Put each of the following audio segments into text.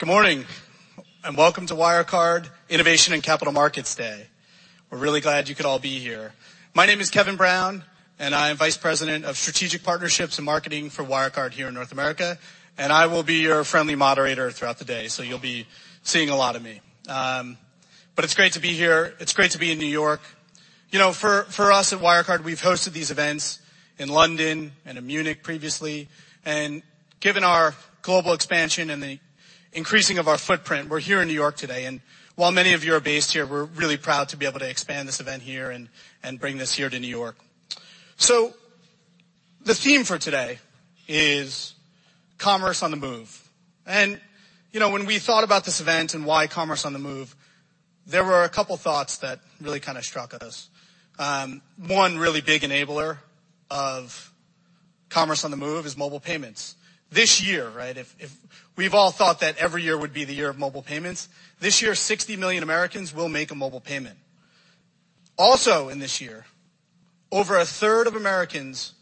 Good morning, and welcome to Wirecard Innovation and Capital Markets Day. We're really glad you could all be here. My name is Kevin Brown, and I am Vice President of Strategic Partnerships and Marketing for Wirecard here in North America, and I will be your friendly moderator throughout the day, so you'll be seeing a lot of me. It's great to be here. It's great to be in New York. For us at Wirecard, we've hosted these events in London and in Munich previously, and given our global expansion and the increasing of our footprint, we're here in New York today. While many of you are based here, we're really proud to be able to expand this event here and bring this here to New York. The theme for today is commerce on the move. When we thought about this event and why commerce on the move, there were a couple thoughts that really struck us. One really big enabler of commerce on the move is mobile payments. This year, right, we've all thought that every year would be the year of mobile payments. This year, 60 million Americans will make a mobile payment. Also in this year, over a third of Americans,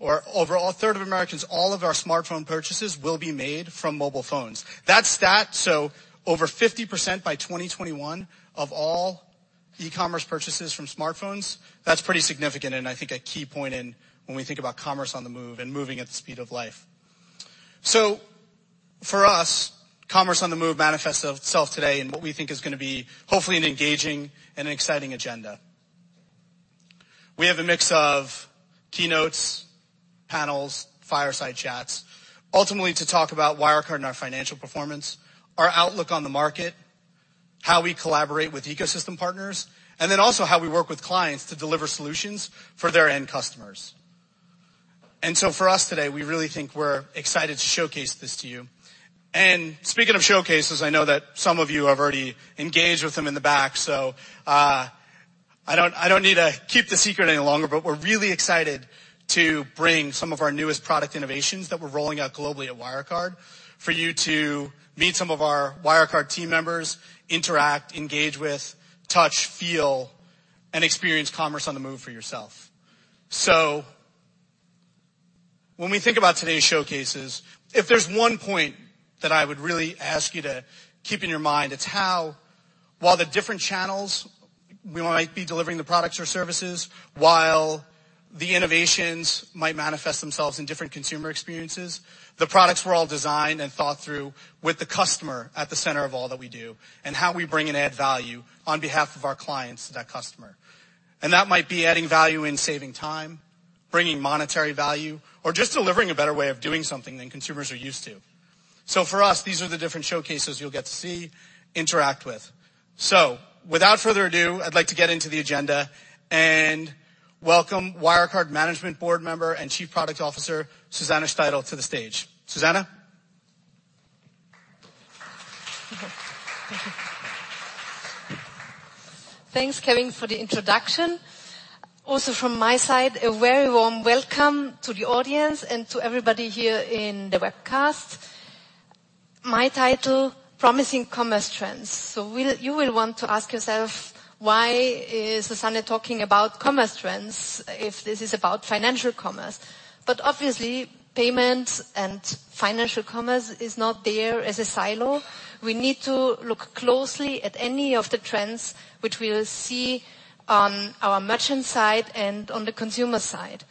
all of our smartphone purchases will be made from mobile phones. That stat, so over 50% by 2021 of all e-commerce purchases from smartphones, that's pretty significant and I think a key point when we think about commerce on the move and moving at the speed of life. For us, commerce on the move manifests itself today in what we think is going to be hopefully an engaging and an exciting agenda. We have a mix of keynotes, panels, fireside chats, ultimately to talk about Wirecard and our financial performance, our outlook on the market, how we collaborate with ecosystem partners, then also how we work with clients to deliver solutions for their end customers. For us today, we really think we're excited to showcase this to you. Speaking of showcases, I know that some of you have already engaged with them in the back, so I don't need to keep the secret any longer, but we're really excited to bring some of our newest product innovations that we're rolling out globally at Wirecard for you to meet some of our Wirecard team members, interact, engage with, touch, feel, and experience commerce on the move for yourself. When we think about today's showcases, if there's one point that I would really ask you to keep in your mind, it's how while the different channels we might be delivering the products or services, while the innovations might manifest themselves in different consumer experiences, the products were all designed and thought through with the customer at the center of all that we do and how we bring and add value on behalf of our clients to that customer. That might be adding value in saving time, bringing monetary value, or just delivering a better way of doing something than consumers are used to. For us, these are the different showcases you'll get to see, interact with. Without further ado, I'd like to get into the agenda and welcome Wirecard Management Board Member and Chief Product Officer, Susanne Steidl, to the stage. Susanne? Thanks, Kevin, for the introduction. Also from my side, a very warm welcome to the audience and to everybody here in the webcast. My title, Promising Commerce Trends. You will want to ask yourself, why is Susanne talking about commerce trends if this is about financial commerce? Obviously, payments and financial commerce is not there as a silo. We need to look closely at any of the trends which we will see on our merchant side and on the consumer side.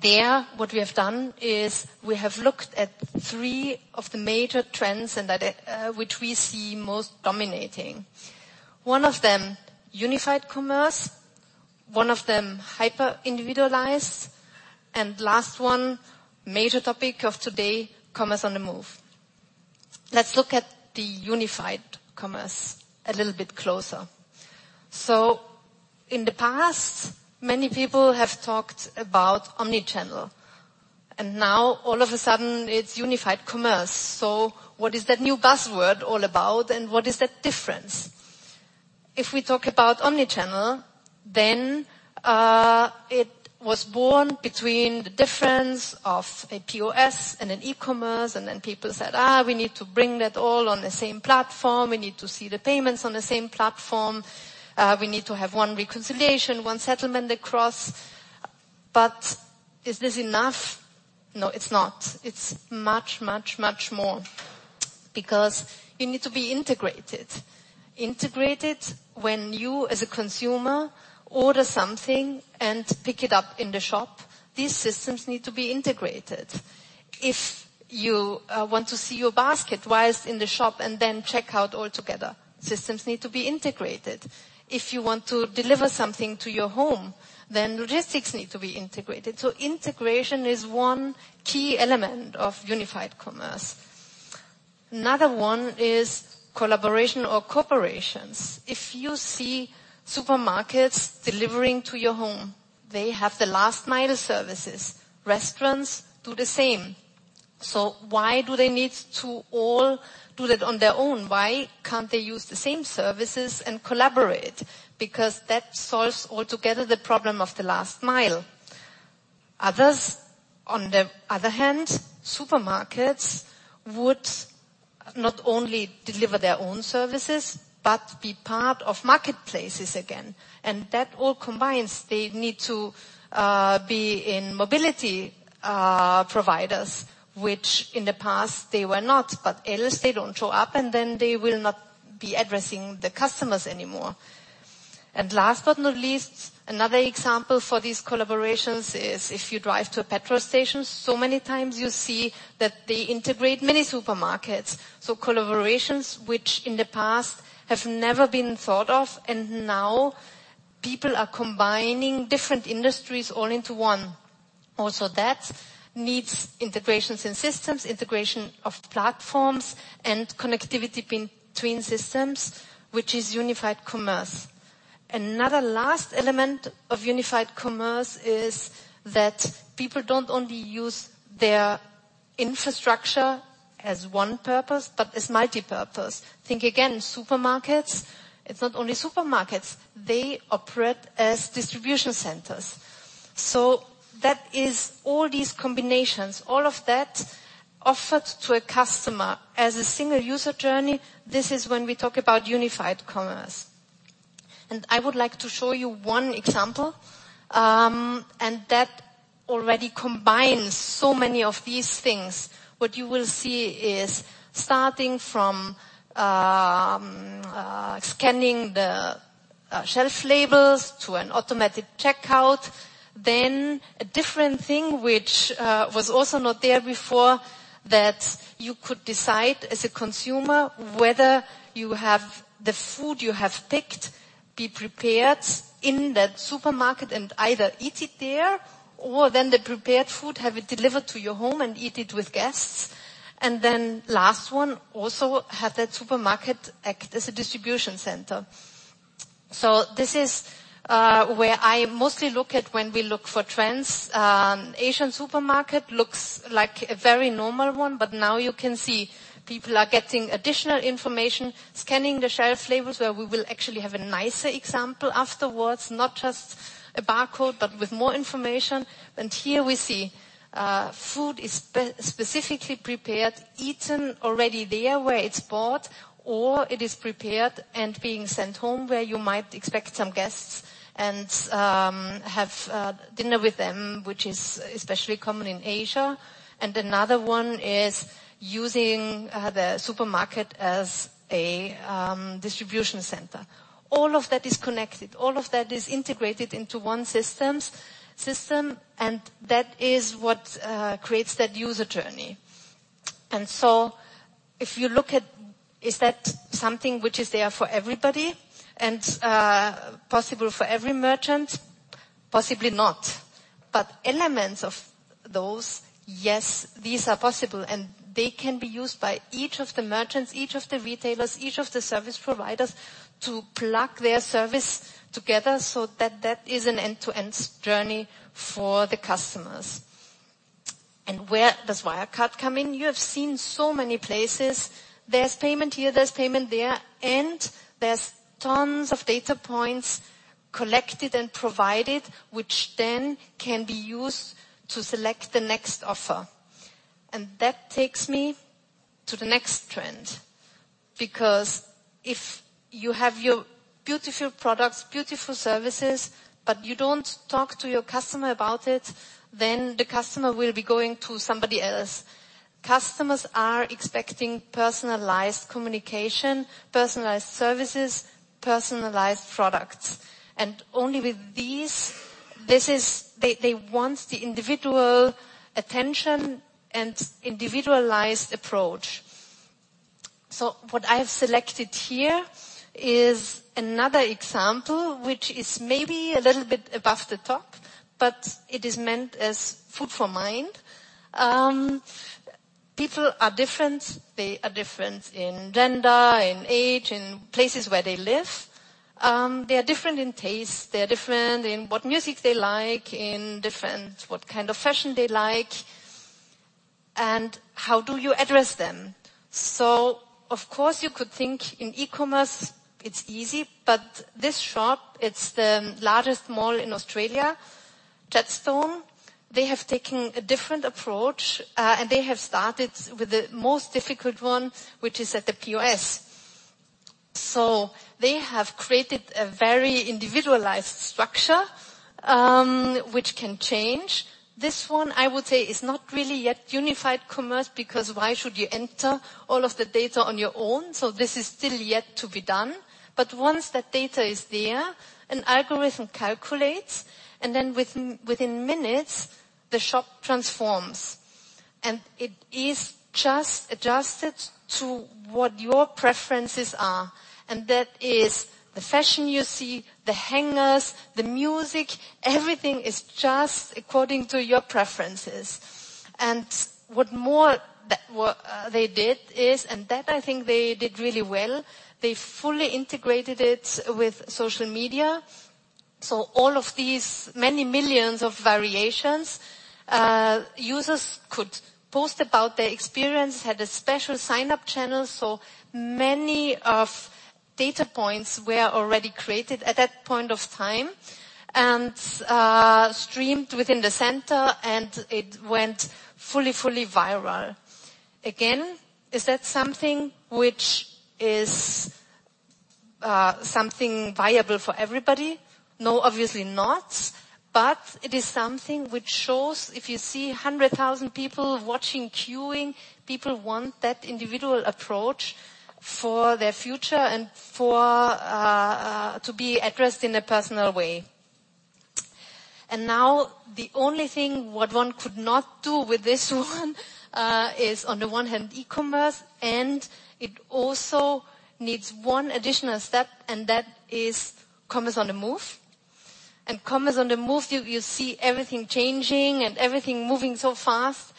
There, what we have done is we have looked at three of the major trends, and that which we see most dominating. One of them, Unified Commerce, one of them Hyper-Individualized, and last one, major topic of today, Commerce on the Move. Let's look at the Unified Commerce a little bit closer. In the past, many people have talked about omni-channel, and now all of a sudden it's unified commerce. What is that new buzzword all about, and what is that difference? If we talk about omni-channel, it was born between the difference of a POS and an e-commerce, people said, "We need to bring that all on the same platform. We need to see the payments on the same platform. We need to have one reconciliation, one settlement across." Is this enough? No, it's not. It's much, much, much more because you need to be integrated. Integrated when you as a consumer order something and pick it up in the shop, these systems need to be integrated. If you want to see your basket whilst in the shop and then check out altogether, systems need to be integrated. If you want to deliver something to your home, then logistics need to be integrated. Integration is one key element of unified commerce. Another one is collaboration or corporations. If you see supermarkets delivering to your home, they have the last mile services. Restaurants do the same. Why do they need to all do that on their own? Why can't they use the same services and collaborate? That solves altogether the problem of the last mile. Others, on the other hand, supermarkets not only deliver their own services, but be part of marketplaces again. That all combines, they need to be in mobility providers, which in the past they were not, but else they don't show up, and then they will not be addressing the customers anymore. Last but not least, another example for these collaborations is if you drive to a petrol station, so many times you see that they integrate many supermarkets. Collaborations which in the past have never been thought of, and now people are combining different industries all into one. That needs integrations in systems, integration of platforms and connectivity between systems, which is unified commerce. Another last element of unified commerce is that people don't only use their infrastructure as one purpose, but as multipurpose. Think again, supermarkets. It's not only supermarkets, they operate as distribution centers. That is all these combinations, all of that offered to a customer as a single user journey. This is when we talk about unified commerce. I would like to show you one example, and that already combines so many of these things. What you will see is starting from scanning the shelf labels to an automatic checkout, then a different thing which was also not there before, that you could decide as a consumer whether you have the food you have picked be prepared in that supermarket and either eat it there or then the prepared food have it delivered to your home and eat it with guests. Last one, also have that supermarket act as a distribution center. This is where I mostly look at when we look for trends. Asian supermarket looks like a very normal one, but now you can see people are getting additional information, scanning the shelf labels where we will actually have a nicer example afterwards, not just a barcode, but with more information. Here we see food is specifically prepared, eaten already there where it's bought or it is prepared and being sent home where you might expect some guests and have dinner with them, which is especially common in Asia. Another one is using the supermarket as a distribution center. All of that is connected, all of that is integrated into one system and that is what creates that user journey. If you look at, is that something which is there for everybody and possible for every merchant? Possibly not. Elements of those, yes, these are possible and they can be used by each of the merchants, each of the retailers, each of the service providers to plug their service together so that that is an end-to-end journey for the customers. Where does Wirecard come in? You have seen so many places. There is payment here, there is payment there, and there is tons of data points collected and provided, which then can be used to select the next offer. That takes me to the next trend because if you have your beautiful products, beautiful services, but you do not talk to your customer about it, then the customer will be going to somebody else. Customers are expecting personalized communication, personalized services, personalized products. Only with these, they want the individual attention and individualized approach. What I have selected here is another example which is maybe a little bit above the top, but it is meant as food for mind. People are different. They are different in gender, in age, in places where they live. They are different in taste. They are different in what music they like, in different what kind of fashion they like and how do you address them? Of course you could think in e-commerce it's easy, but this shop, it's the largest mall in Australia, Chadstone. They have taken a different approach, and they have started with the most difficult one which is at the POS. They have created a very individualized structure, which can change. This one I would say is not really yet unified commerce because why should you enter all of the data on your own? This is still yet to be done. Once that data is there, an algorithm calculates and then within minutes the shop transforms. It is just adjusted to what your preferences are and that is the fashion you see, the hangers, the music, everything is just according to your preferences. What more they did is, and that I think they did really well, they fully integrated it with social media. All of these many millions of variations, users could post about their experience, had a special sign-up channel. Many data points were already created at that point of time and streamed within the center, and it went fully viral. Again, is that something which is viable for everybody? No, obviously not. It is something which shows if you see 100,000 people watching, queuing, people want that individual approach for their future and to be addressed in a personal way. Now the only thing what one could not do with this one is, on the one hand, e-commerce, and it also needs one additional step, and that is commerce on the move. Commerce on the move, you see everything changing and everything moving so fast.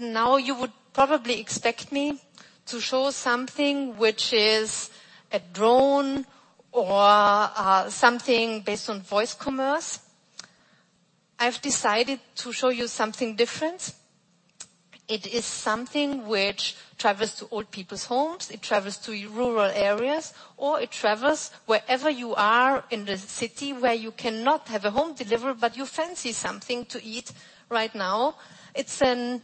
Now you would probably expect me to show something which is a drone or something based on voice commerce. I've decided to show you something different. It is something which travels to old people's homes, it travels to rural areas, or it travels wherever you are in the city where you cannot have a home delivery, but you fancy something to eat right now. It's a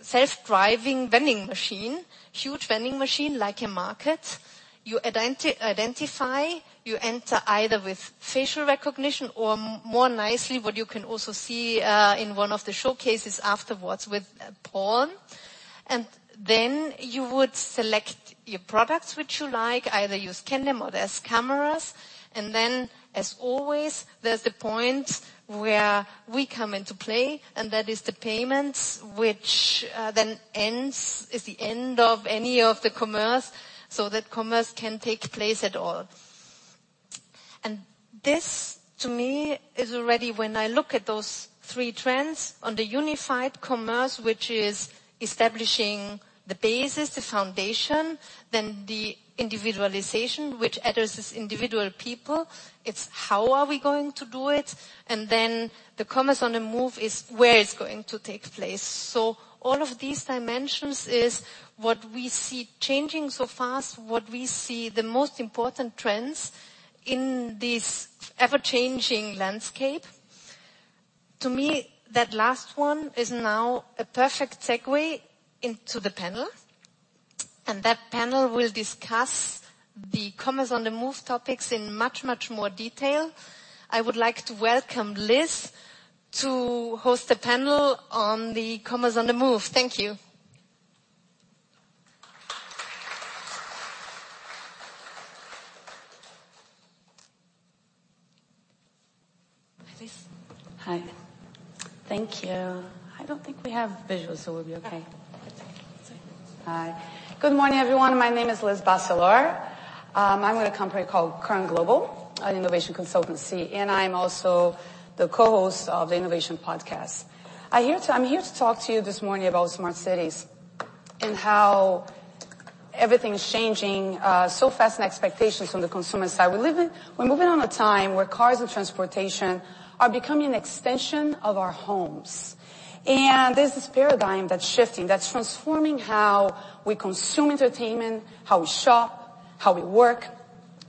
self-driving vending machine, huge vending machine like a market. You identify, you enter either with facial recognition or more nicely, what you can also see in one of the showcases afterwards with Paul. You would select your products which you like, either use Kinect or there's cameras. As always, there's the point where we come into play, and that is the payments, which then is the end of any of the commerce, so that commerce can take place at all. This, to me, is already when I look at those three trends on the unified commerce, which is establishing the basis, the foundation. The individualization, which addresses individual people. It's how are we going to do it? The commerce on the move is where it's going to take place. All of these dimensions is what we see changing so fast, what we see the most important trends in this ever-changing landscape. To me, that last one is now a perfect segue into the panel. That panel will discuss the commerce on the move topics in much, much more detail. I would like to welcome Liz to host the panel on the commerce on the move. Thank you. Hi, Liz. Hi. Thank you. I don't think we have visuals, so we'll be okay. It's okay. Hi. Good morning, everyone. My name is Liz Bacelar. I'm with a company called Current Global, an innovation consultancy, and I'm also the co-host of "The Innovation Podcast." I'm here to talk to you this morning about smart cities and how everything's changing so fast and expectations from the consumer side. We're living on a time where cars and transportation are becoming an extension of our homes, and there's this paradigm that's shifting, that's transforming how we consume entertainment, how we shop, how we work.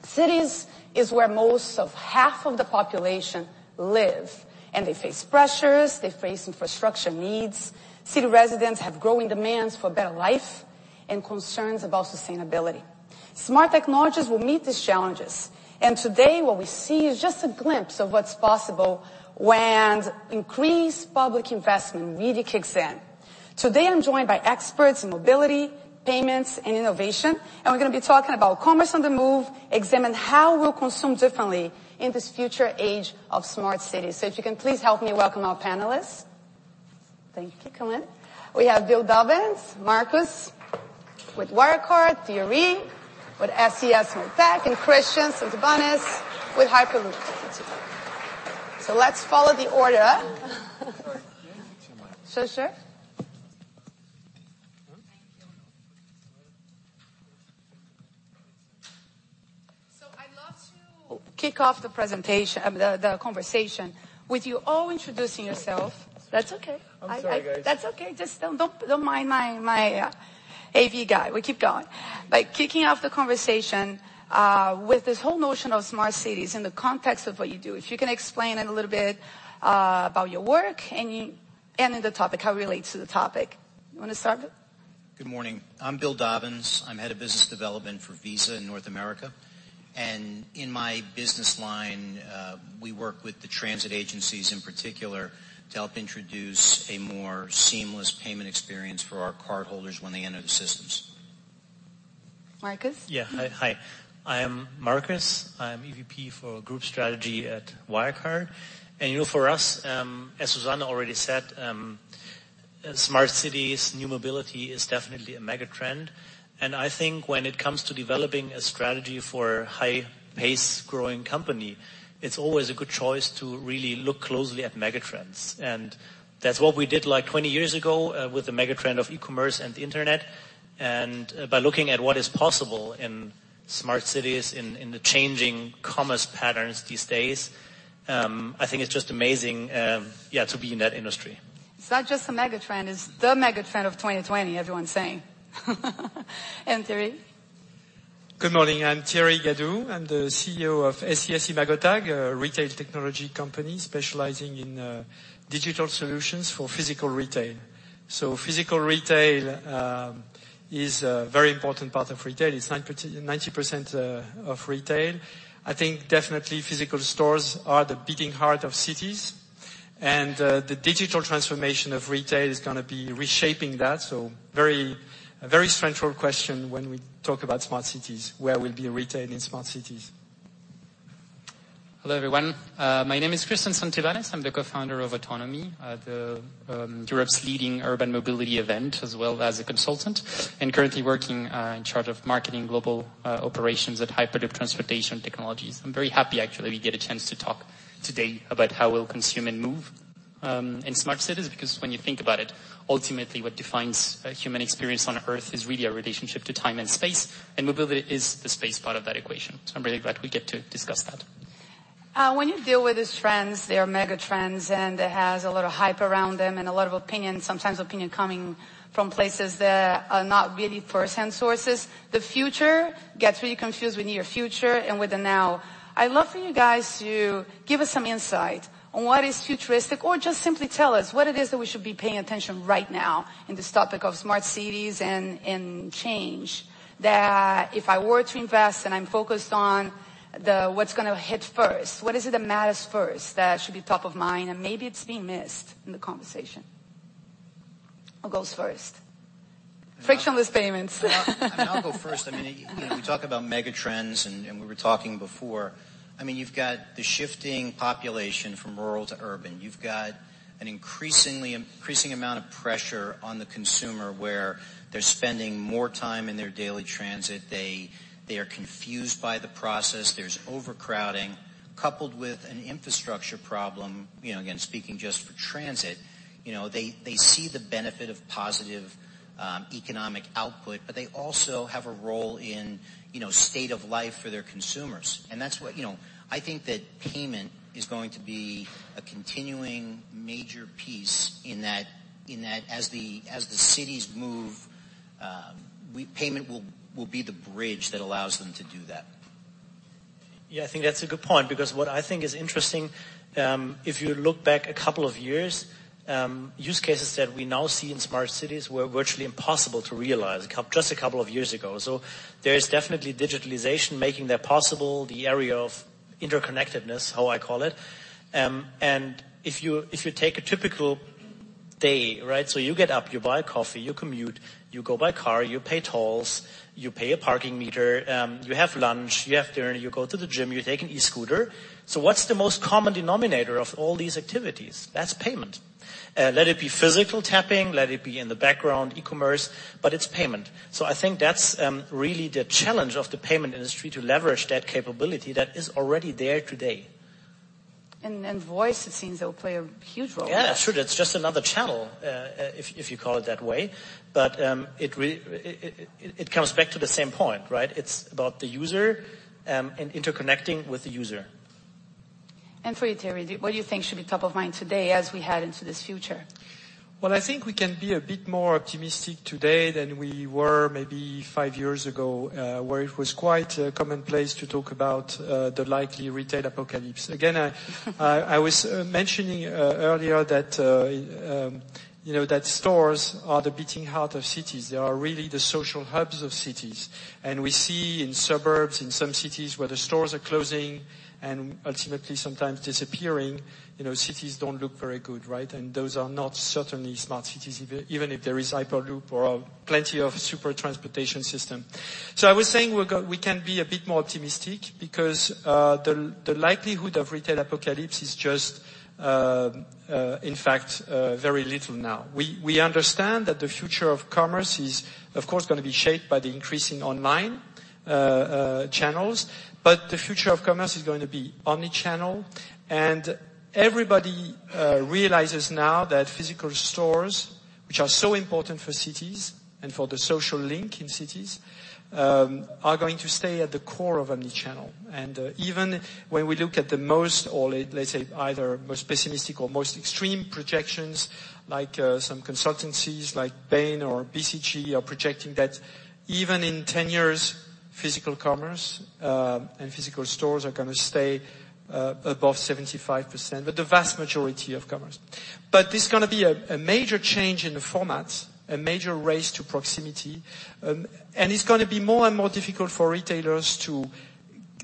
Cities is where most of half of the population live, and they face pressures, they face infrastructure needs. City residents have growing demands for better life and concerns about sustainability. Smart technologies will meet these challenges. Today, what we see is just a glimpse of what's possible when increased public investment really kicks in. Today, I'm joined by experts in mobility, payments, and innovation, and we're going to be talking about commerce on the move, examine how we'll consume differently in this future age of smart cities. If you can please help me welcome our panelists. Thank you. Come in. We have Bill Dolbin, Markus with Wirecard, Thierry with SES-imagotag, and Cristian Santibanez with Hyperloop. Let's follow the order. Of course. Sure, sure. Thank you. I'd love to kick off the conversation with you all introducing yourself. That's okay. I'm sorry, guys. That's okay. Just don't mind my AV guy. We'll keep going. By kicking off the conversation with this whole notion of smart cities in the context of what you do, if you can explain it a little bit about your work and how it relates to the topic. You want to start it? Good morning. I'm Bill Dolbin. I'm head of business development for Visa in North America. In my business line, we work with the transit agencies in particular to help introduce a more seamless payment experience for our cardholders when they enter the systems. Markus? Yeah. Hi. I am Markus. I am EVP for group strategy at Wirecard. For us, as Susanne already said, smart cities, new mobility is definitely a mega trend. I think when it comes to developing a strategy for high-pace growing company, it's always a good choice to really look closely at mega trends. That's what we did 20 years ago with the mega trend of e-commerce and the internet. By looking at what is possible in smart cities, in the changing commerce patterns these days, I think it's just amazing to be in that industry. It's not just a mega trend, it's the mega trend of 2020, everyone's saying. Thierry. Good morning. I'm Thierry Gadou. I'm the CEO of SES-imagotag, a retail technology company specializing in digital solutions for physical retail. Physical retail is a very important part of retail. It's 90% of retail. I think definitely physical stores are the beating heart of cities, and the digital transformation of retail is going to be reshaping that. Very central question when we talk about smart cities, where will be retail in smart cities? Hello, everyone. My name is Cristian Santibanes. I'm the co-founder of Autonomy, the Europe's leading urban mobility event, as well as a consultant, and currently working in charge of marketing global operations at Hyperloop Transportation Technologies. I'm very happy, actually, we get a chance to talk today about how we'll consume and move, in smart cities. When you think about it, ultimately what defines a human experience on Earth is really our relationship to time and space, and mobility is the space part of that equation. I'm really glad we get to discuss that. When you deal with these trends, they are mega trends, and it has a lot of hype around them and a lot of opinions, sometimes opinion coming from places that are not really firsthand sources. The future gets really confused with near future and with the now. I'd love for you guys to give us some insight on what is futuristic, or just simply tell us what it is that we should be paying attention right now in this topic of smart cities and change. That if I were to invest and I'm focused on the what's going to hit first, what is it that matters first that should be top of mind, and maybe it's being missed in the conversation? Who goes first? Frictionless payments. I mean, I'll go first. You talk about mega trends, and we were talking before. You've got the shifting population from rural to urban. You've got an increasing amount of pressure on the consumer, where they're spending more time in their daily transit. They are confused by the process. There's overcrowding coupled with an infrastructure problem. Again, speaking just for transit. They see the benefit of positive economic output, but they also have a role in state of life for their consumers. I think that payment is going to be a continuing major piece in that as the cities move, payment will be the bridge that allows them to do that. Yeah, I think that's a good point. What I think is interesting, if you look back a couple of years, use cases that we now see in smart cities were virtually impossible to realize just a couple of years ago. There is definitely digitalization making that possible, the area of interconnectedness, how I call it. If you take a typical day, right? You get up, you buy a coffee, you commute, you go by car, you pay tolls, you pay a parking meter, you have lunch, you have dinner, you go to the gym, you take an e-scooter. What's the most common denominator of all these activities? That's payment. Let it be physical tapping, let it be in the background, e-commerce, it's payment. I think that's really the challenge of the payment industry to leverage that capability that is already there today. Voice, it seems that will play a huge role. Yeah, sure. That's just another channel, if you call it that way. It comes back to the same point, right? It's about the user, and interconnecting with the user. For you, Thierry, what do you think should be top of mind today as we head into this future? Well, I think we can be a bit more optimistic today than we were maybe 5 years ago, where it was quite commonplace to talk about the likely retail apocalypse. I was mentioning earlier that stores are the beating heart of cities. They are really the social hubs of cities. We see in suburbs, in some cities where the stores are closing and ultimately sometimes disappearing, cities don't look very good, right? Those are not certainly smart cities, even if there is Hyperloop or plenty of super transportation system. I was saying we can be a bit more optimistic because, the likelihood of retail apocalypse is just, in fact, very little now. We understand that the future of commerce is, of course, going to be shaped by the increasing online channels. The future of commerce is going to be omni-channel. Everybody realizes now that physical stores, which are so important for cities and for the social link in cities, are going to stay at the core of omni-channel. Even when we look at the most, or let's say either most pessimistic or most extreme projections, like some consultancies like Bain or BCG are projecting that even in 10 years, physical commerce and physical stores are going to stay above 75%, but the vast majority of commerce. There's going to be a major change in the format, a major race to proximity. It's going to be more and more difficult for retailers to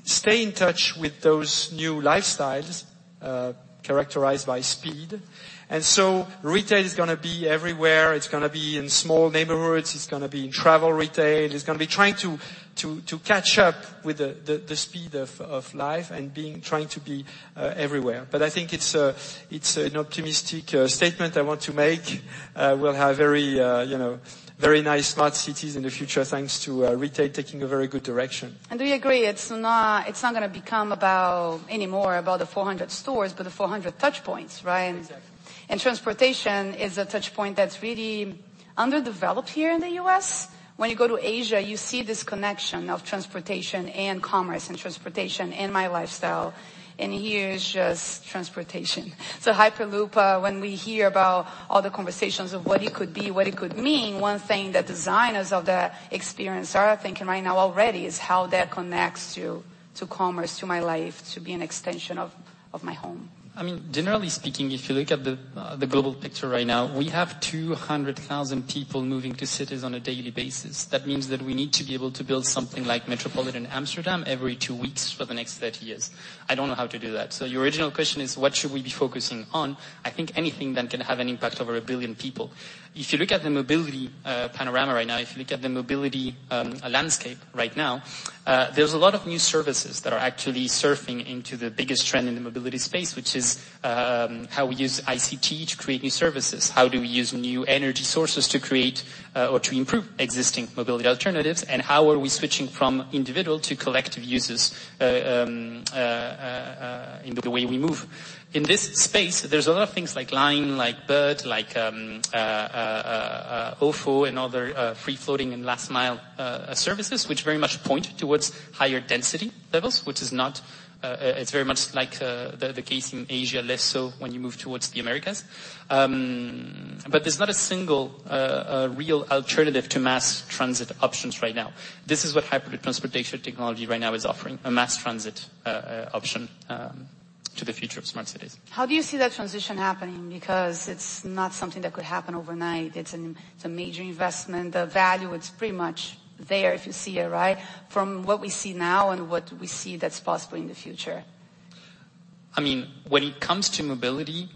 stay in touch with those new lifestyles, characterized by speed. Retail is going to be everywhere. It's going to be in small neighborhoods. It's going to be in travel retail. It's going to be trying to catch up with the speed of life and trying to be everywhere. I think it's an optimistic statement I want to make. We'll have very nice smart cities in the future, thanks to retail taking a very good direction. Do you agree it's not going to become about any more about the 400 stores, but the 400 touch points, right? Exactly. Transportation is a touch point that's really underdeveloped here in the U.S. When you go to Asia, you see this connection of transportation and commerce and transportation and my lifestyle. Here it's just transportation. Hyperloop, when we hear about all the conversations of what it could be, what it could mean, one thing that designers of the experience are thinking right now already is how that connects to commerce, to my life, to be an extension of my home. Generally speaking, if you look at the global picture right now, we have 200,000 people moving to cities on a daily basis. That means that we need to be able to build something like metropolitan Amsterdam every two weeks for the next 30 years. I don't know how to do that. Your original question is, what should we be focusing on? I think anything that can have an impact over a billion people. If you look at the mobility panorama right now, if you look at the mobility landscape right now, there's a lot of new services that are actually surfing into the biggest trend in the mobility space, which is how we use ICT to create new services. How do we use new energy sources to create or to improve existing mobility alternatives, and how are we switching from individual to collective users, in the way we move? In this space, there's a lot of things like Lime, like Bird, like, Ofo and other free-floating and last-mile services, which very much point towards higher density levels, it's very much like the case in Asia, less so when you move towards the Americas. There's not a single real alternative to mass transit options right now. This is what Hyperloop Transportation Technologies right now is offering, a mass transit option to the future of smart cities. How do you see that transition happening? Because it's not something that could happen overnight. It's a major investment. The value, it's pretty much there if you see it, right? From what we see now and what we see that's possible in the future. When it comes to mobility,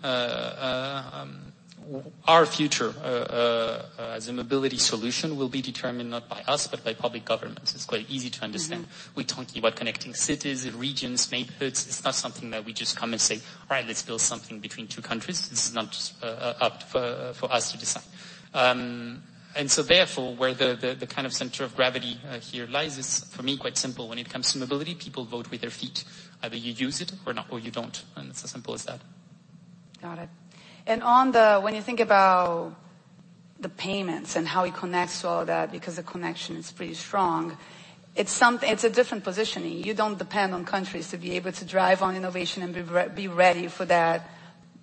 our future as a mobility solution will be determined not by us, but by public governments. It's quite easy to understand. We're talking about connecting cities and regions, neighborhoods. It's not something that we just come and say, "All right. Let's build something between two countries." This is not up for us to decide. Therefore, where the kind of center of gravity here lies is for me, quite simple. When it comes to mobility, people vote with their feet. Either you use it or you don't, and it's as simple as that. Got it. When you think about the payments and how it connects to all that, because the connection is pretty strong, it's a different positioning. You don't depend on countries to be able to drive on innovation and be ready for that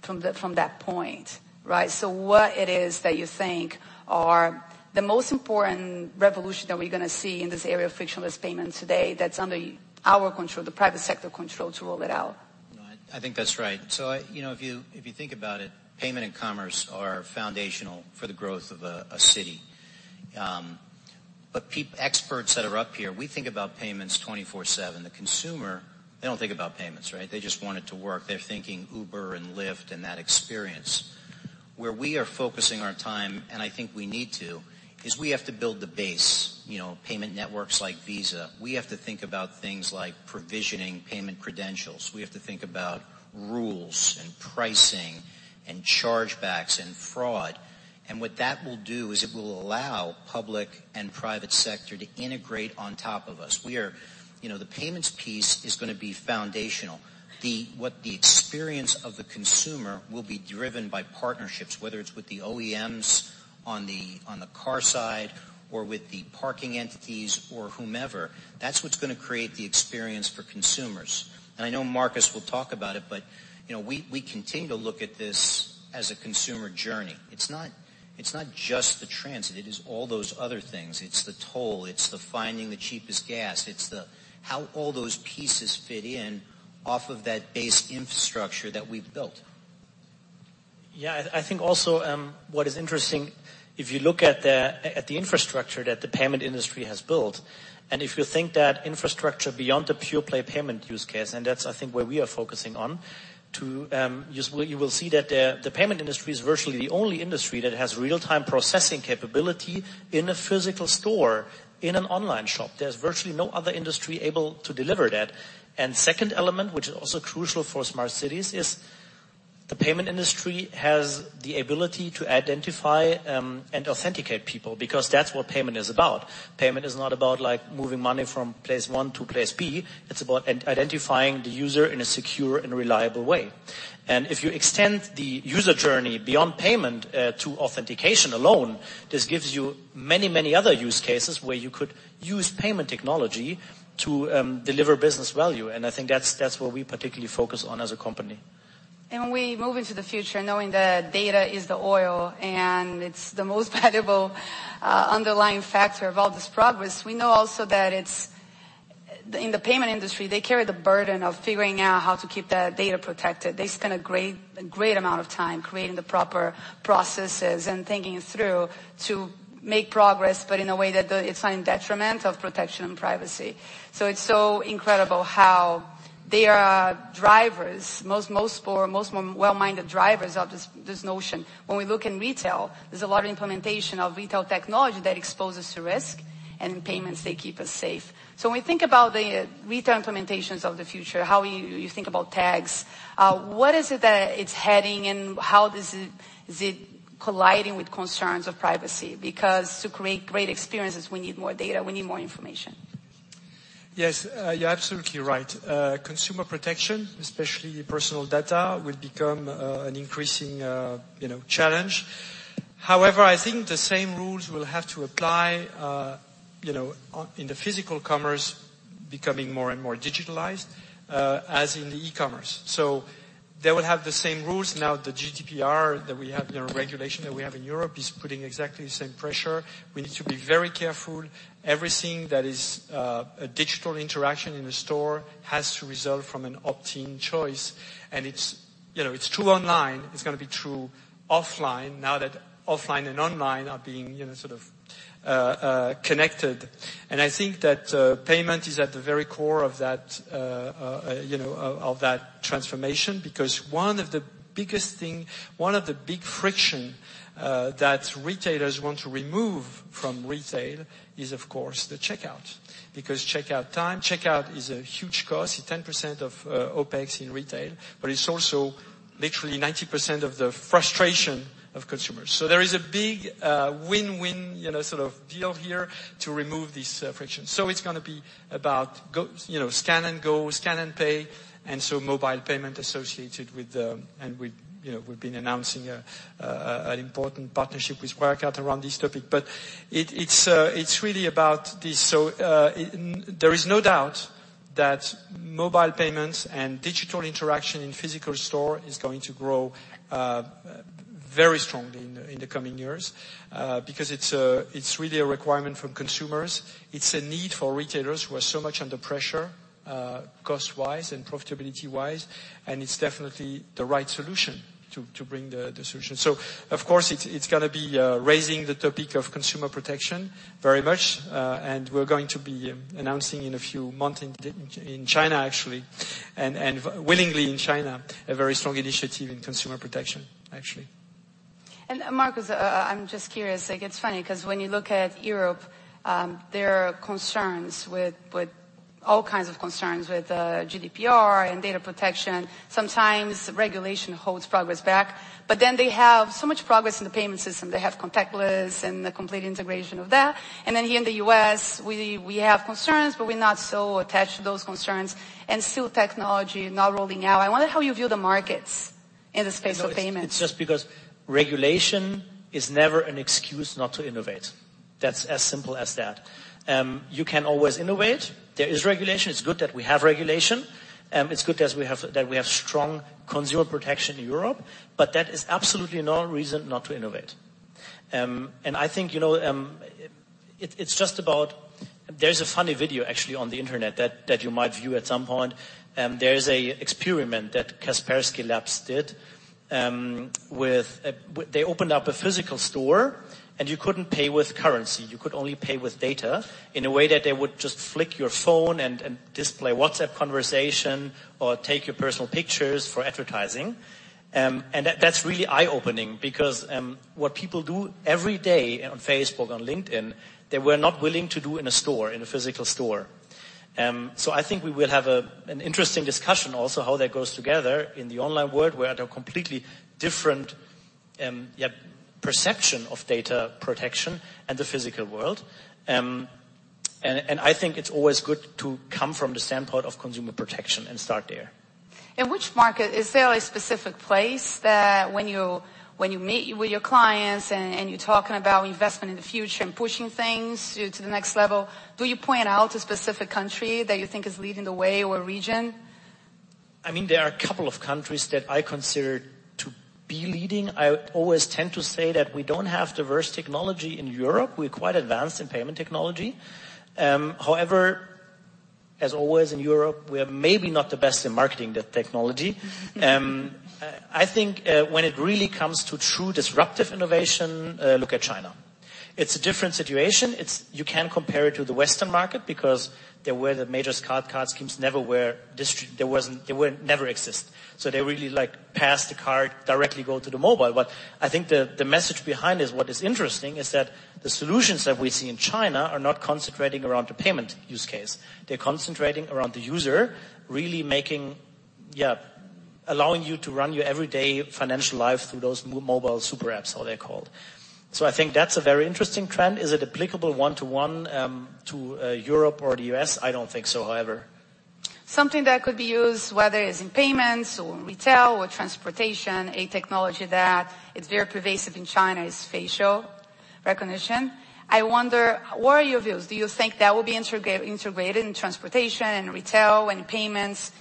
from that point, right? What it is that you think are the most important revolution that we're going to see in this area of frictionless payments today that's under our control, the private sector control, to roll it out? No, I think that's right. If you think about it, payment and commerce are foundational for the growth of a city. Experts that are up here, we think about payments 24/7. The consumer, they don't think about payments, right? They just want it to work. They're thinking Uber and Lyft and that experience. Where we are focusing our time, and I think we need to, is we have to build the base. Payment networks like Visa. We have to think about things like provisioning payment credentials. We have to think about rules and pricing and chargebacks and fraud. What that will do is it will allow public and private sector to integrate on top of us. The payments piece is going to be foundational. What the experience of the consumer will be driven by partnerships, whether it's with the OEMs on the car side or with the parking entities or whomever. That's what's going to create the experience for consumers. I know Markus will talk about it, but we continue to look at this as a consumer journey. It's not just the transit. It is all those other things. It's the toll, it's the finding the cheapest gas. It's the how all those pieces fit in off of that base infrastructure that we've built. Yeah. I think also what is interesting, if you look at the infrastructure that the payment industry has built, and if you think that infrastructure beyond the pure play payment use case, and that's I think where we are focusing on, you will see that the payment industry is virtually the only industry that has real-time processing capability in a physical store, in an online shop. There's virtually no other industry able to deliver that. Second element, which is also crucial for smart cities, is the payment industry has the ability to identify and authenticate people because that's what payment is about. Payment is not about moving money from place one to place B. It's about identifying the user in a secure and reliable way. If you extend the user journey beyond payment to authentication alone, this gives you many other use cases where you could use payment technology to deliver business value. I think that's what we particularly focus on as a company. When we move into the future knowing that data is the oil and it's the most valuable underlying factor of all this progress, we know also that in the payment industry, they carry the burden of figuring out how to keep that data protected. They spend a great amount of time creating the proper processes and thinking it through to make progress, but in a way that it's not in detriment of protection and privacy. It's so incredible how they are drivers, most well-minded drivers of this notion. When we look in retail, there's a lot of implementation of retail technology that exposes to risk, and in payments, they keep us safe. When we think about the retail implementations of the future, how you think about tags, what is it that it's heading and how is it colliding with concerns of privacy? To create great experiences, we need more data, we need more information. Yes. You're absolutely right. Consumer protection, especially personal data, will become an increasing challenge. I think the same rules will have to apply in the physical commerce becoming more and more digitalized, as in the e-commerce. They will have the same rules. The GDPR regulation that we have in Europe is putting exactly the same pressure. We need to be very careful. Everything that is a digital interaction in a store has to result from an opt-in choice. It's true online, it's going to be true offline now that offline and online are being sort of connected. I think that payment is at the very core of that transformation because one of the big friction that retailers want to remove from retail is, of course, the checkout. Checkout time, checkout is a huge cost, it's 10% of OPEX in retail, but it's also literally 90% of the frustration of consumers. There is a big win-win deal here to remove this friction. It's going to be about scan and go, scan and pay, and so mobile payment associated with them, and we've been announcing an important partnership with Wirecard around this topic. It's really about this. There is no doubt that mobile payments and digital interaction in physical store is going to grow very strongly in the coming years, because it's really a requirement from consumers. It's a need for retailers who are so much under pressure, cost-wise and profitability-wise, and it's definitely the right solution to bring the solution. Of course, it's going to be raising the topic of consumer protection very much. We're going to be announcing in a few months in China, actually, and willingly in China, a very strong initiative in consumer protection, actually. Markus, I'm just curious, it gets funny because when you look at Europe, there are all kinds of concerns with GDPR and data protection. Sometimes regulation holds progress back. They have so much progress in the payment system. They have contactless and the complete integration of that. Here in the U.S., we have concerns, but we're not so attached to those concerns and still technology not rolling out. I wonder how you view the markets in the space of payments. It's just because regulation is never an excuse not to innovate. That's as simple as that. You can always innovate. There is regulation. It's good that we have regulation. It's good that we have strong consumer protection in Europe. That is absolutely no reason not to innovate. I think, there's a funny video actually on the internet that you might view at some point. There is a experiment that Kaspersky Lab did. They opened up a physical store. You couldn't pay with currency. You could only pay with data in a way that they would just flick your phone and display WhatsApp conversation or take your personal pictures for advertising. That's really eye-opening because what people do every day on Facebook, on LinkedIn, they were not willing to do in a store, in a physical store. I think we will have an interesting discussion also how that goes together in the online world, where there are completely different perception of data protection and the physical world. I think it's always good to come from the standpoint of consumer protection and start there. In which market, is there a specific place that when you meet with your clients and you're talking about investment in the future and pushing things to the next level, do you point out a specific country that you think is leading the way or region? There are a couple of countries that I consider to be leading. I always tend to say that we don't have diverse technology in Europe. We're quite advanced in payment technology. As always in Europe, we are maybe not the best in marketing the technology. I think when it really comes to true disruptive innovation, look at China. It's a different situation. You can't compare it to the Western market because there were the major card schemes never exist. They really like pass the card directly go to the mobile. I think the message behind is what is interesting is that the solutions that we see in China are not concentrating around the payment use case. They're concentrating around the user, really allowing you to run your everyday financial life through those mobile super apps, how they're called. I think that's a very interesting trend. Is it applicable one-to-one to Europe or the U.S.? I don't think so, however. Something that could be used, whether it's in payments or in retail or transportation, a technology that is very pervasive in China is facial recognition. I wonder, what are your views? Do you think that will be integrated in transportation and retail and payments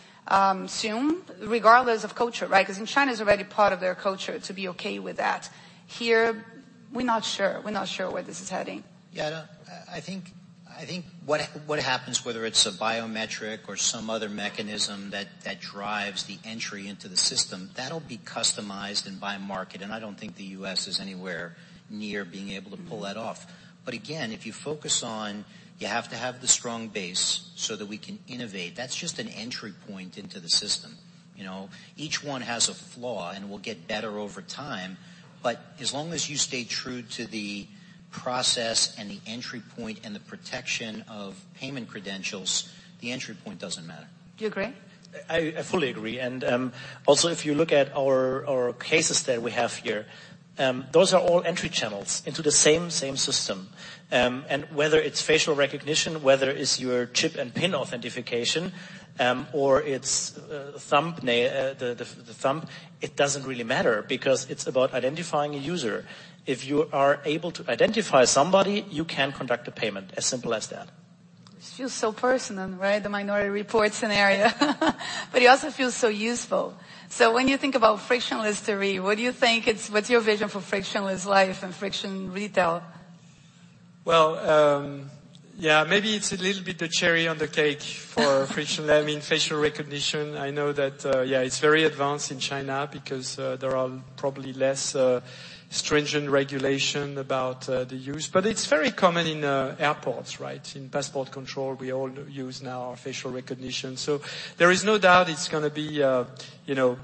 soon, regardless of culture, right? Because in China, it's already part of their culture to be okay with that. Here, we're not sure. We're not sure where this is heading. Yeah. I think what happens, whether it's a biometric or some other mechanism that drives the entry into the system, that'll be customized and by market, and I don't think the U.S. is anywhere near being able to pull that off. Again, if you focus on you have to have the strong base so that we can innovate, that's just an entry point into the system. Each one has a flaw, and we'll get better over time. As long as you stay true to the. process and the entry point and the protection of payment credentials, the entry point doesn't matter. Do you agree? I fully agree. If you look at our cases that we have here, those are all entry channels into the same system. Whether it's facial recognition, whether it's your chip and PIN authentication, or it's the thumb, it doesn't really matter because it's about identifying a user. If you are able to identify somebody, you can conduct a payment. As simple as that. It feels so personal, right? The Minority Report scenario. It also feels so useful. When you think about frictionless, Thierry, what's your vision for frictionless life and friction retail? Well, yeah, maybe it's a little bit the cherry on the cake for frictionless. I mean, facial recognition, I know that, yeah, it's very advanced in China because there are probably less stringent regulation about the use. It's very common in airports, right? In passport control, we all use now facial recognition. There is no doubt it's going to be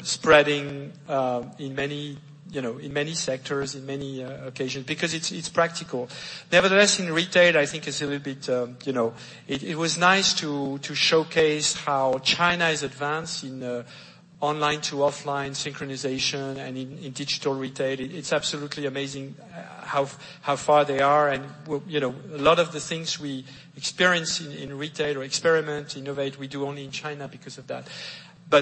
spreading in many sectors, in many occasions because it's practical. Nevertheless, in retail, I think It was nice to showcase how China is advanced in online to offline synchronization and in digital retail. It's absolutely amazing how far they are and a lot of the things we experience in retail or experiment, innovate, we do only in China because of that.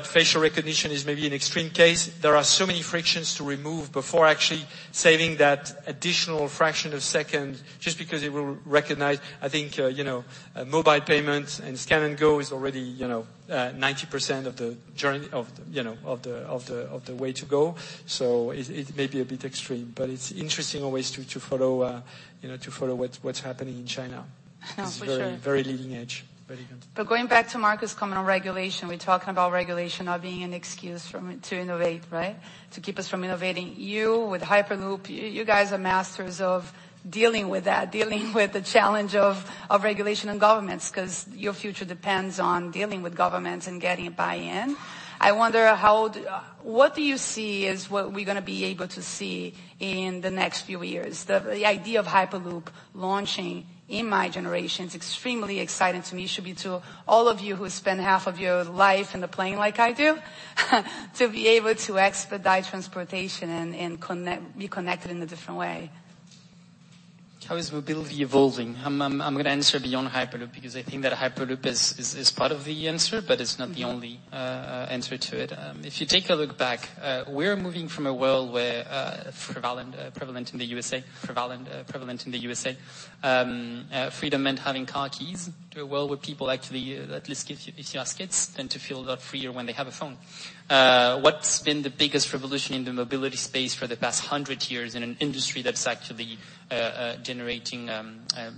Facial recognition is maybe an extreme case. There are so many frictions to remove before actually saving that additional fraction of second just because it will recognize. I think mobile payments and scan and go is already 90% of the way to go. It may be a bit extreme, but it's interesting always to follow what's happening in China. For sure. It's very leading edge. Very good. Going back to Markus' comment on regulation, we're talking about regulation not being an excuse to innovate, right? To keep us from innovating. You with Hyperloop, you guys are masters of dealing with that. Dealing with the challenge of regulation and governments, because your future depends on dealing with governments and getting a buy-in. I wonder, what do you see is what we're going to be able to see in the next few years? The idea of Hyperloop launching in my generation is extremely exciting to me. It should be to all of you who spend half of your life in the plane like I do, to be able to expedite transportation and be connected in a different way. How is mobility evolving? I'm going to answer beyond Hyperloop because I think that Hyperloop is part of the answer, but it's not the only answer to it. If you take a look back, we're moving from a world where prevalent in the U.S.A., freedom meant having car keys to a world where people actually, at least if you ask kids, tend to feel a lot freer when they have a phone. What's been the biggest revolution in the mobility space for the past 100 years in an industry that's actually generating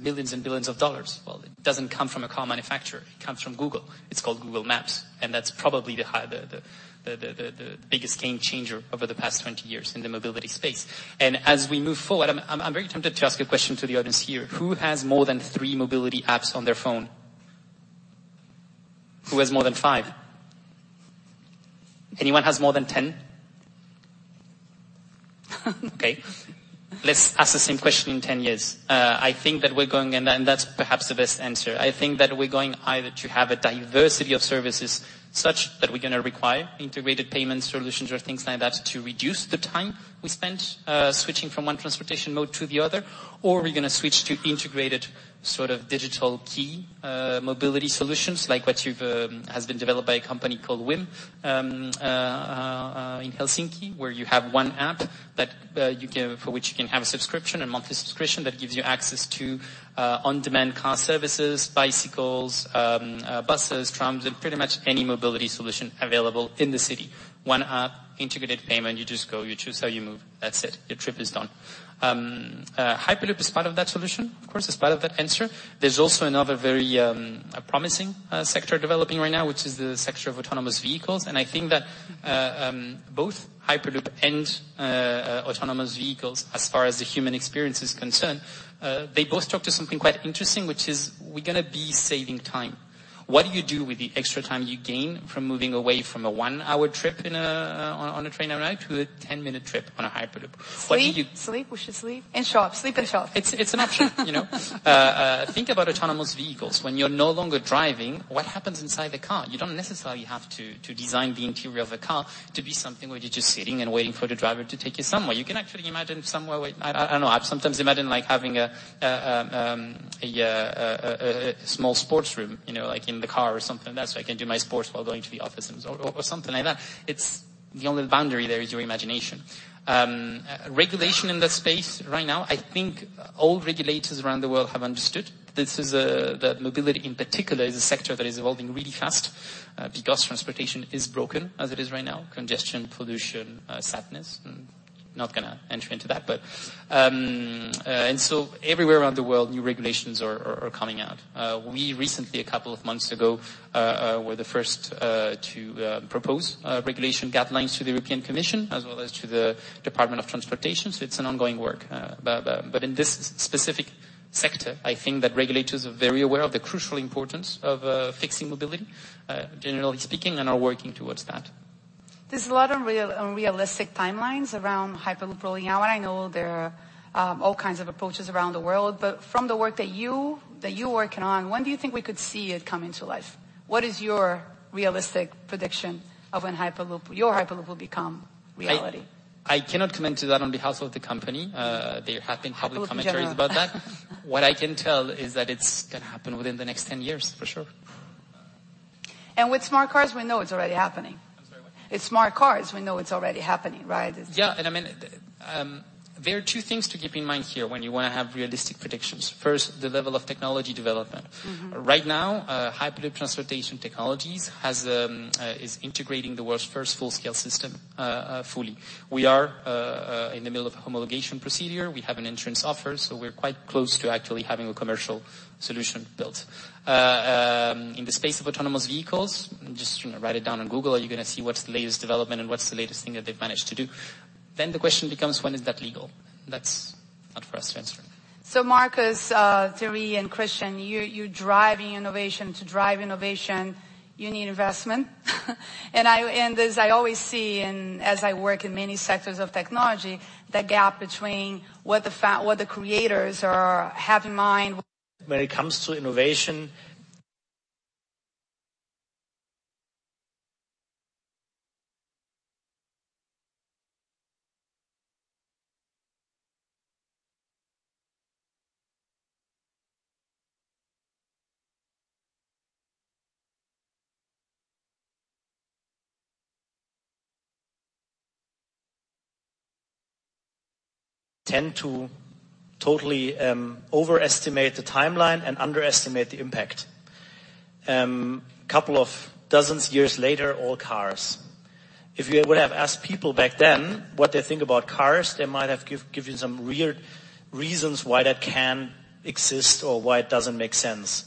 billions and billions of EUR? Well, it doesn't come from a car manufacturer. It comes from Google. It's called Google Maps, that's probably the biggest game changer over the past 20 years in the mobility space. As we move forward, I'm very tempted to ask a question to the audience here. Who has more than three mobility apps on their phone? Who has more than five? Anyone has more than 10? Okay. Let's ask the same question in 10 years. That's perhaps the best answer. I think that we're going either to have a diversity of services such that we're going to require integrated payment solutions or things like that to reduce the time we spend switching from one transportation mode to the other, or we're going to switch to integrated sort of digital key mobility solutions like what has been developed by a company called Whim in Helsinki, where you have one app for which you can have a subscription, a monthly subscription that gives you access to on-demand car services, bicycles, buses, trams, and pretty much any mobility solution available in the city. One app, integrated payment, you just go, you choose how you move. That's it. Your trip is done. Hyperloop is part of that solution. Of course, it's part of that answer. There's also another very promising sector developing right now, which is the sector of autonomous vehicles. I think that both Hyperloop and autonomous vehicles, as far as the human experience is concerned, they both talk to something quite interesting, which is we're going to be saving time. What do you do with the extra time you gain from moving away from a one-hour trip on a train at night to a 10-minute trip on a Hyperloop? Sleep. We should sleep and shop. Sleep and shop. It's an option. Think about autonomous vehicles. When you're no longer driving, what happens inside the car? You don't necessarily have to design the interior of a car to be something where you're just sitting and waiting for the driver to take you somewhere. You can actually imagine somewhere where I don't know. I sometimes imagine like having a small sports room, like in the car or something like that, so I can do my sports while going to the office or something like that. The only boundary there is your imagination. Regulation in that space right now, I think all regulators around the world have understood that mobility, in particular, is a sector that is evolving really fast because transportation is broken as it is right now. Congestion, pollution, sadness. I'm not going to enter into that. Everywhere around the world, new regulations are coming out. We recently, a couple of months ago, were the first to propose regulation guidelines to the European Commission as well as to the Department of Transportation, so it's an ongoing work. In this specific sector, I think that regulators are very aware of the crucial importance of fixing mobility, generally speaking, and are working towards that. There's a lot of unrealistic timelines around Hyperloop rolling out. I know there are all kinds of approaches around the world, but from the work that you're working on, when do you think we could see it come into life? What is your realistic prediction of when your Hyperloop will become reality? I cannot comment to that on behalf of the company. There have been public commentaries about that. What I can tell is that it is going to happen within the next 10 years, for sure. With smart cars, we know it's already happening. I'm sorry, what? With smart cars, we know it's already happening, right? There are two things to keep in mind here when you want to have realistic predictions. First, the level of technology development. Right now, Hyperloop Transportation Technologies is integrating the world's first full-scale system fully. We are in the middle of a homologation procedure. We have an insurance offer, we're quite close to actually having a commercial solution built. In the space of autonomous vehicles, just write it down on Google, you're going to see what's the latest development and what's the latest thing that they've managed to do. The question becomes, when is that legal? That's not for us to answer. Markus, Thierry, and Christian, you're driving innovation. To drive innovation, you need investment. As I always see, and as I work in many sectors of technology, that gap between what the creators have in mind When it comes to innovation, we tend to totally overestimate the timeline and underestimate the impact. Couple of dozens years later, all cars. If you would have asked people back then what they think about cars, they might have given some weird reasons why that can exist or why it doesn't make sense.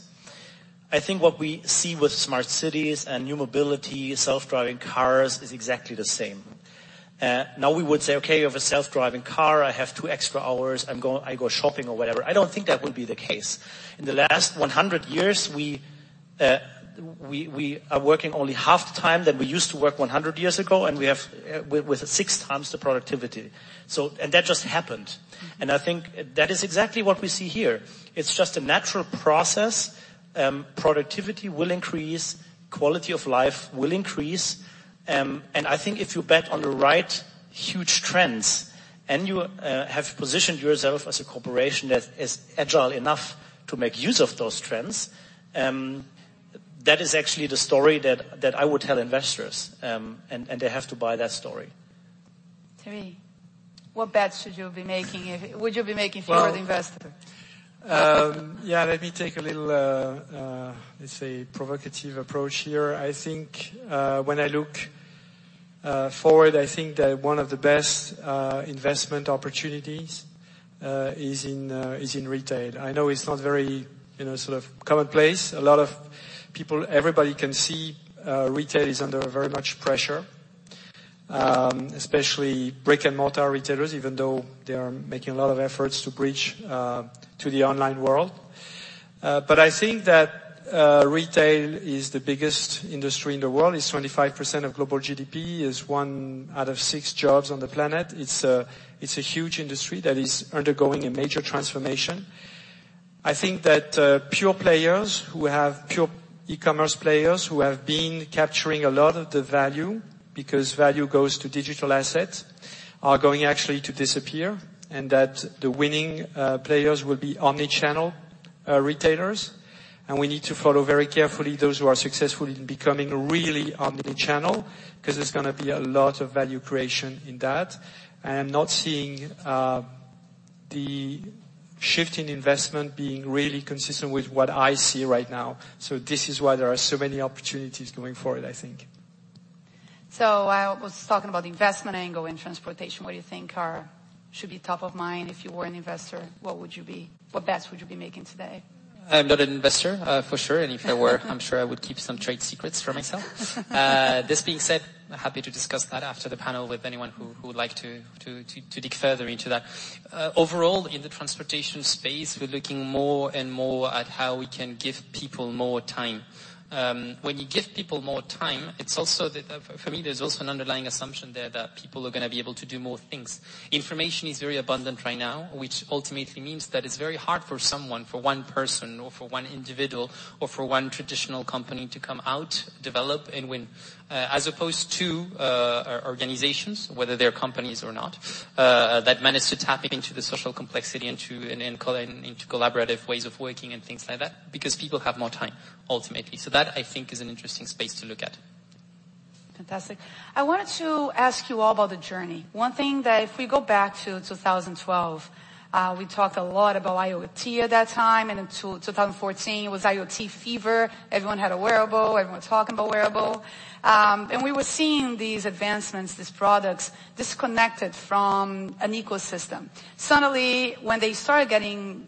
I think what we see with smart cities and new mobility, self-driving cars, is exactly the same. Now we would say, okay, you have a self-driving car, I have two extra hours, I go shopping or whatever. I don't think that will be the case. In the last 100 years, we are working only half the time that we used to work 100 years ago, and with six times the productivity. That just happened. I think that is exactly what we see here. It's just a natural process. Productivity will increase, quality of life will increase. I think if you bet on the right huge trends, and you have positioned yourself as a corporation that is agile enough to make use of those trends, that is actually the story that I would tell investors, and they have to buy that story. Thierry, what bets would you be making for the investor? Yeah, let me take a little, let's say, provocative approach here. When I look forward, I think that one of the best investment opportunities is in retail. I know it's not very commonplace. Everybody can see retail is under very much pressure, especially brick-and-mortar retailers, even though they are making a lot of efforts to bridge to the online world. I think that retail is the biggest industry in the world. It's 25% of global GDP, is one out of six jobs on the planet. It's a huge industry that is undergoing a major transformation. I think that pure players who have pure e-commerce players who have been capturing a lot of the value, because value goes to digital asset, are going actually to disappear, and that the winning players will be omni-channel retailers, and we need to follow very carefully those who are successful in becoming really omni-channel, because there's going to be a lot of value creation in that. I'm not seeing the shift in investment being really consistent with what I see right now. This is why there are so many opportunities going forward, I think. I was talking about the investment angle in transportation. What do you think should be top of mind if you were an investor? What bets would you be making today? I'm not an investor, for sure. If I were, I'm sure I would keep some trade secrets for myself. This being said, happy to discuss that after the panel with anyone who would like to dig further into that. Overall, in the transportation space, we're looking more and more at how we can give people more time. When you give people more time, for me, there's also an underlying assumption there that people are going to be able to do more things. Information is very abundant right now, which ultimately means that it's very hard for someone, for one person or for one individual or for one traditional company to come out, develop, and win, as opposed to organizations, whether they're companies or not, that manage to tap into the social complexity and into collaborative ways of working and things like that, because people have more time, ultimately. That, I think, is an interesting space to look at. Fantastic. I wanted to ask you all about the journey. One thing that if we go back to 2012, we talked a lot about IoT at that time, until 2014, it was IoT fever. Everyone had a wearable, everyone talking about wearable. We were seeing these advancements, these products disconnected from an ecosystem. Suddenly, when they started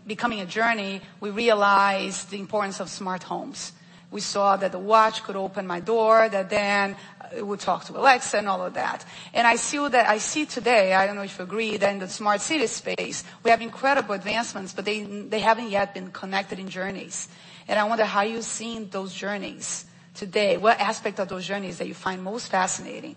becoming a journey, we realized the importance of smart homes. We saw that the watch could open my door, that then it would talk to Alexa and all of that. I see today, I don't know if you agree, that in the smart city space, we have incredible advancements, but they haven't yet been connected in journeys. I wonder how you're seeing those journeys today. What aspect of those journeys that you find most fascinating?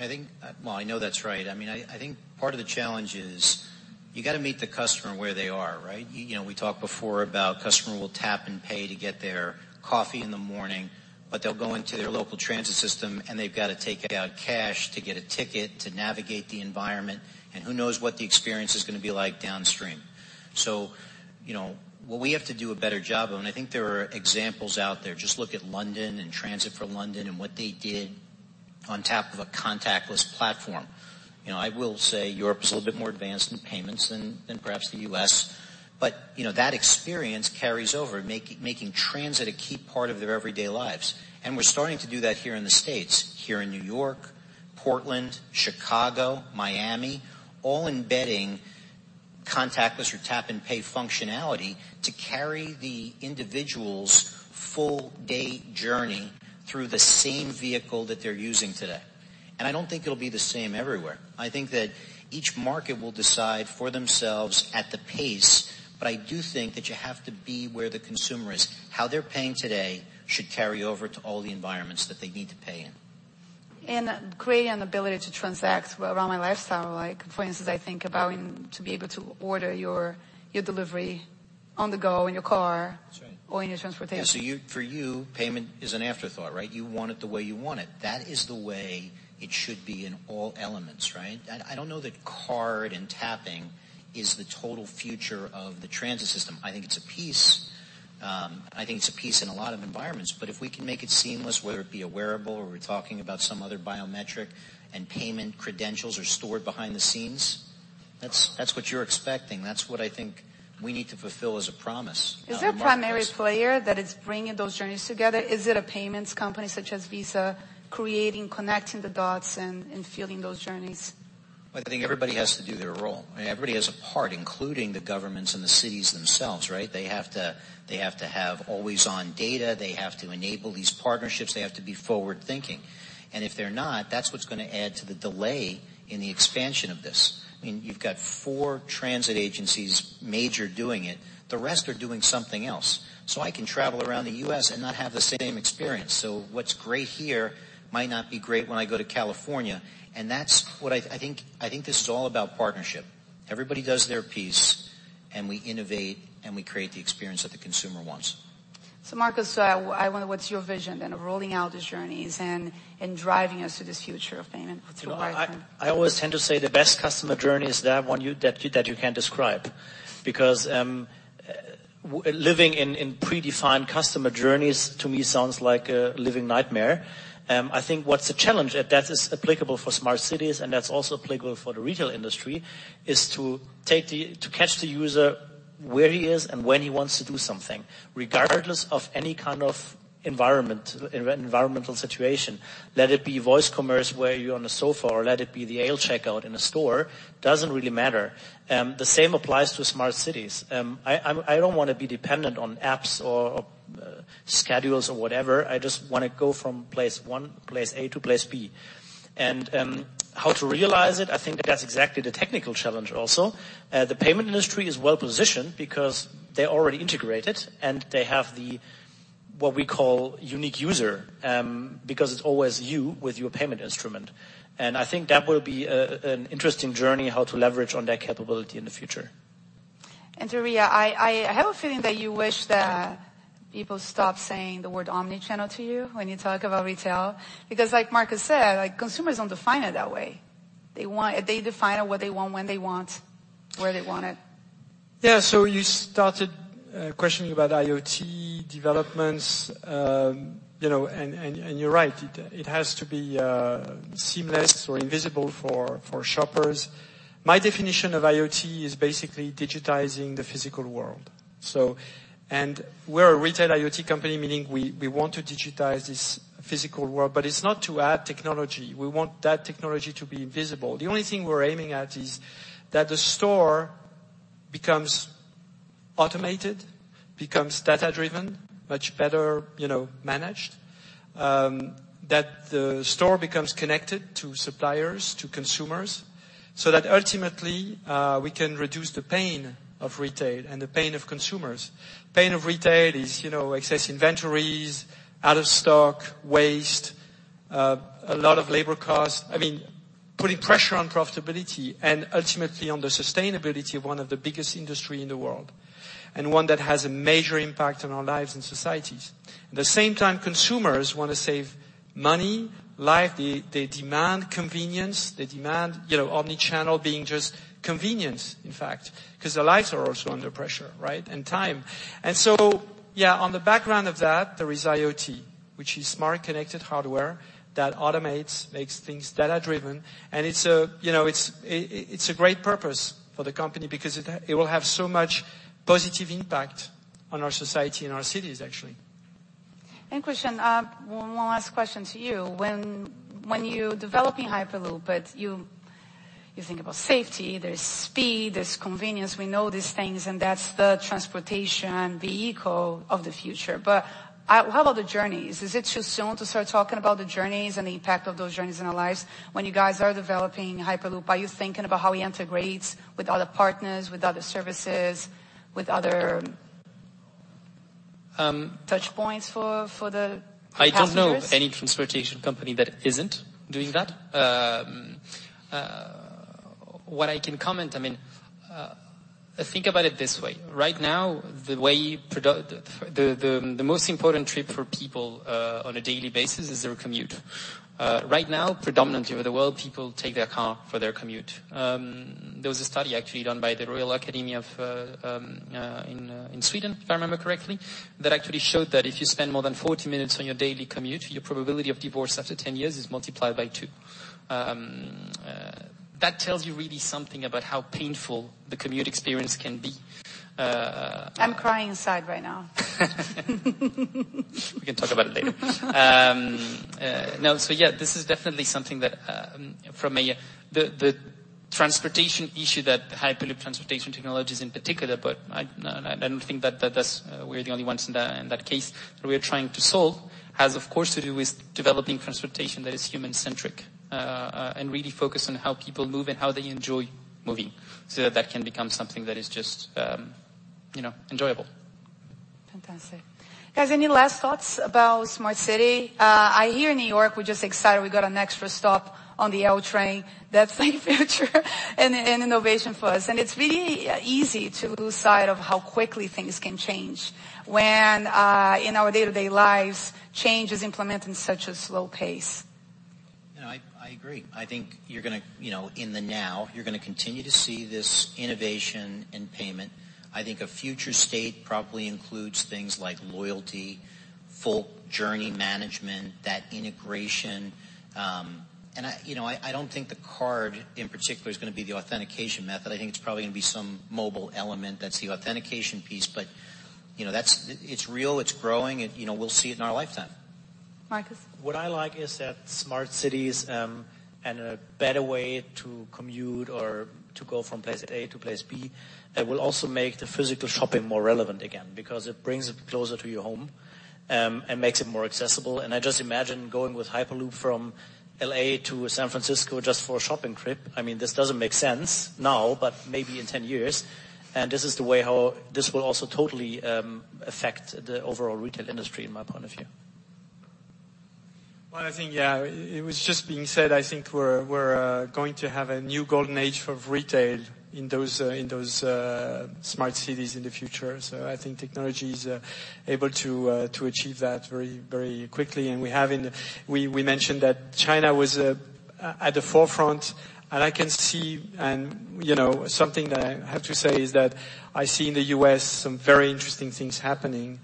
I know that's right. I think part of the challenge is you got to meet the customer where they are, right? We talked before about customer will tap and pay to get their coffee in the morning, but they'll go into their local transit system and they've got to take out cash to get a ticket to navigate the environment, and who knows what the experience is going to be like downstream. What we have to do a better job of, and I think there are examples out there, just look at London and Transport for London and what they did on top of a contactless platform. I will say Europe is a little bit more advanced in payments than perhaps the U.S., but that experience carries over, making transit a key part of their everyday lives. We're starting to do that here in the U.S., here in New York, Portland, Chicago, Miami, all embedding contactless or tap-and-pay functionality to carry the individual's full day journey through the same vehicle that they're using today. I don't think it'll be the same everywhere. I think that each market will decide for themselves at the pace, but I do think that you have to be where the consumer is. How they're paying today should carry over to all the environments that they need to pay in. Creating an ability to transact around my lifestyle. For instance, I think about to be able to order your delivery on the go in your car- That's right. or in your transportation. For you, payment is an afterthought, right? You want it the way you want it. That is the way it should be in all elements, right? I don't know that card and tapping is the total future of the transit system. I think it's a piece. I think it's a piece in a lot of environments. If we can make it seamless, whether it be a wearable or we're talking about some other biometric and payment credentials are stored behind the scenes, that's what you're expecting. That's what I think we need to fulfill as a promise. Is there a primary player that is bringing those journeys together? Is it a payments company such as Visa creating, connecting the dots and filling those journeys? I think everybody has to do their role. Everybody has a part, including the governments and the cities themselves, right? They have to have always-on data. They have to enable these partnerships. They have to be forward-thinking. If they're not, that's what's going to add to the delay in the expansion of this. You've got four transit agencies major doing it. The rest are doing something else. I can travel around the U.S. and not have the same experience. What's great here might not be great when I go to California, and that's what I think, I think this is all about partnership. Everybody does their piece, and we innovate, and we create the experience that the consumer wants. Markus, I wonder what's your vision then of rolling out these journeys and driving us to this future of payment for everyone? I always tend to say the best customer journey is that one that you can describe because living in predefined customer journeys, to me, sounds like a living nightmare. I think what's a challenge, and that is applicable for smart cities and that's also applicable for the retail industry, is to catch the user where he is and when he wants to do something, regardless of any kind of environmental situation. Let it be voice commerce where you're on a sofa or let it be the aisle checkout in a store, doesn't really matter. The same applies to smart cities. I don't want to be dependent on apps or schedules or whatever. I just want to go from place one, place A to place B. How to realize it, I think that's exactly the technical challenge also. The payment industry is well-positioned because they're already integrated, they have the what we call unique user, because it's always you with your payment instrument. I think that will be an interesting journey how to leverage on that capability in the future. Thierry, I have a feeling that you wish that people stop saying the word omni-channel to you when you talk about retail. Like Markus said, consumers don't define it that way. They define what they want, when they want, where they want it. You started questioning about IoT developments, and you're right. It has to be seamless or invisible for shoppers. My definition of IoT is basically digitizing the physical world. We're a retail IoT company, meaning we want to digitize this physical world, but it's not to add technology. We want that technology to be invisible. The only thing we're aiming at is that the store becomes automated, becomes data-driven, much better managed, that the store becomes connected to suppliers, to consumers, so that ultimately, we can reduce the pain of retail and the pain of consumers. Pain of retail is excess inventories, out of stock, waste, a lot of labor costs. Putting pressure on profitability and ultimately on the sustainability of one of the biggest industry in the world, and one that has a major impact on our lives and societies. At the same time, consumers want to save money, life. They demand convenience. They demand omni-channel being just convenience, in fact, because their lives are also under pressure, right? Time. Yeah, on the background of that, there is IoT, which is smart connected hardware that automates, makes things data-driven, and it's a great purpose for the company because it will have so much positive impact on our society and our cities, actually. Christian, one last question to you. When you're developing Hyperloop, you think about safety. There's speed, there's convenience. We know these things, that's the transportation, the eco of the future. How about the journeys? Is it too soon to start talking about the journeys and the impact of those journeys in our lives? When you guys are developing Hyperloop, are you thinking about how it integrates with other partners, with other services, with Touchpoints for the passengers? I don't know any transportation company that isn't doing that. What I can comment, think about it this way. Right now, the most important trip for people on a daily basis is their commute. Right now, predominantly over the world, people take their car for their commute. There was a study actually done by the Royal Swedish Academy of Sciences, if I remember correctly, that actually showed that if you spend more than 40 minutes on your daily commute, your probability of divorce after 10 years is multiplied by two. That tells you really something about how painful the commute experience can be. I'm crying inside right now. We can talk about it later. Yeah, this is definitely the transportation issue that Hyperloop Transportation Technologies in particular, but I don't think that we're the only ones in that case, that we are trying to solve has, of course, to do with developing transportation that is human-centric, and really focused on how people move and how they enjoy moving. That can become something that is just enjoyable. Fantastic. Guys, any last thoughts about smart city? Here in New York, we're just excited we got an extra stop on the L train. That's like future and innovation for us. It's really easy to lose sight of how quickly things can change when in our day-to-day lives change is implemented in such a slow pace. I agree. I think in the now you're going to continue to see this innovation in payment. I think a future state probably includes things like loyalty, full journey management, that integration. I don't think the card in particular is going to be the authentication method. I think it's probably going to be some mobile element that's the authentication piece. It's real, it's growing, and we'll see it in our lifetime. Markus? What I like is that smart cities and a better way to commute or to go from place A to place B that will also make the physical shopping more relevant again because it brings it closer to your home and makes it more accessible. I just imagine going with Hyperloop from L.A. to San Francisco just for a shopping trip. This doesn't make sense now, but maybe in 10 years. This is the way how this will also totally affect the overall retail industry in my point of view. Well, I think, yeah, it was just being said, I think we're going to have a new golden age of retail in those smart cities in the future. I think technology is able to achieve that very quickly. We mentioned that China was at the forefront, something that I have to say is that I see in the U.S. some very interesting things happening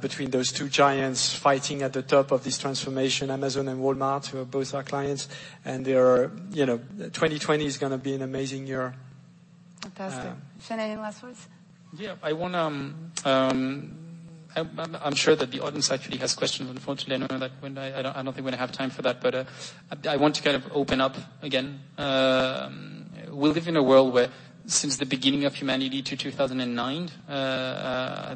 between those two giants fighting at the top of this transformation, Amazon and Walmart, who are both our clients. 2020 is going to be an amazing year. Fantastic. Shana, any last words? Yeah. I'm sure that the audience actually has questions. Unfortunately, I don't think we're going to have time for that, but I want to kind of open up again. We live in a world where since the beginning of humanity to 2009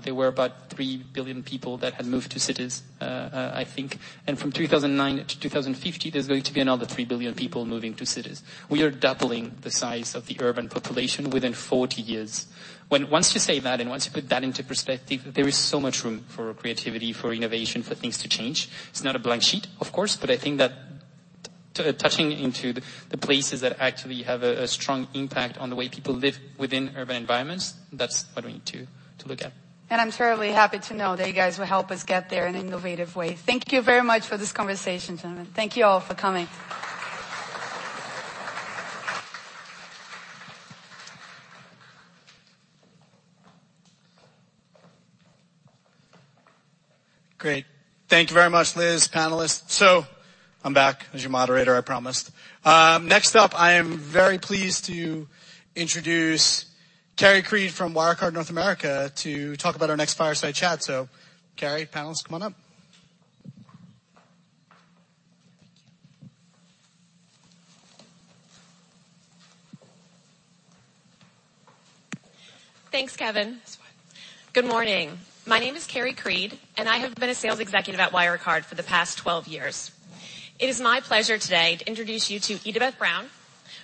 there were about 3 billion people that had moved to cities, I think. From 2009 to 2050, there's going to be another 3 billion people moving to cities. We are doubling the size of the urban population within 40 years. Once you say that and once you put that into perspective, there is so much room for creativity, for innovation, for things to change. It's not a blank sheet, of course, but I think that touching into the places that actually have a strong impact on the way people live within urban environments, that's what we need to look at. I'm terribly happy to know that you guys will help us get there in an innovative way. Thank you very much for this conversation, gentlemen. Thank you all for coming. Great. Thank you very much, Liz, panelists. I'm back as your moderator, I promised. Next up, I am very pleased to introduce Carrie Creed from Wirecard North America to talk about our next fireside chat. Carrie, panelists, come on up. Thanks, Kevin. Good morning. My name is Carrie Creed, and I have been a sales executive at Wirecard for the past 12 years. It is my pleasure today to introduce you to Itabeth Brown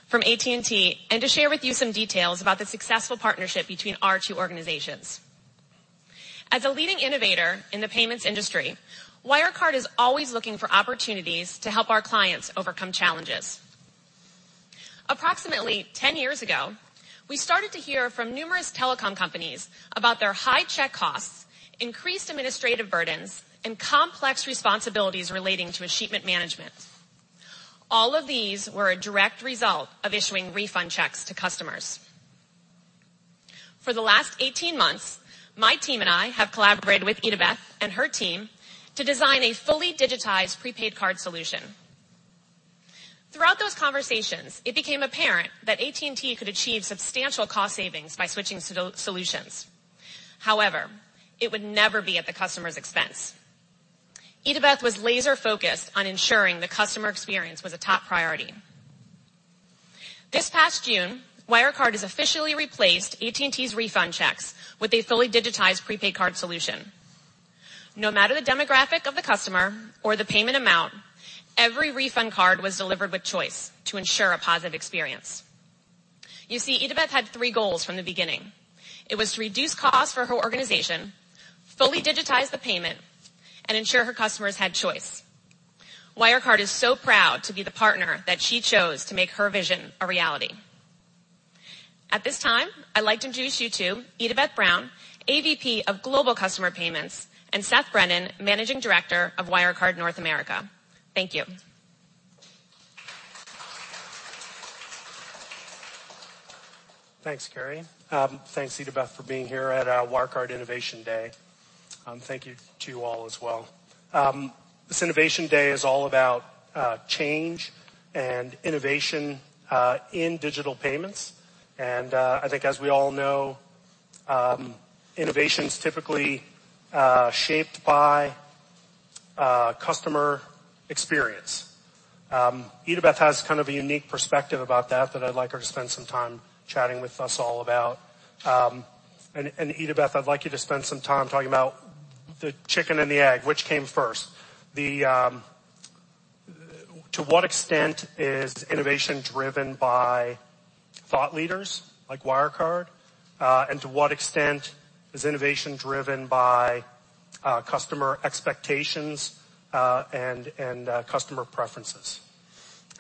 from AT&T and to share with you some details about the successful partnership between our two organizations. As a leading innovator in the payments industry, Wirecard is always looking for opportunities to help our clients overcome challenges. Approximately 10 years ago, we started to hear from numerous telecom companies about their high check costs, increased administrative burdens, and complex responsibilities relating to escheatment management. All of these were a direct result of issuing refund checks to customers. For the last 18 months, my team and I have collaborated with Itabeth and her team to design a fully digitized prepaid card solution. Throughout those conversations, it became apparent that AT&T could achieve substantial cost savings by switching solutions. However, it would never be at the customer's expense. Itabeth was laser-focused on ensuring the customer experience was a top priority. This past June, Wirecard has officially replaced AT&T's refund checks with a fully digitized prepaid card solution. No matter the demographic of the customer or the payment amount, every refund card was delivered with choice to ensure a positive experience. You see, Itabeth had three goals from the beginning. It was to reduce costs for her organization, fully digitize the payment, and ensure her customers had choice. Wirecard is so proud to be the partner that she chose to make her vision a reality. At this time, I'd like to introduce you to Itabeth Brown, AVP of Global Customer Payments, and Seth Brennan, Managing Director of Wirecard North America. Thank you. Thanks, Carrie. Thanks, Itabeth, for being here at Wirecard Innovation Day. Thank you to you all as well. This Innovation Day is all about change and innovation in digital payments. I think as we all know, innovation's typically shaped by customer experience. Itabeth has kind of a unique perspective about that that I'd like her to spend some time chatting with us all about. Itabeth, I'd like you to spend some time talking about the chicken and the egg. Which came first? To what extent is innovation driven by thought leaders like Wirecard? To what extent is innovation driven by customer expectations, and customer preferences?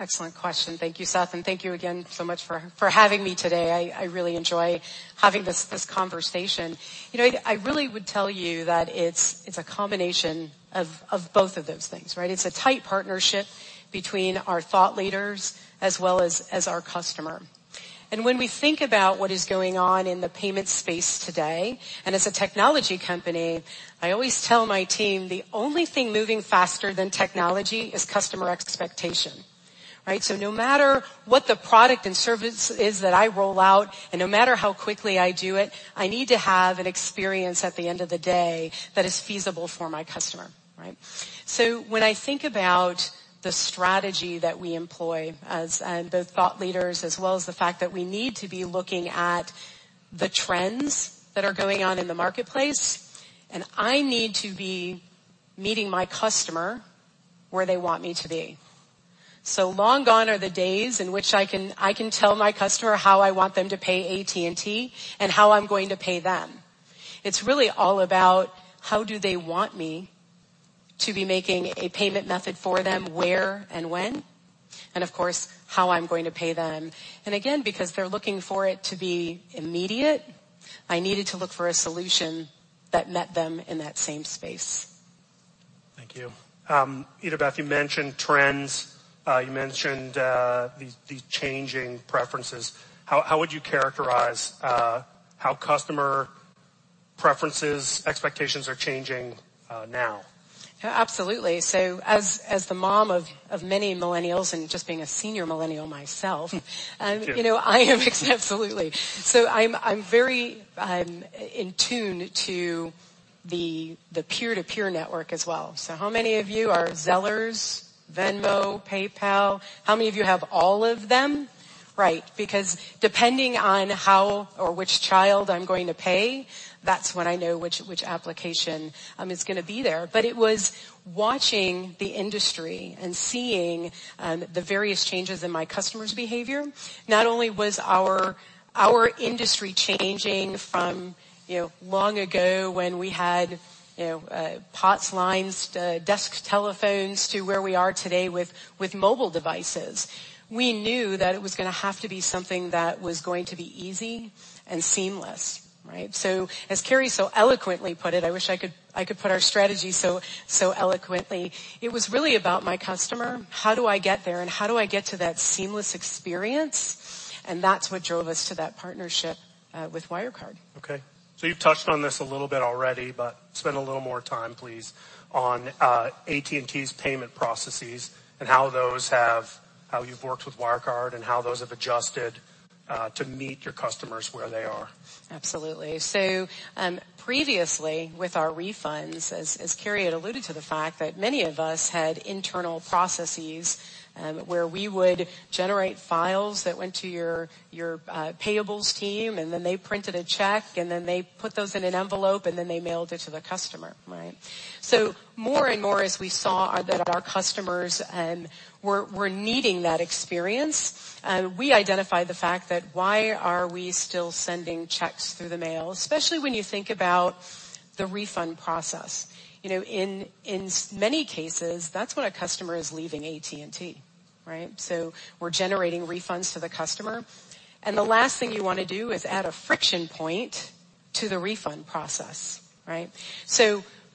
Excellent question. Thank you, Seth, and thank you again so much for having me today. I really enjoy having this conversation. I really would tell you that it's a combination of both of those things, right? It's a tight partnership between our thought leaders as well as our customer. When we think about what is going on in the payment space today, and as a technology company, I always tell my team, the only thing moving faster than technology is customer expectation. Right? No matter what the product and service is that I roll out, and no matter how quickly I do it, I need to have an experience at the end of the day that is feasible for my customer, right? When I think about the strategy that we employ as both thought leaders as well as the fact that we need to be looking at the trends that are going on in the marketplace, and I need to be meeting my customer where they want me to be. Long gone are the days in which I can tell my customer how I want them to pay AT&T and how I'm going to pay them. It's really all about how do they want me to be making a payment method for them, where and when, and of course, how I'm going to pay them. Again, because they're looking for it to be immediate, I needed to look for a solution that met them in that same space. Thank you. Itabeth, you mentioned trends. You mentioned these changing preferences. How would you characterize how customer preferences, expectations are changing now? Absolutely, as the mom of many millennials and just being a senior millennial myself. Me too. I am absolutely. I'm very in tune to the peer-to-peer network as well. How many of you are Zelle, Venmo, PayPal? How many of you have all of them? Right. Depending on how or which child I'm going to pay, that's when I know which application is going to be there. It was watching the industry and seeing the various changes in my customers' behavior. Not only was our industry changing from long ago when we had POTS lines, desk telephones to where we are today with mobile devices. We knew that it was going to have to be something that was going to be easy and seamless, right? As Carrie so eloquently put it, I wish I could put our strategy so eloquently, it was really about my customer, how do I get there, and how do I get to that seamless experience? That's what drove us to that partnership with Wirecard. You've touched on this a little bit already, but spend a little more time, please, on AT&T's payment processes and how you've worked with Wirecard and how those have adjusted to meet your customers where they are. Absolutely. Previously with our refunds, as Carrie had alluded to the fact that many of us had internal processes where we would generate files that went to your payables team, and then they printed a check, and then they put those in an envelope, and then they mailed it to the customer, right? More and more as we saw that our customers were needing that experience, we identified the fact that why are we still sending checks through the mail, especially when you think about the refund process. In many cases, that's when a customer is leaving AT&T, right? We're generating refunds to the customer, and the last thing you want to do is add a friction point to the refund process, right?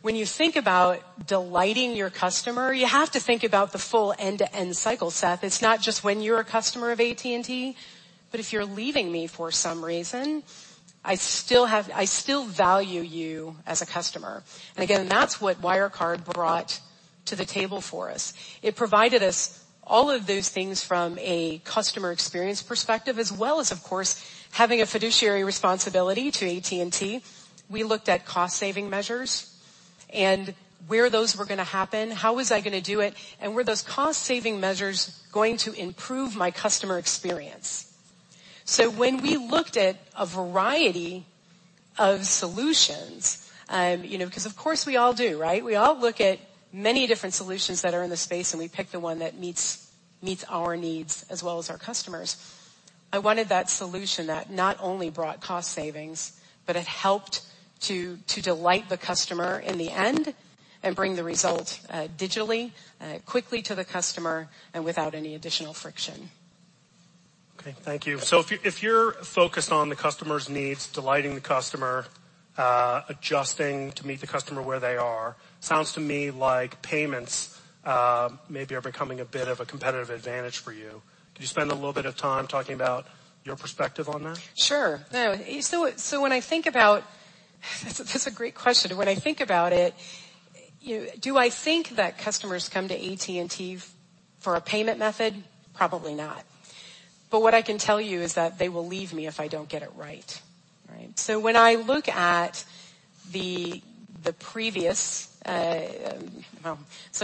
When you think about delighting your customer, you have to think about the full end-to-end cycle, Seth. It's not just when you're a customer of AT&T, if you're leaving me for some reason, I still value you as a customer. Again, that's what Wirecard brought to the table for us. It provided us all of those things from a customer experience perspective as well as, of course, having a fiduciary responsibility to AT&T. We looked at cost-saving measures and where those were going to happen. How was I going to do it? Were those cost-saving measures going to improve my customer experience? When we looked at a variety of solutions, because of course we all do, right? We all look at many different solutions that are in the space, and we pick the one that meets our needs as well as our customers'. I wanted that solution that not only brought cost savings, but it helped to delight the customer in the end and bring the result digitally, quickly to the customer, and without any additional friction. Okay. Thank you. If you're focused on the customer's needs, delighting the customer, adjusting to meet the customer where they are, sounds to me like payments maybe are becoming a bit of a competitive advantage for you. Could you spend a little bit of time talking about your perspective on that? Sure. That's a great question. When I think about it, do I think that customers come to AT&T for a payment method? Probably not. What I can tell you is that they will leave me if I don't get it right. Right? When I look at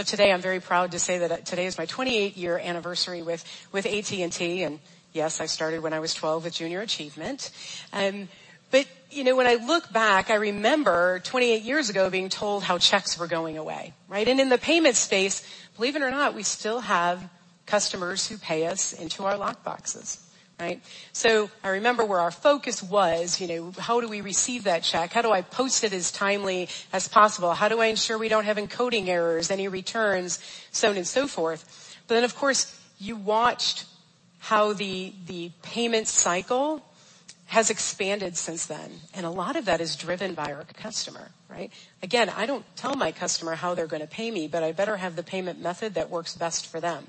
today, I'm very proud to say that today is my 28-year anniversary with AT&T, and yes, I started when I was 12 with Junior Achievement. When I look back, I remember 28 years ago being told how checks were going away. Right? In the payment space, believe it or not, we still have customers who pay us into our lockboxes. Right? I remember where our focus was: how do we receive that check? How do I post it as timely as possible? How do I ensure we don't have encoding errors, any returns, so on and so forth. Of course, you watched how the payment cycle has expanded since then, and a lot of that is driven by our customer. Right? Again, I don't tell my customer how they're going to pay me, but I better have the payment method that works best for them.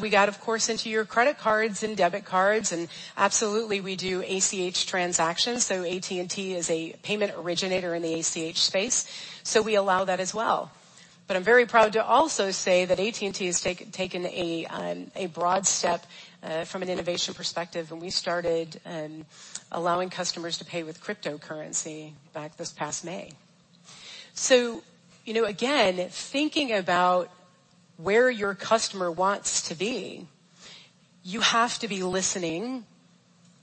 We got, of course, into your credit cards and debit cards, and absolutely we do ACH transactions. AT&T is a payment originator in the ACH space, so we allow that as well. I'm very proud to also say that AT&T has taken a broad step from an innovation perspective when we started allowing customers to pay with cryptocurrency back this past May. Again, thinking about where your customer wants to be, you have to be listening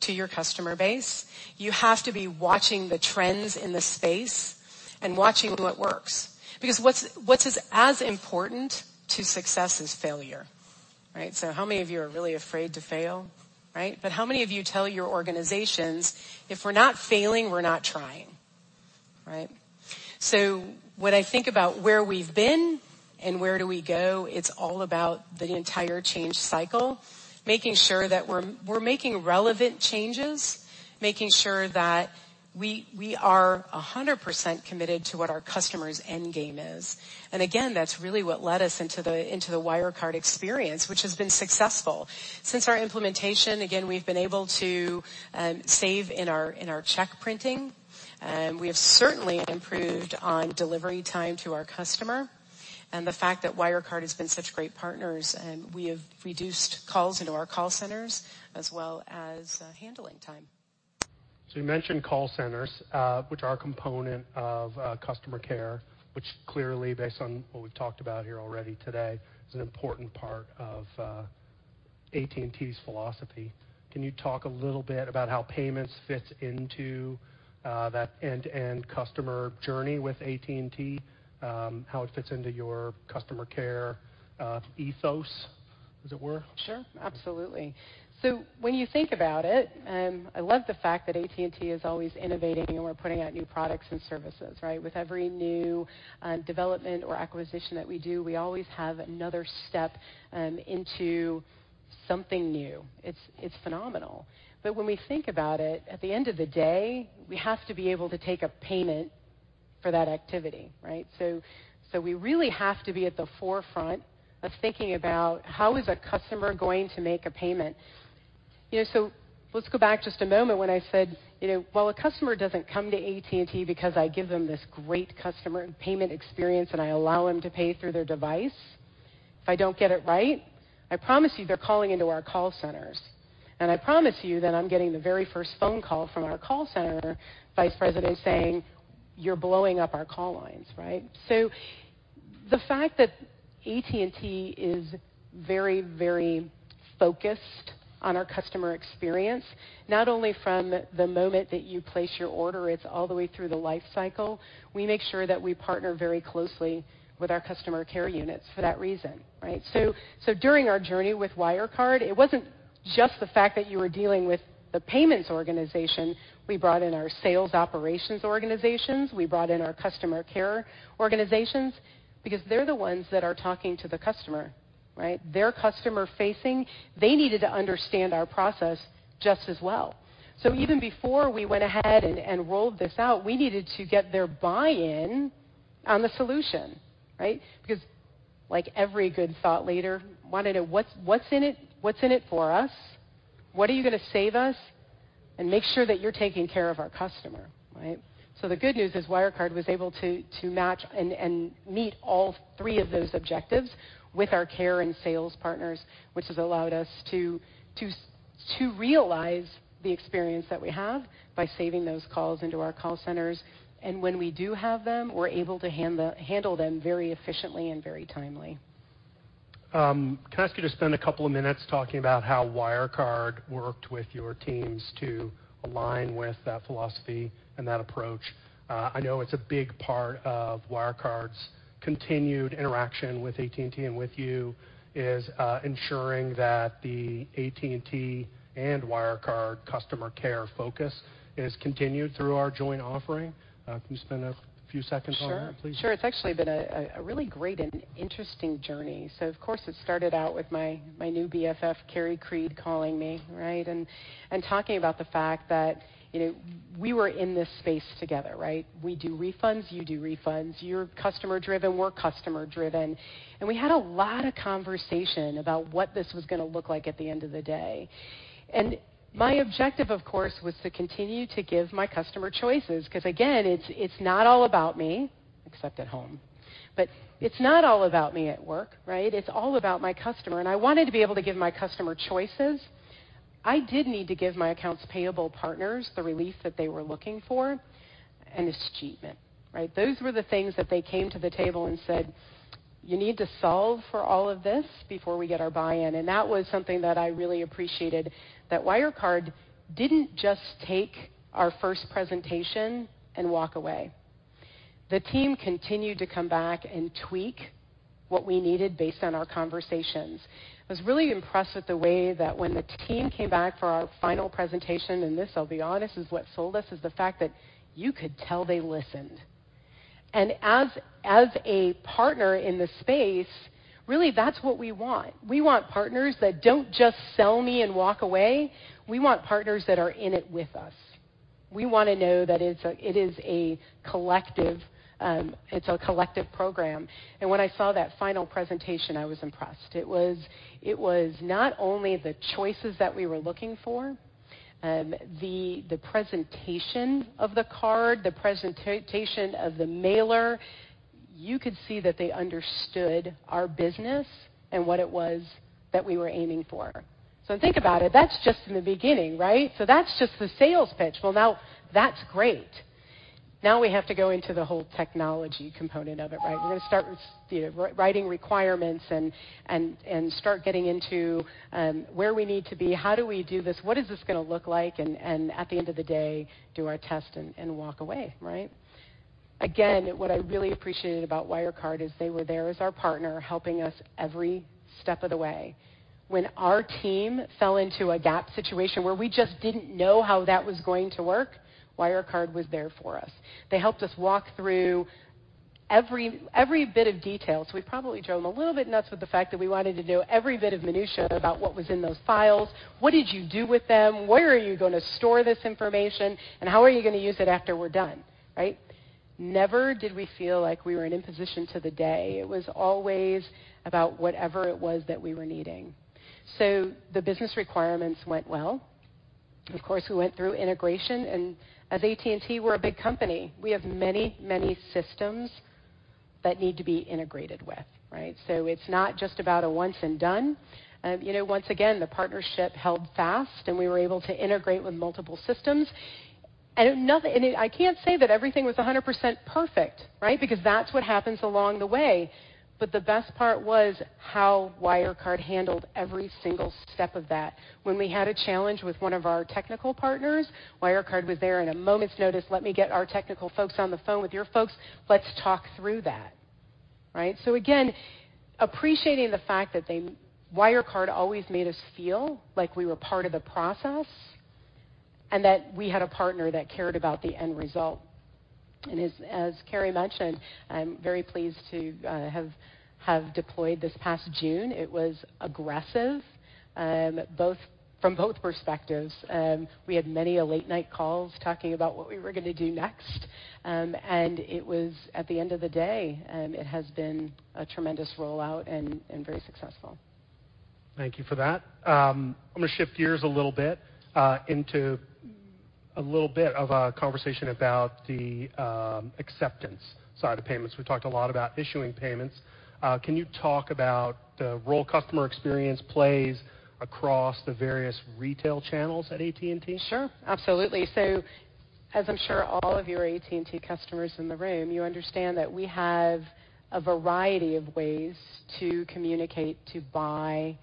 to your customer base. You have to be watching the trends in the space and watching what works because what's as important to success is failure. Right? How many of you are really afraid to fail? Right? How many of you tell your organizations, "If we're not failing, we're not trying." Right? When I think about where we've been and where do we go, it's all about the entire change cycle, making sure that we're making relevant changes, making sure that we are 100% committed to what our customer's end game is. Again, that's really what led us into the Wirecard experience, which has been successful. Since our implementation, again, we've been able to save in our check printing. We have certainly improved on delivery time to our customer, and the fact that Wirecard has been such great partners, and we have reduced calls into our call centers as well as handling time. You mentioned call centers, which are a component of customer care, which clearly, based on what we've talked about here already today, is an important part of AT&T's philosophy. Can you talk a little bit about how payments fits into that end-to-end customer journey with AT&T, how it fits into your customer care ethos, as it were? Sure. Absolutely. When you think about it, I love the fact that AT&T is always innovating and we're putting out new products and services, right? With every new development or acquisition that we do, we always have another step into something new. It's phenomenal. When we think about it, at the end of the day, we have to be able to take a payment for that activity, right? We really have to be at the forefront of thinking about how is a customer going to make a payment. Let's go back just a moment when I said, while a customer doesn't come to AT&T because I give them this great customer payment experience and I allow them to pay through their device, if I don't get it right, I promise you they're calling into our call centers. I promise you that I'm getting the very first phone call from our call center vice president saying, "You're blowing up our call lines." Right? The fact that AT&T is very focused on our customer experience, not only from the moment that you place your order, it's all the way through the life cycle. We make sure that we partner very closely with our customer care units for that reason. Right? During our journey with Wirecard, it wasn't just the fact that you were dealing with the payments organization. We brought in our sales operations organizations, we brought in our customer care organizations because they're the ones that are talking to the customer. Right? They're customer-facing. They needed to understand our process just as well. Even before we went ahead and rolled this out, we needed to get their buy-in on the solution, right? Like every good thought leader wanted to know what's in it for us? What are you going to save us? Make sure that you're taking care of our customer. Right? The good news is Wirecard was able to match and meet all three of those objectives with our care and sales partners, which has allowed us to realize the experience that we have by saving those calls into our call centers. When we do have them, we're able to handle them very efficiently and very timely. Can I ask you to spend a couple of minutes talking about how Wirecard worked with your teams to align with that philosophy and that approach? I know it's a big part of Wirecard's continued interaction with AT&T and with you is ensuring that the AT&T and Wirecard customer care focus is continued through our joint offering. Can you spend a few seconds on that, please? Sure. It's actually been a really great and interesting journey. Of course, it started out with my new BFF, Carrie Creed, calling me, right, and talking about the fact that we were in this space together, right? We do refunds, you do refunds. You're customer-driven, we're customer-driven. We had a lot of conversation about what this was going to look like at the end of the day. My objective, of course, was to continue to give my customer choices, because again, it's not all about me, except at home, but it's not all about me at work, right? It's all about my customer, and I wanted to be able to give my customer choices. I did need to give my accounts payable partners the relief that they were looking for and achievement, right? Those were the things that they came to the table and said, "You need to solve for all of this before we get our buy-in." That was something that I really appreciated, that Wirecard didn't just take our first presentation and walk away. The team continued to come back and tweak what we needed based on our conversations. I was really impressed with the way that when the team came back for our final presentation, and this, I'll be honest, is what sold us is the fact that you could tell they listened. As a partner in the space, really, that's what we want. We want partners that don't just sell me and walk away. We want partners that are in it with us. We want to know that it's a collective program. When I saw that final presentation, I was impressed. It was not only the choices that we were looking for, the presentation of the card, the presentation of the mailer, you could see that they understood our business and what it was that we were aiming for. Think about it. That's just in the beginning, right? That's just the sales pitch. Well, now that's great. Now we have to go into the whole technology component of it, right? We're going to start with writing requirements and start getting into where we need to be. How do we do this, what is this going to look like? At the end of the day, do our test and walk away, right? Again, what I really appreciated about Wirecard is they were there as our partner, helping us every step of the way. When our team fell into a gap situation where we just didn't know how that was going to work, Wirecard was there for us. They helped us walk through every bit of detail. We probably drove them a little bit nuts with the fact that we wanted to know every bit of minutia about what was in those files. What did you do with them? Where are you going to store this information, and how are you going to use it after we're done, right? Never did we feel like we were an imposition to the day. It was always about whatever it was that we were needing. The business requirements went well. Of course, we went through integration. As AT&T, we're a big company. We have many systems that need to be integrated with, right? It's not just about a once and done. Once again, the partnership held fast, we were able to integrate with multiple systems. I can't say that everything was 100% perfect, right? Because that's what happens along the way. The best part was how Wirecard handled every single step of that. When we had a challenge with one of our technical partners, Wirecard was there in a moment's notice. "Let me get our technical folks on the phone with your folks. Let's talk through that," right? Again, appreciating the fact that Wirecard always made us feel like we were part of the process and that we had a partner that cared about the end result. As Carrie mentioned, I'm very pleased to have deployed this past June. It was aggressive from both perspectives. We had many a late night calls talking about what we were going to do next. At the end of the day, it has been a tremendous rollout and very successful. Thank you for that. I'm going to shift gears a little bit into a little bit of a conversation about the acceptance side of payments. We've talked a lot about issuing payments. Can you talk about the role customer experience plays across the various retail channels at AT&T? Sure. Absolutely. As I'm sure all of your AT&T customers in the room, you understand that we have a variety of ways to communicate, to buy,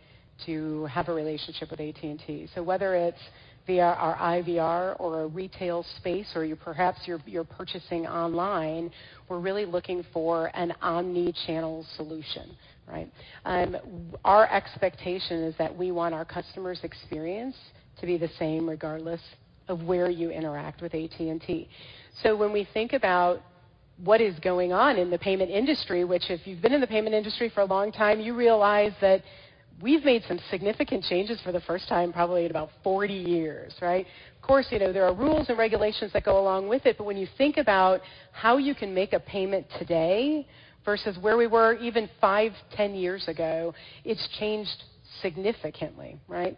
to have a relationship with AT&T. Whether it's via our IVR or a retail space or perhaps you're purchasing online, we're really looking for an omni-channel solution, right? Our expectation is that we want our customer's experience to be the same regardless of where you interact with AT&T. When we think about what is going on in the payment industry, which if you've been in the payment industry for a long time, you realize that we've made some significant changes for the first time, probably in about 40 years, right? Of course, there are rules and regulations that go along with it. When you think about how you can make a payment today versus where we were even five, 10 years ago, it's changed significantly, right?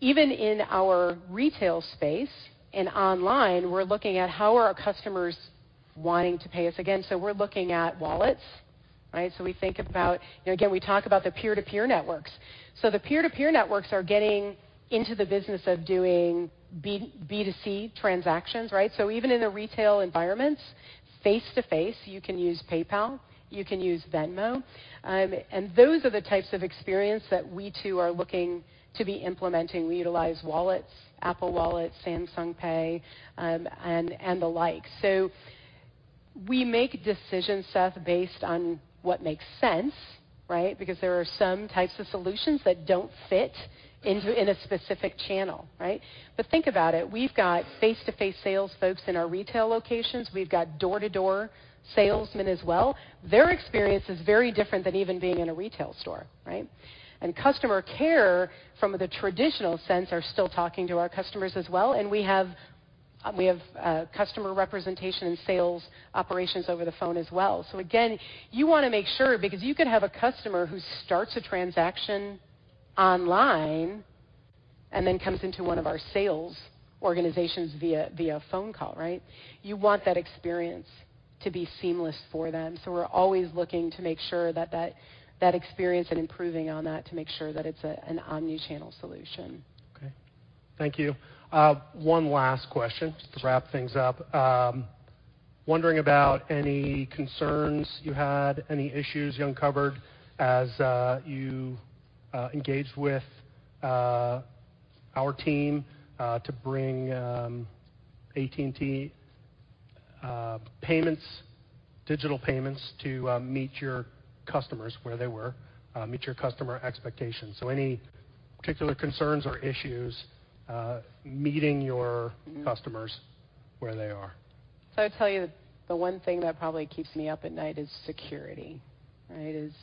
Even in our retail space and online, we're looking at how are our customers wanting to pay us again. We're looking at wallets, right? We think about, again, we talk about the peer-to-peer networks. The peer-to-peer networks are getting into the business of doing B2C transactions, right? Even in the retail environments, face-to-face, you can use PayPal, you can use Venmo. Those are the types of experience that we too are looking to be implementing. We utilize wallets, Apple Wallet, Samsung Pay, and the like. We make decisions, Seth, based on what makes sense, right? Because there are some types of solutions that don't fit in a specific channel, right? Think about it. We've got face-to-face sales folks in our retail locations. We've got door-to-door salesmen as well. Their experience is very different than even being in a retail store, right? Customer care from the traditional sense are still talking to our customers as well. We have customer representation and sales operations over the phone as well. Again, you want to make sure, because you could have a customer who starts a transaction online and then comes into one of our sales organizations via phone call, right? You want that experience to be seamless for them. We're always looking to make sure that that experience and improving on that to make sure that it's an omni-channel solution. Okay. Thank you. One last question just to wrap things up. Wondering about any concerns you had, any issues you uncovered as you engaged with our team to bring AT&T payments, digital payments to meet your customers where they were, meet your customer expectations. Any particular concerns or issues meeting your customers where they are? I'll tell you the one thing that probably keeps me up at night is security, right? It's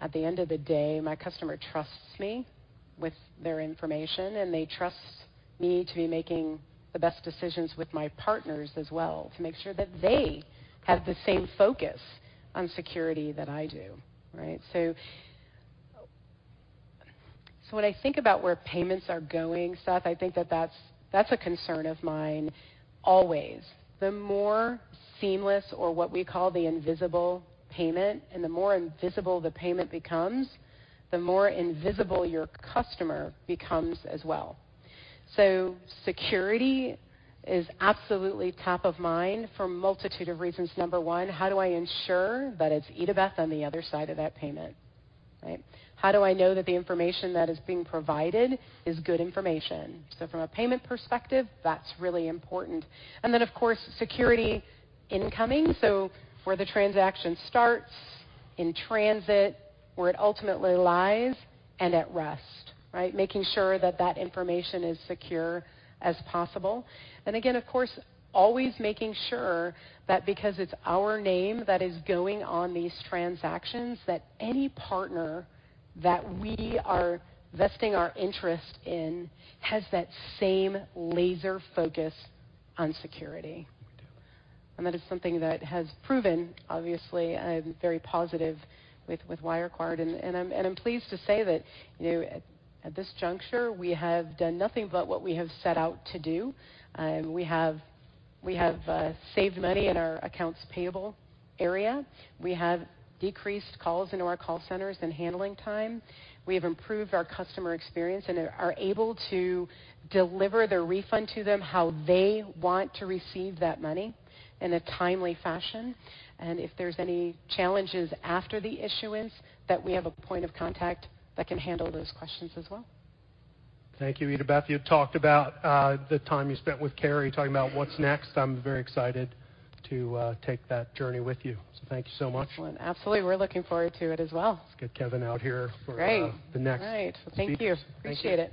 at the end of the day, my customer trusts me with their information, and they trust me to be making the best decisions with my partners as well to make sure that they have the same focus on security that I do, right? When I think about where payments are going, Seth, I think that that's a concern of mine always. The more seamless or what we call the invisible payment, and the more invisible the payment becomes, the more invisible your customer becomes as well. Security is absolutely top of mind for a multitude of reasons. Number one, how do I ensure that it's Itabeth on the other side of that payment, right? How do I know that the information that is being provided is good information? From a payment perspective, that's really important. Of course, security incoming. Where the transaction starts, in transit, where it ultimately lies, and at rest, right? Making sure that that information is secure as possible. Of course, always making sure that because it's our name that is going on these transactions, that any partner that we are vesting our interest in has that same laser focus on security. We do. That is something that has proven, obviously, very positive with Wirecard, and I'm pleased to say that at this juncture, we have done nothing but what we have set out to do. We have saved money in our accounts payable area. We have decreased calls into our call centers and handling time. We have improved our customer experience and are able to deliver the refund to them how they want to receive that money in a timely fashion. If there's any challenges after the issuance, that we have a point of contact that can handle those questions as well. Thank you, Itabeth. You had talked about the time you spent with Carrie talking about what's next. I'm very excited to take that journey with you. Thank you so much. Excellent. Absolutely, we're looking forward to it as well. Let's get Kevin out here for- Great the next speech. All right. Thank you. Appreciate it.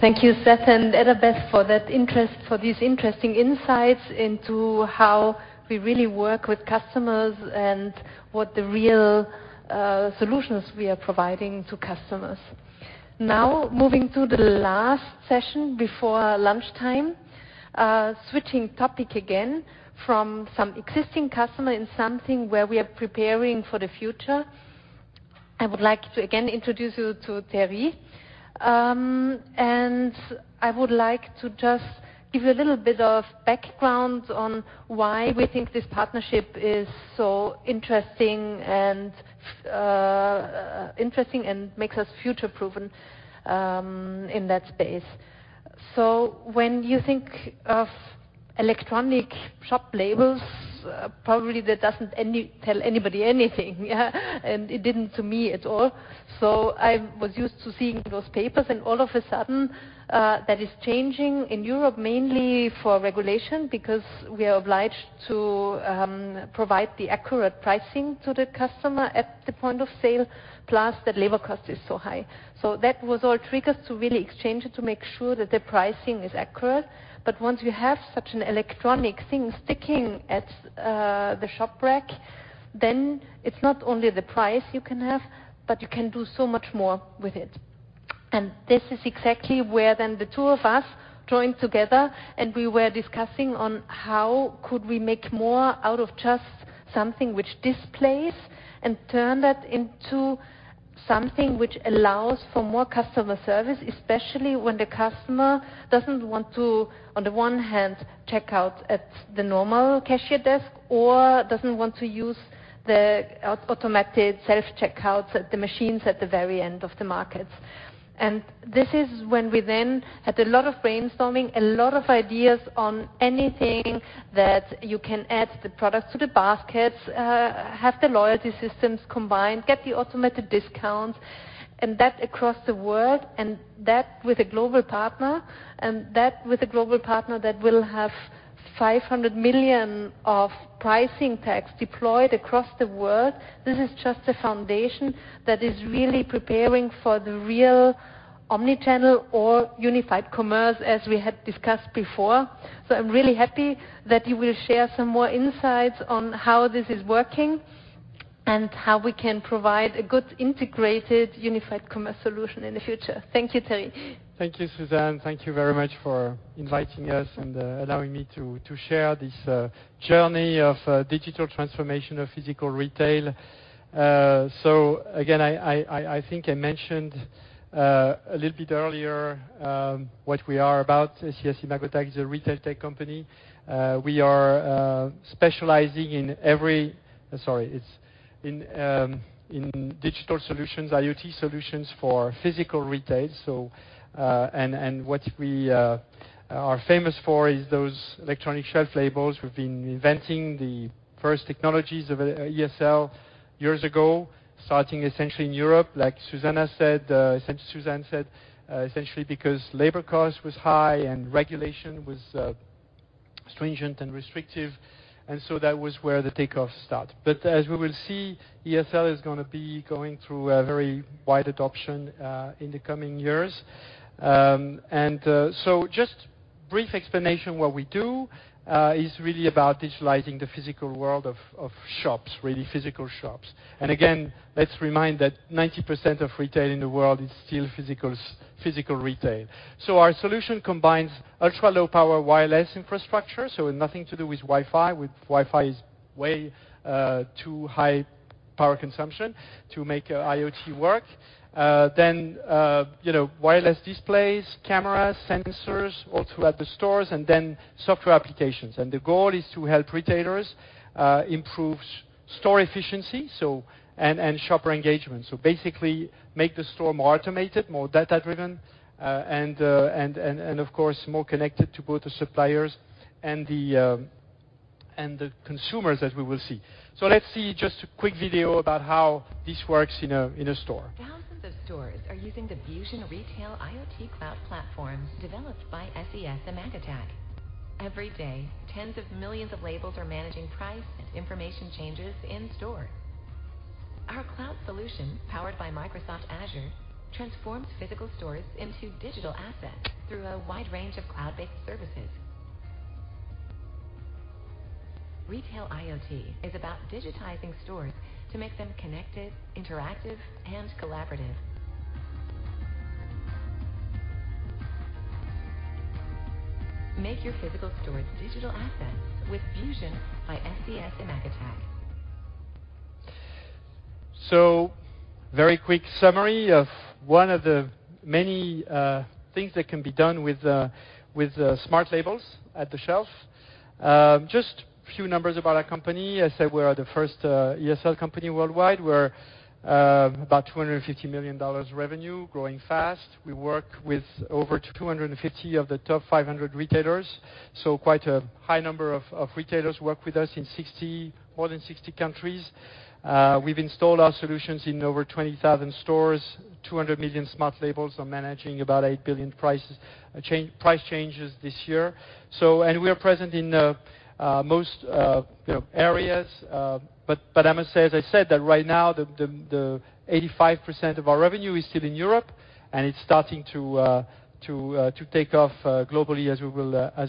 Thank you, Seth and Itabeth, for these interesting insights into how we really work with customers and what the real solutions we are providing to customers. Now moving to the last session before lunchtime. Switching topic again from some existing customer in something where we are preparing for the future. I would like to again introduce you to Thierry. I would like to just give a little bit of background on why we think this partnership is so interesting and makes us future-proven in that space. When you think of electronic shelf labels, probably that doesn't tell anybody anything. It didn't to me at all. I was used to seeing those papers, and all of a sudden, that is changing in Europe mainly for regulation because we are obliged to provide the accurate pricing to the customer at the point of sale, plus the labor cost is so high. That was all triggers to really exchange it to make sure that the pricing is accurate. Once you have such an electronic thing sticking at the shop rack, then it's not only the price you can have, but you can do so much more with it. This is exactly where then the two of us joined together, and we were discussing on how could we make more out of just something which displays and turn that into something which allows for more customer service, especially when the customer doesn't want to, on the one hand, check out at the normal cashier desk, or doesn't want to use the automatic self-checkouts at the machines at the very end of the markets. This is when we then had a lot of brainstorming, a lot of ideas on anything that you can add the products to the baskets, have the loyalty systems combined, get the automatic discounts, and that across the world, and that with a global partner, and that with a global partner that will have 500 million of pricing tags deployed across the world. This is just a foundation that is really preparing for the real omni-channel or unified commerce as we had discussed before. I'm really happy that you will share some more insights on how this is working, and how we can provide a good integrated unified commerce solution in the future. Thank you, Thierry. Thank you, Susanne. Thank you very much for inviting us and allowing me to share this journey of digital transformation of physical retail. Again, I think I mentioned a little bit earlier what we are about. SES-imagotag is a retail tech company. We are specializing in digital solutions, IoT solutions for physical retail. What we are famous for is those electronic shelf labels. We've been inventing the first technologies of ESL years ago, starting essentially in Europe. Like Susanne said, essentially because labor cost was high and regulation was stringent and restrictive, and so that was where the takeoff start. As we will see, ESL is going to be going through a very wide adoption in the coming years. Just brief explanation. What we do is really about digitalizing the physical world of shops, really physical shops. Again, let's remind that 90% of retail in the world is still physical retail. Our solution combines ultra-low power wireless infrastructure, so nothing to do with Wi-Fi with Wi-Fi is way too high power consumption to make IoT work. Wireless displays, cameras, sensors all throughout the stores, and software applications. The goal is to help retailers improve store efficiency, and shopper engagement. Basically make the store more automated, more data-driven, and of course, more connected to both the suppliers and the consumers as we will see. Let's see just a quick video about how this works in a store. Thousands of stores are using the VUSION Retail IoT cloud platforms developed by SES-imagotag. Every day, tens of millions of labels are managing price and information changes in store. Our cloud solution, powered by Microsoft Azure, transforms physical stores into digital assets through a wide range of cloud-based services. Retail IoT is about digitizing stores to make them connected, interactive, and collaborative. Make your physical stores digital assets with VUSION by SES-imagotag. Very quick summary of one of the many things that can be done with smart labels at the shelf. Just few numbers about our company. I said we are the first ESL company worldwide. We're about EUR 250 million revenue, growing fast. We work with over 250 of the top 500 retailers, so quite a high number of retailers work with us in more than 60 countries. We've installed our solutions in over 20,000 stores, 200 million smart labels are managing about 8 billion price changes this year. We are present in most areas. I must say, as I said, that right now, the 85% of our revenue is still in Europe, and it's starting to take off globally as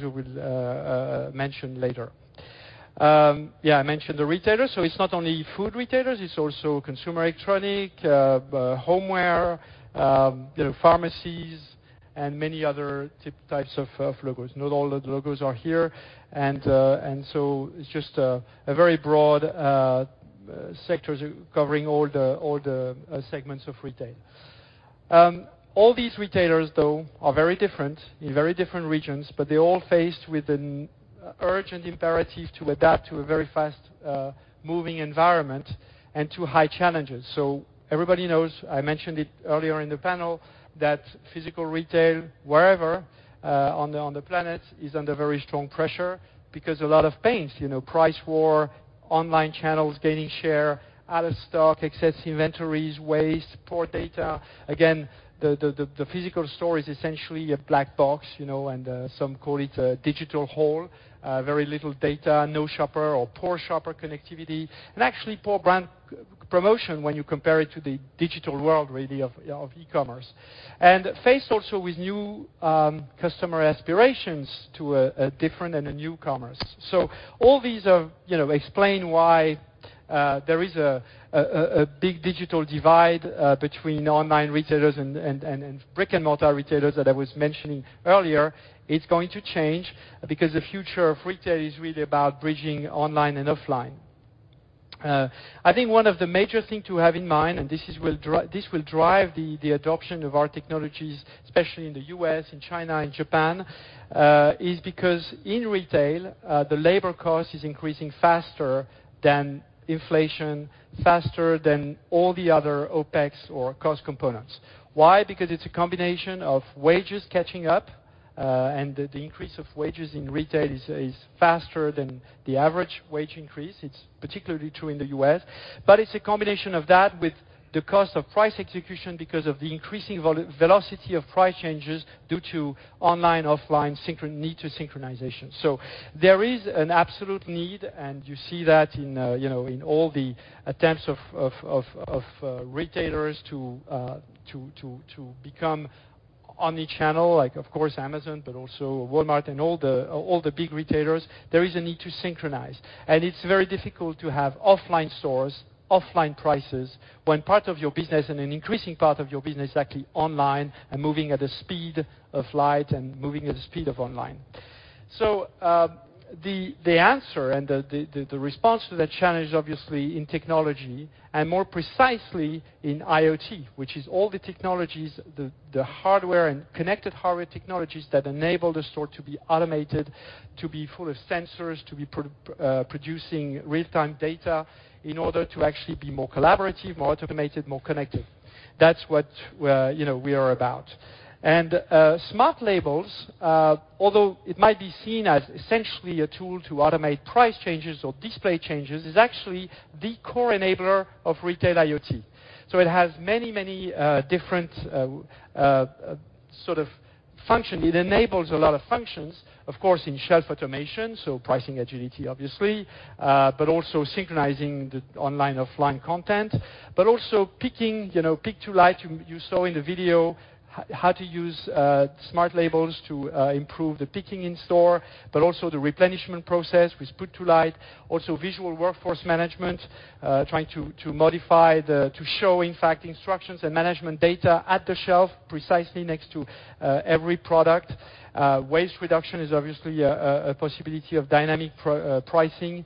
we will mention later. I mentioned the retailers. It's not only food retailers, it's also consumer electronic, homeware, pharmacies, and many other types of logos. Not all the logos are here. It's just a very broad sector covering all the segments of retail. All these retailers, though, are very different in very different regions, but they're all faced with an urgent imperative to adapt to a very fast moving environment and to high challenges. Everybody knows, I mentioned it earlier in the panel, that physical retail, wherever on the planet is under very strong pressure because a lot of pains, price war, online channels gaining share, out of stock, excess inventories, waste, poor data. Again, the physical store is essentially a black box, and some call it a digital hole. Very little data, no shopper or poor shopper connectivity, and actually poor brand promotion when you compare it to the digital world really of e-commerce. Faced also with new customer aspirations to a different and a new commerce. All these explain why there is a big digital divide between online retailers and brick-and-mortar retailers that I was mentioning earlier. It's going to change because the future of retail is really about bridging online and offline. I think one of the major things to have in mind, and this will drive the adoption of our technologies, especially in the U.S., in China, and Japan, is because in retail the labor cost is increasing faster than inflation, faster than all the other OPEX or cost components. Why? Because it's a combination of wages catching up, and the increase of wages in retail is faster than the average wage increase. It's particularly true in the U.S., but it's a combination of that with the cost of price execution because of the increasing velocity of price changes due to online, offline, need for synchronization. There is an absolute need, and you see that in all the attempts of retailers to become omni-channel, like of course, Amazon, but also Walmart and all the big retailers. There is a need to synchronize. It's very difficult to have offline stores, offline prices, when part of your business, and an increasing part of your business, is actually online and moving at the speed of light and moving at the speed of online. The answer and the response to that challenge is obviously in technology and more precisely in IoT, which is all the technologies, the hardware and connected hardware technologies that enable the store to be automated, to be full of sensors, to be producing real-time data in order to actually be more collaborative, more automated, more connected. That's what we are about. Smart labels, although it might be seen as essentially a tool to automate price changes or display changes, is actually the core enabler of retail IoT. It has many different sorts of function. It enables a lot of functions, of course, in shelf automation, so pricing agility obviously, but also synchronizing the online, offline content. Picking, pick to light, you saw in the video how to use smart labels to improve the picking in store. The replenishment process with put to light. Also visual workforce management, trying to modify to show, in fact, instructions and management data at the shelf precisely next to every product. Waste reduction is obviously a possibility of dynamic pricing.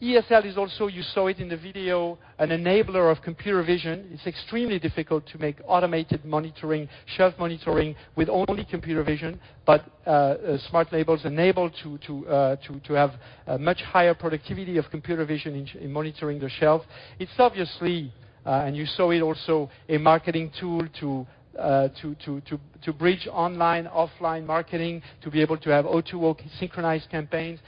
ESL is also, you saw it in the video, an enabler of computer vision. It's extremely difficult to make automated monitoring, shelf monitoring with only computer vision. Smart labels enable to have much higher productivity of computer vision in monitoring the shelf. It's obviously, and you saw it also, a marketing tool to bridge online, offline marketing to be able to have O2O synchronized campaigns.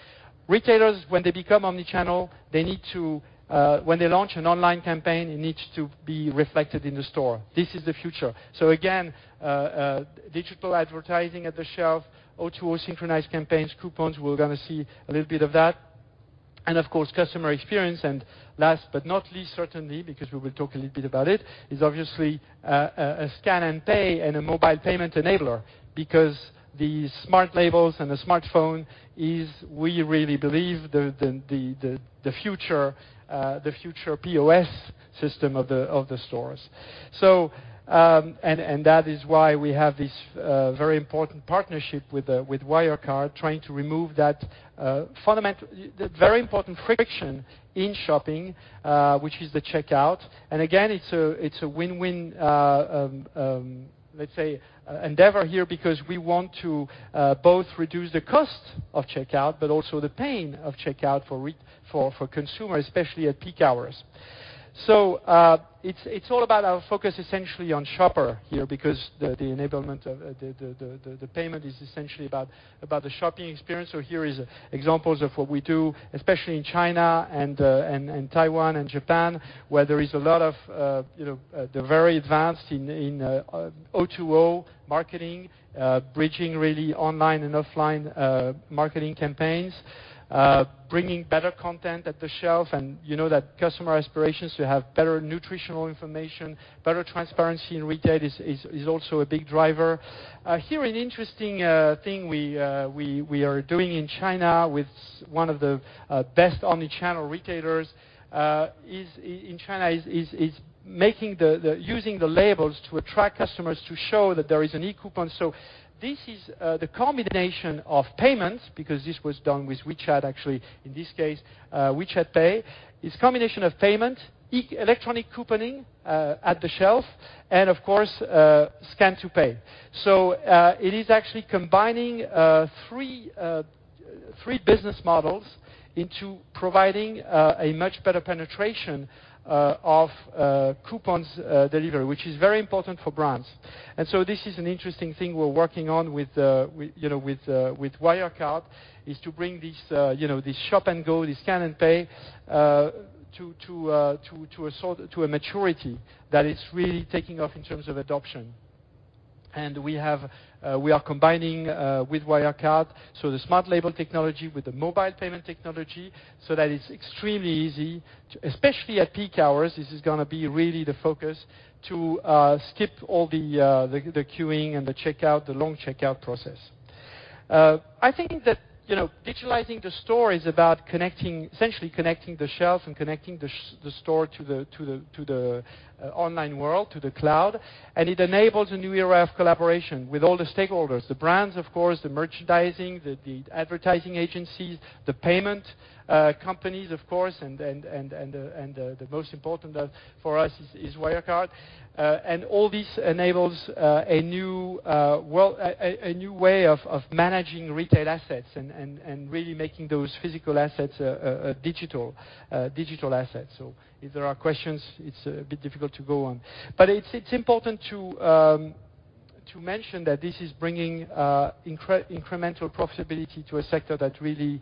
Retailers, when they become omni-channel, when they launch an online campaign, it needs to be reflected in the store. This is the future. Again, digital advertising at the shelf, O2O synchronized campaigns, coupons. We're going to see a little bit of that. Of course, customer experience. Last but not least, certainly, because we will talk a little bit about it, is obviously a scan and pay and a mobile payment enabler because the smart labels and the smartphone is, we really believe, the future POS system of the stores. That is why we have this very important partnership with Wirecard, trying to remove that very important friction in shopping, which is the checkout. Again, it's a win-win, let's say, endeavor here because we want to both reduce the cost of checkout, but also the pain of checkout for consumers, especially at peak hours. It's all about our focus essentially on shopper here because the enablement of the payment is essentially about the shopping experience. Here is examples of what we do, especially in China and Taiwan and Japan, where they're very advanced in O2O marketing, bridging really online and offline marketing campaigns. Bringing better content at the shelf and that customer aspirations to have better nutritional information, better transparency in retail is also a big driver. An interesting thing we are doing in China with one of the best omni-channel retailers in China is using the labels to attract customers to show that there is an e-coupon. This is the combination of payments because this was done with WeChat, actually, in this case, WeChat Pay. It's combination of payment, electronic couponing at the shelf, and of course, scan to pay. It is actually combining three business models into providing a much better penetration of coupons delivered, which is very important for brands. This is an interesting thing we're working on with Wirecard, is to bring this shop and go, this scan and pay to a maturity that is really taking off in terms of adoption. We are combining with Wirecard. The smart label technology with the mobile payment technology so that it's extremely easy, especially at peak hours, this is going to be really the focus to skip all the queuing and the long checkout process. I think that digitalizing the store is about essentially connecting the shelves and connecting the store to the online world, to the cloud. It enables a new era of collaboration with all the stakeholders, the brands, of course, the merchandising, the advertising agencies, the payment companies, of course, and the most important for us is Wirecard. All this enables a new way of managing retail assets and really making those physical assets digital assets. If there are questions, it's a bit difficult to go on. It's important to mention that this is bringing incremental profitability to a sector that really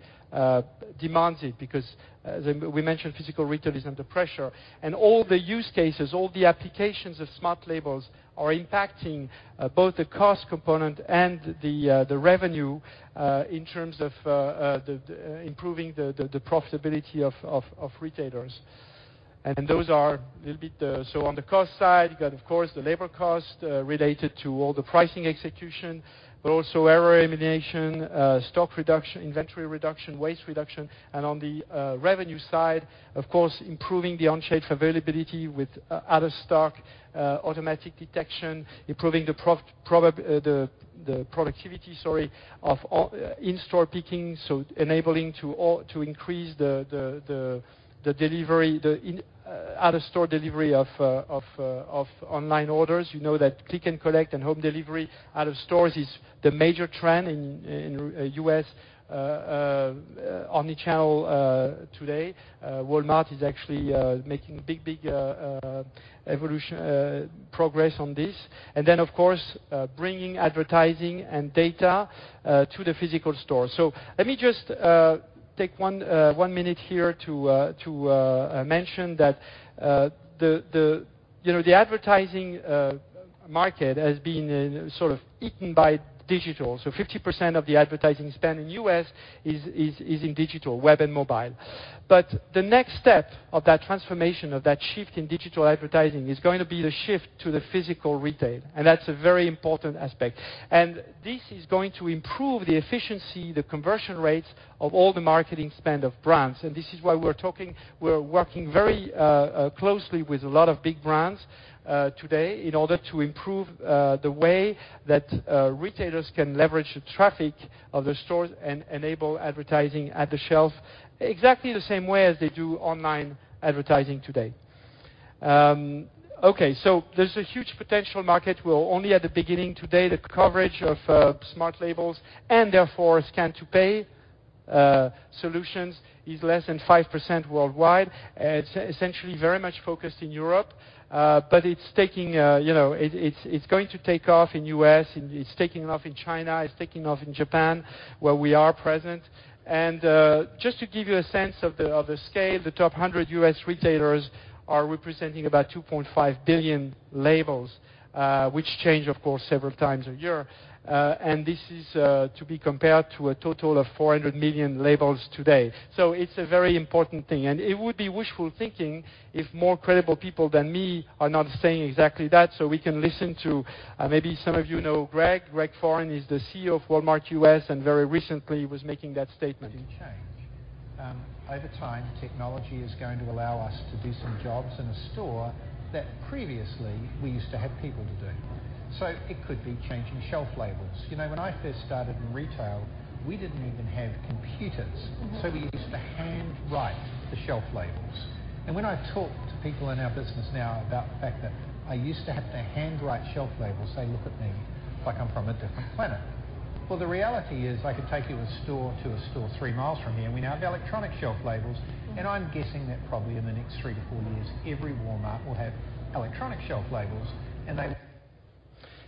demands it because as we mentioned, physical retail is under pressure. All the use cases, all the applications of smart labels are impacting both the cost component and the revenue in terms of improving the profitability of retailers. Those are a little bit, so on the cost side, you got, of course, the labor cost related to all the pricing execution, but also error elimination, stock reduction, inventory reduction, waste reduction. On the revenue side, of course, improving the on-shelf availability with out-of-stock automatic detection, improving the productivity of in-store picking. Enabling to increase the out-of-store delivery of online orders. You know that click and collect and home delivery out of stores is the major trend in U.S. omnichannel today. Walmart is actually making big progress on this. Then, of course, bringing advertising and data to the physical store. Let me just take one minute here to mention that the advertising market has been sort of eaten by digital. 50% of the advertising spend in U.S. is in digital, web, and mobile. The next step of that transformation, of that shift in digital advertising is going to be the shift to physical retail. That's a very important aspect. This is going to improve the efficiency, the conversion rates of all the marketing spend of brands. This is why we're working very closely with a lot of big brands today in order to improve the way that retailers can leverage the traffic of their stores and enable advertising at the shelf exactly the same way as they do online advertising today. Okay, there's a huge potential market. We're only at the beginning today. The coverage of smart labels and therefore scan-to-pay solutions is less than 5% worldwide. It's essentially very much focused in Europe. It's going to take off in U.S., it's taking off in China, it's taking off in Japan, where we are present. Just to give you a sense of the scale, the top 100 U.S. retailers are representing about 2.5 billion labels, which change, of course, several times a year. This is to be compared to a total of 400 million labels today. It's a very important thing, and it would be wishful thinking if more credible people than me are not saying exactly that. We can listen to, maybe some of you know Greg. Greg Foran is the CEO of Walmart U.S. and very recently was making that statement. Maybe change. Over time, technology is going to allow us to do some jobs in a store that previously we used to have people to do. It could be changing shelf labels. When I first started in retail, we didn't even have computers, so we used to hand write the shelf labels. When I talk to people in our business now about the fact that I used to have to hand write shelf labels, they look at me like I'm from a different planet. Well, the reality is, I could take you to a store three miles from here, and we now have electronic shelf labels. I'm guessing that probably in the next three to four years, every Walmart will have electronic shelf labels.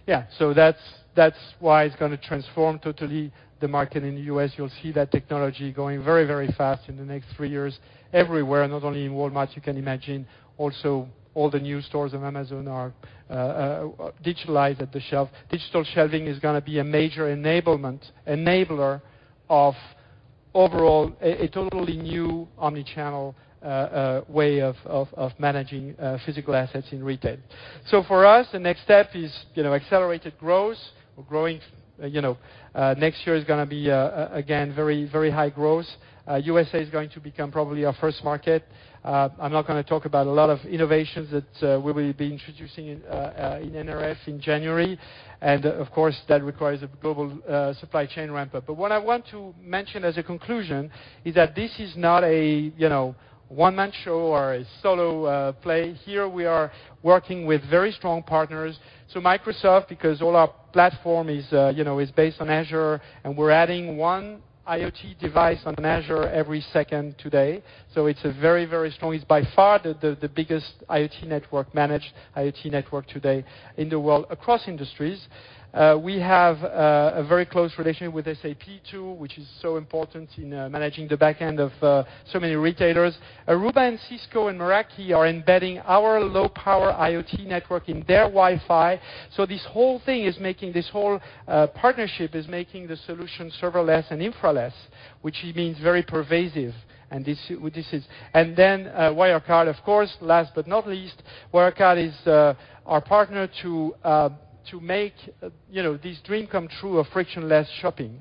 Yeah. That's why it's going to transform totally the market in the U.S. You'll see that technology going very fast in the next three years everywhere, not only in Walmart. You can imagine also all the new stores of Amazon are digitalized at the shelf. Digital shelving is going to be a major enabler of overall, a totally new omnichannel way of managing physical assets in retail. For us, the next step is accelerated growth or growing. Next year is going to be again, very high growth. USA is going to become probably our first market. I'm not going to talk about a lot of innovations that we will be introducing in NRF in January, and of course, that requires a global supply chain ramp-up. What I want to mention as a conclusion is that this is not a one-man show or a solo play here. We are working with very strong partners. Microsoft, because all our platform is based on Azure, and we're adding one IoT device on Azure every second today. It's very strong. It's by far the biggest IoT network, managed IoT network today in the world across industries. We have a very close relationship with SAP too, which is so important in managing the back end of so many retailers. Aruba and Cisco and Meraki are embedding our low-power IoT network in their Wi-Fi. This whole thing is making the solution serverless and infra-less, which means very pervasive. Then Wirecard, of course. Last but not least, Wirecard is our partner to make this dream come true of frictionless shopping.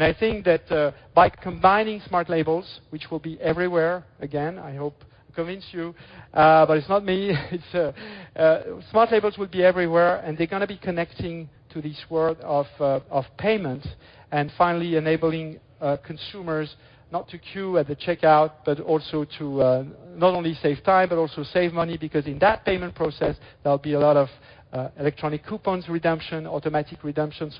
I think that by combining smart labels, which will be everywhere, again, I hope to convince you, but it's not me. Smart labels will be everywhere, and they're going to be connecting to this world of payments and finally enabling consumers not to queue at the checkout, but also to not only save time, but also save money. In that payment process, there'll be a lot of electronic coupons redemption, automatic redemption.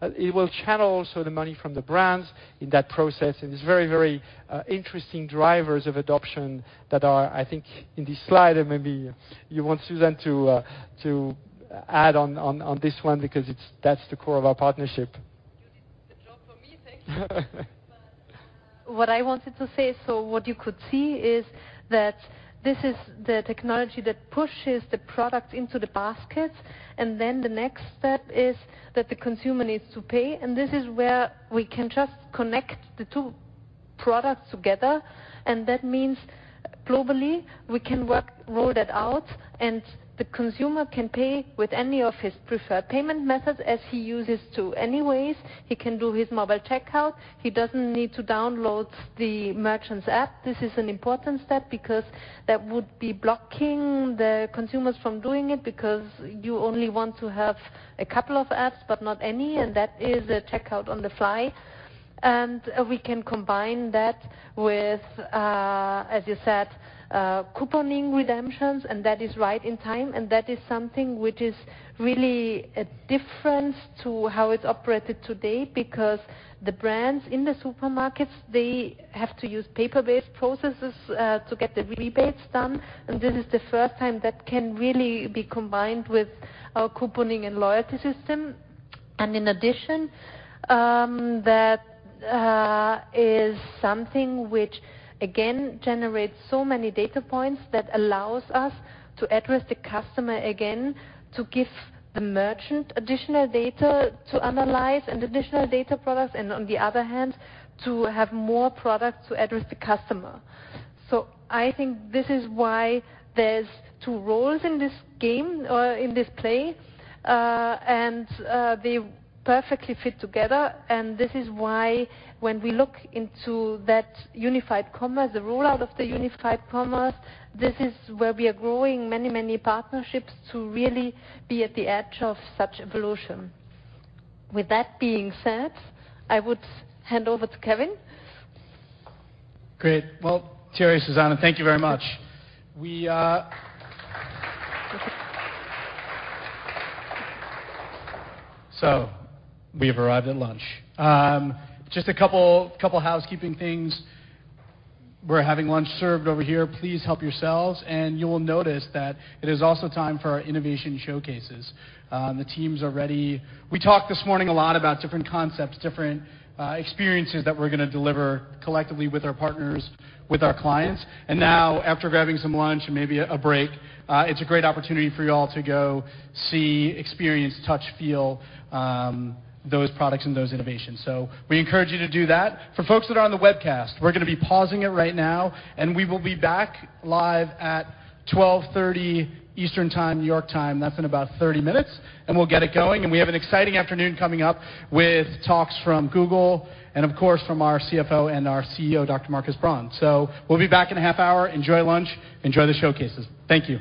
It will channel also the money from the brands in that process, and it's very, very interesting drivers of adoption that are, I think, in this slide. Maybe you want Susanne to add on this one, because that's the core of our partnership. You did the job for me. Thank you. What I wanted to say, what you could see is that this is the technology that pushes the product into the basket, the next step is that the consumer needs to pay. This is where we can just connect the two products together. That means globally, we can roll that out, the consumer can pay with any of his preferred payment methods as he uses to anyways. He can do his mobile checkout. He doesn't need to download the merchant's app. This is an important step because that would be blocking the consumers from doing it, because you only want to have a couple of apps, but not any, that is a checkout on the fly. We can combine that with, as you said, couponing redemptions, that is right in time. That is something which is really different to how it operates today because the brands in the supermarkets, they have to use paper-based processes to get the rebates done. This is the first time that can really be combined with our couponing and loyalty system. In addition, that is something which again generates so many data points that allows us to address the customer again, to give the merchant additional data to analyze and additional data products, and on the other hand, to have more products to address the customer. I think this is why there's two roles in this game or in this play, and they perfectly fit together. This is why when we look into that unified commerce, the rollout of the unified commerce, this is where we are growing many, many partnerships to really be at the edge of such evolution. With that being said, I would hand over to Kevin. Well, Thierry, Susanne, thank you very much. We have arrived at lunch. Just a couple housekeeping things. We're having lunch served over here. Please help yourselves, and you will notice that it is also time for our innovation showcases. The teams are ready. We talked this morning a lot about different concepts, different experiences that we're going to deliver collectively with our partners, with our clients. Now after grabbing some lunch and maybe a break, it's a great opportunity for you all to go see, experience, touch, feel, those products and those innovations. We encourage you to do that. For folks that are on the webcast, we're going to be pausing it right now, and we will be back live at 12:30 P.M. Eastern Time, New York time. That's in about 30 minutes. We'll get it going. We have an exciting afternoon coming up with talks from Google and, of course, from our CFO and our CEO, Dr. Markus Braun. We'll be back in a half hour. Enjoy lunch. Enjoy the showcases. Thank you.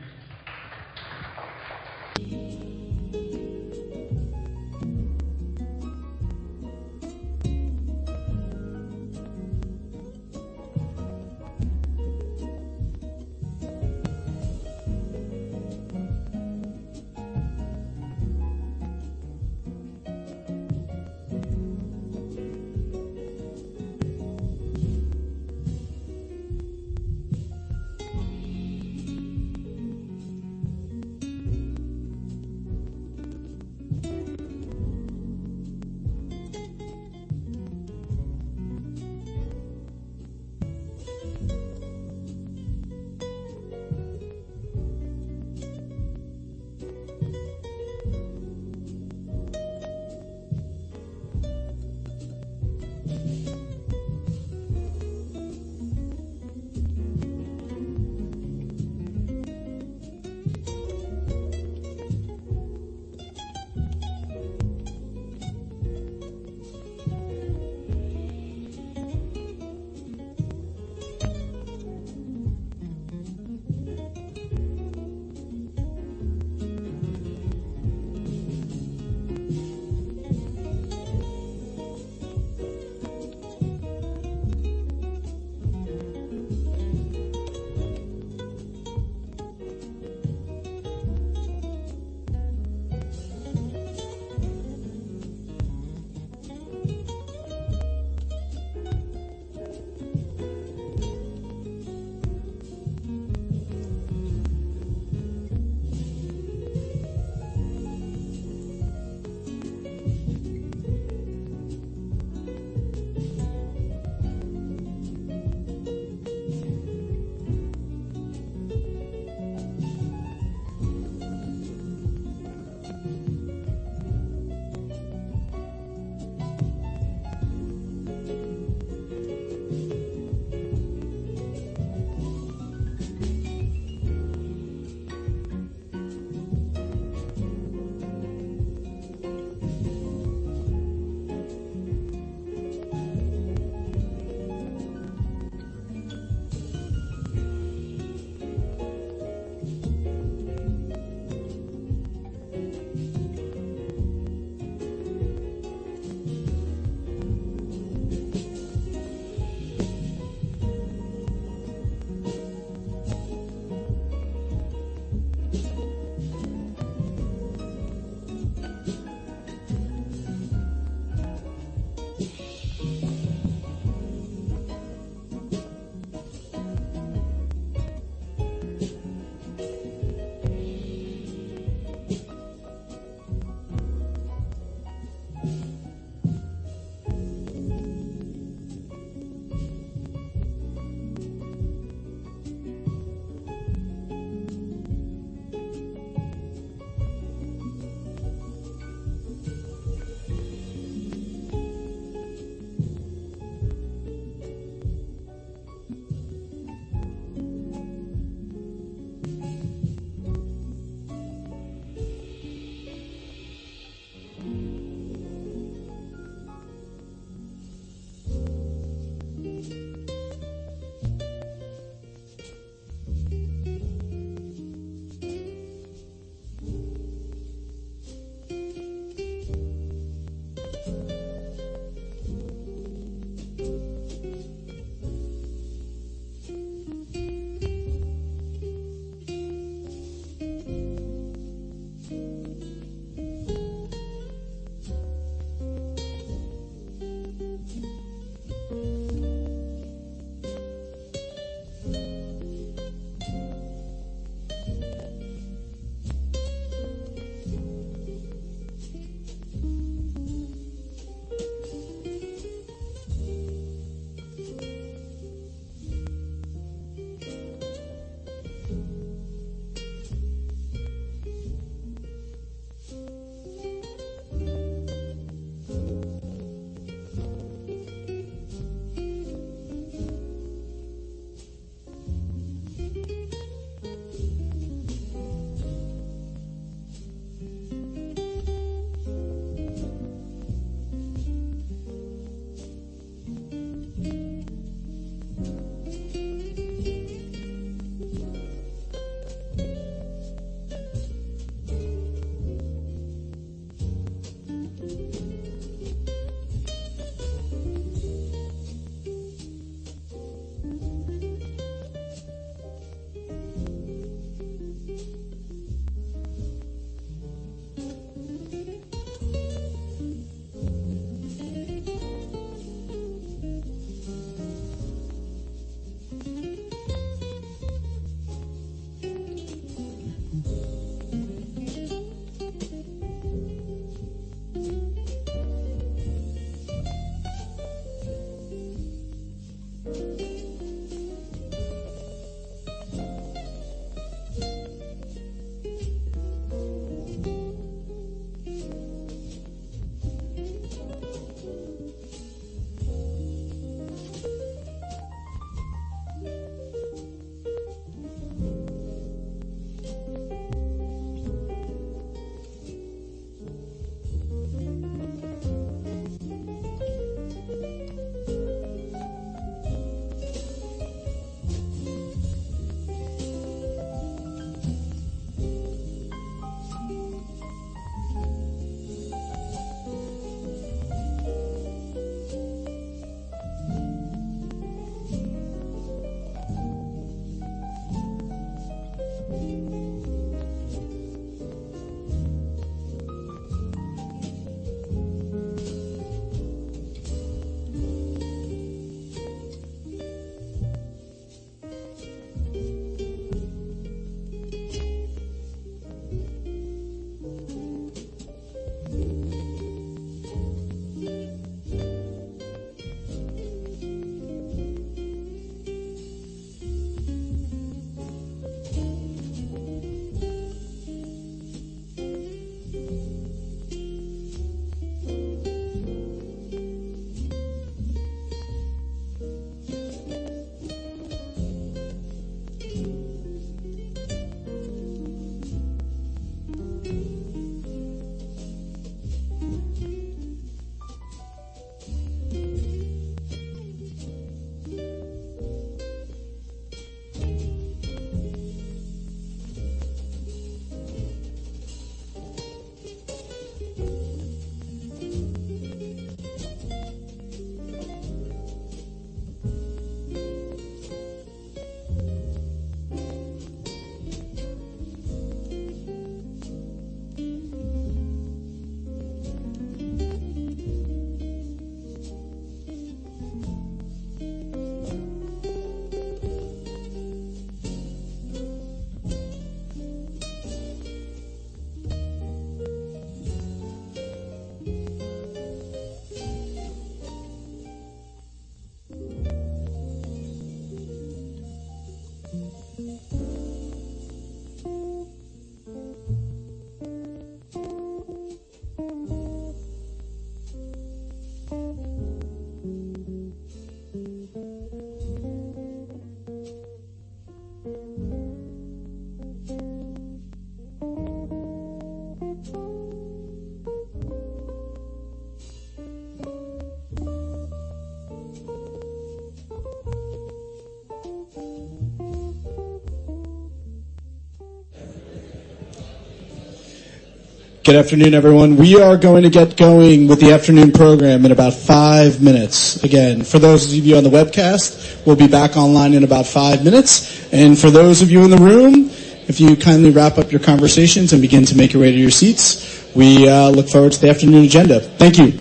Good afternoon, everyone. We are going to get going with the afternoon program in about 5 minutes. Again, for those of you on the webcast, we'll be back online in about 5 minutes. For those of you in the room, if you kindly wrap up your conversations and begin to make your way to your seats, we look forward to the afternoon agenda. Thank you.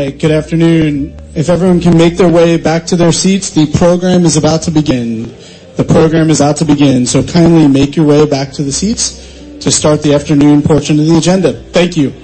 All right. Good afternoon. If everyone can make their way back to their seats, the program is about to begin. The program is about to begin, kindly make your way back to the seats to start the afternoon portion of the agenda. Thank you.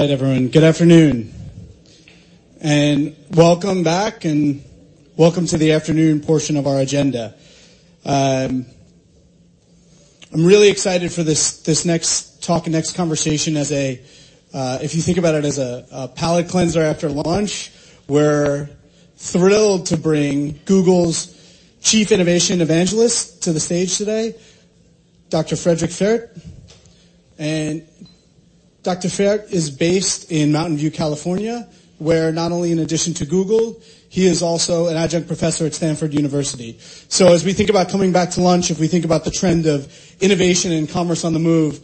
All right, everyone. Good afternoon, and welcome back, and welcome to the afternoon portion of our agenda. I'm really excited for this next talk and next conversation as a, if you think about it, a palate cleanser after lunch. We're thrilled to bring Google's Chief Innovation Evangelist to the stage today, Dr. Frederik Pferdt. Dr. Pferdt is based in Mountain View, California, where not only in addition to Google, he is also an adjunct professor at Stanford University. As we think about coming back to lunch, if we think about the trend of innovation and commerce on the move,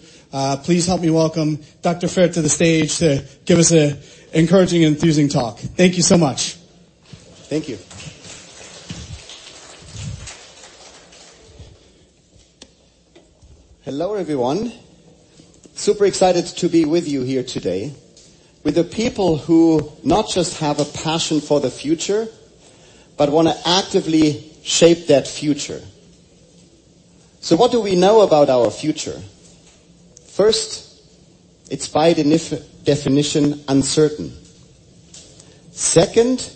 please help me welcome Dr. Pferdt to the stage to give us an encouraging and enthusing talk. Thank you so much. Thank you. Hello, everyone. Super excited to be with you here today, with the people who not just have a passion for the future, but want to actively shape that future. What do we know about our future? First, it's by definition uncertain. Second,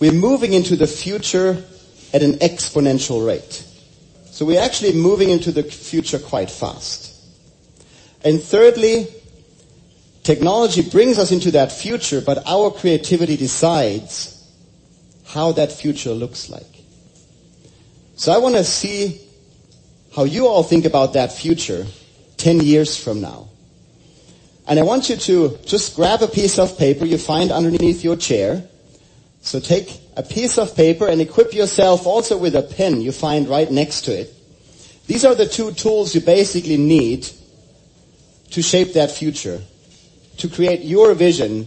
we're moving into the future at an exponential rate. We're actually moving into the future quite fast. Thirdly, technology brings us into that future, but our creativity decides how that future looks like. I want to see how you all think about that future 10 years from now. I want you to just grab a piece of paper you find underneath your chair. Take a piece of paper and equip yourself also with a pen you find right next to it. These are the two tools you basically need to shape that future, to create your vision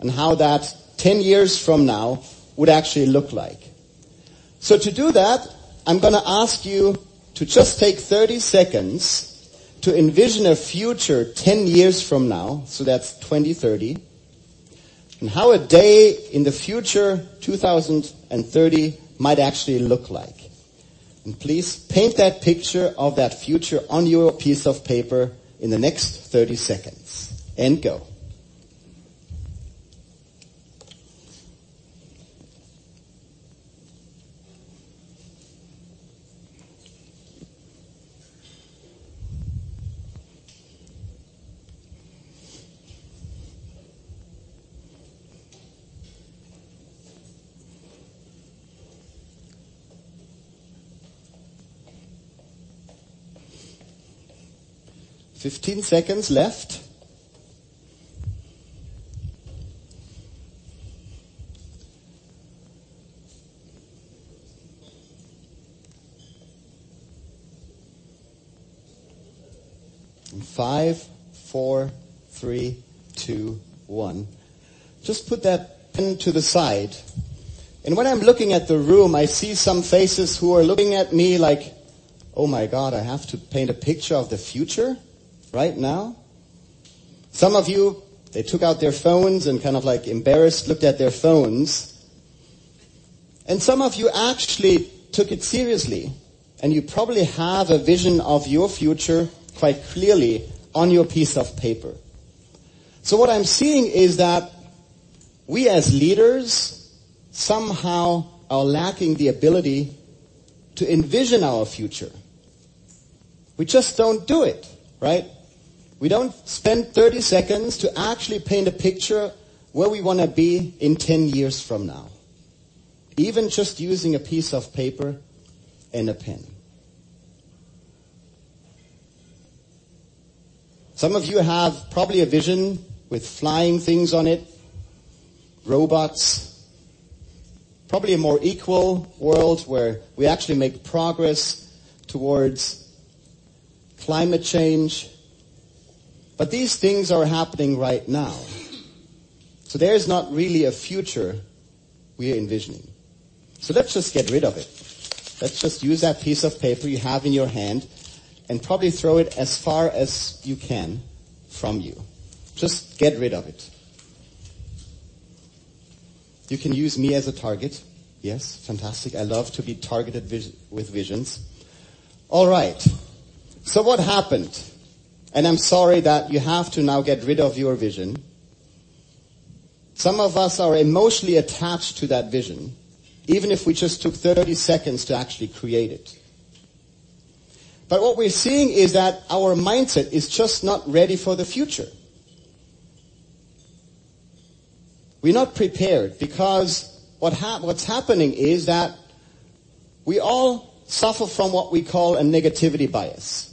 on how that 10 years from now would actually look like. To do that, I'm going to ask you to just take 30 seconds to envision a future 10 years from now, that's 2030, and how a day in the future, 2030, might actually look like. Please paint that picture of that future on your piece of paper in the next 30 seconds. Go. 15 seconds left. Five, four, three, two, one. Just put that pen to the side. When I'm looking at the room, I see some faces who are looking at me like, "Oh my God. I have to paint a picture of the future right now?" Some of you, they took out their phones and kind of embarrassed looked at their phones. Some of you actually took it seriously, and you probably have a vision of your future quite clearly on your piece of paper. What I'm seeing is that we, as leaders, somehow are lacking the ability to envision our future. We just don't do it, right? We don't spend 30 seconds to actually paint a picture where we want to be in 10 years from now, even just using a piece of paper and a pen. Some of you have probably a vision with flying things on it, robots, probably a more equal world where we actually make progress towards climate change. These things are happening right now. There is not really a future we are envisioning. Let's just get rid of it. Let's just use that piece of paper you have in your hand and probably throw it as far as you can from you. Just get rid of it. You can use me as a target. Yes, fantastic. I love to be targeted with visions. All right. What happened? I'm sorry that you have to now get rid of your vision. Some of us are emotionally attached to that vision, even if we just took 30 seconds to actually create it. What we're seeing is that our mindset is just not ready for the future. We're not prepared because what's happening is that we all suffer from what we call a negativity bias.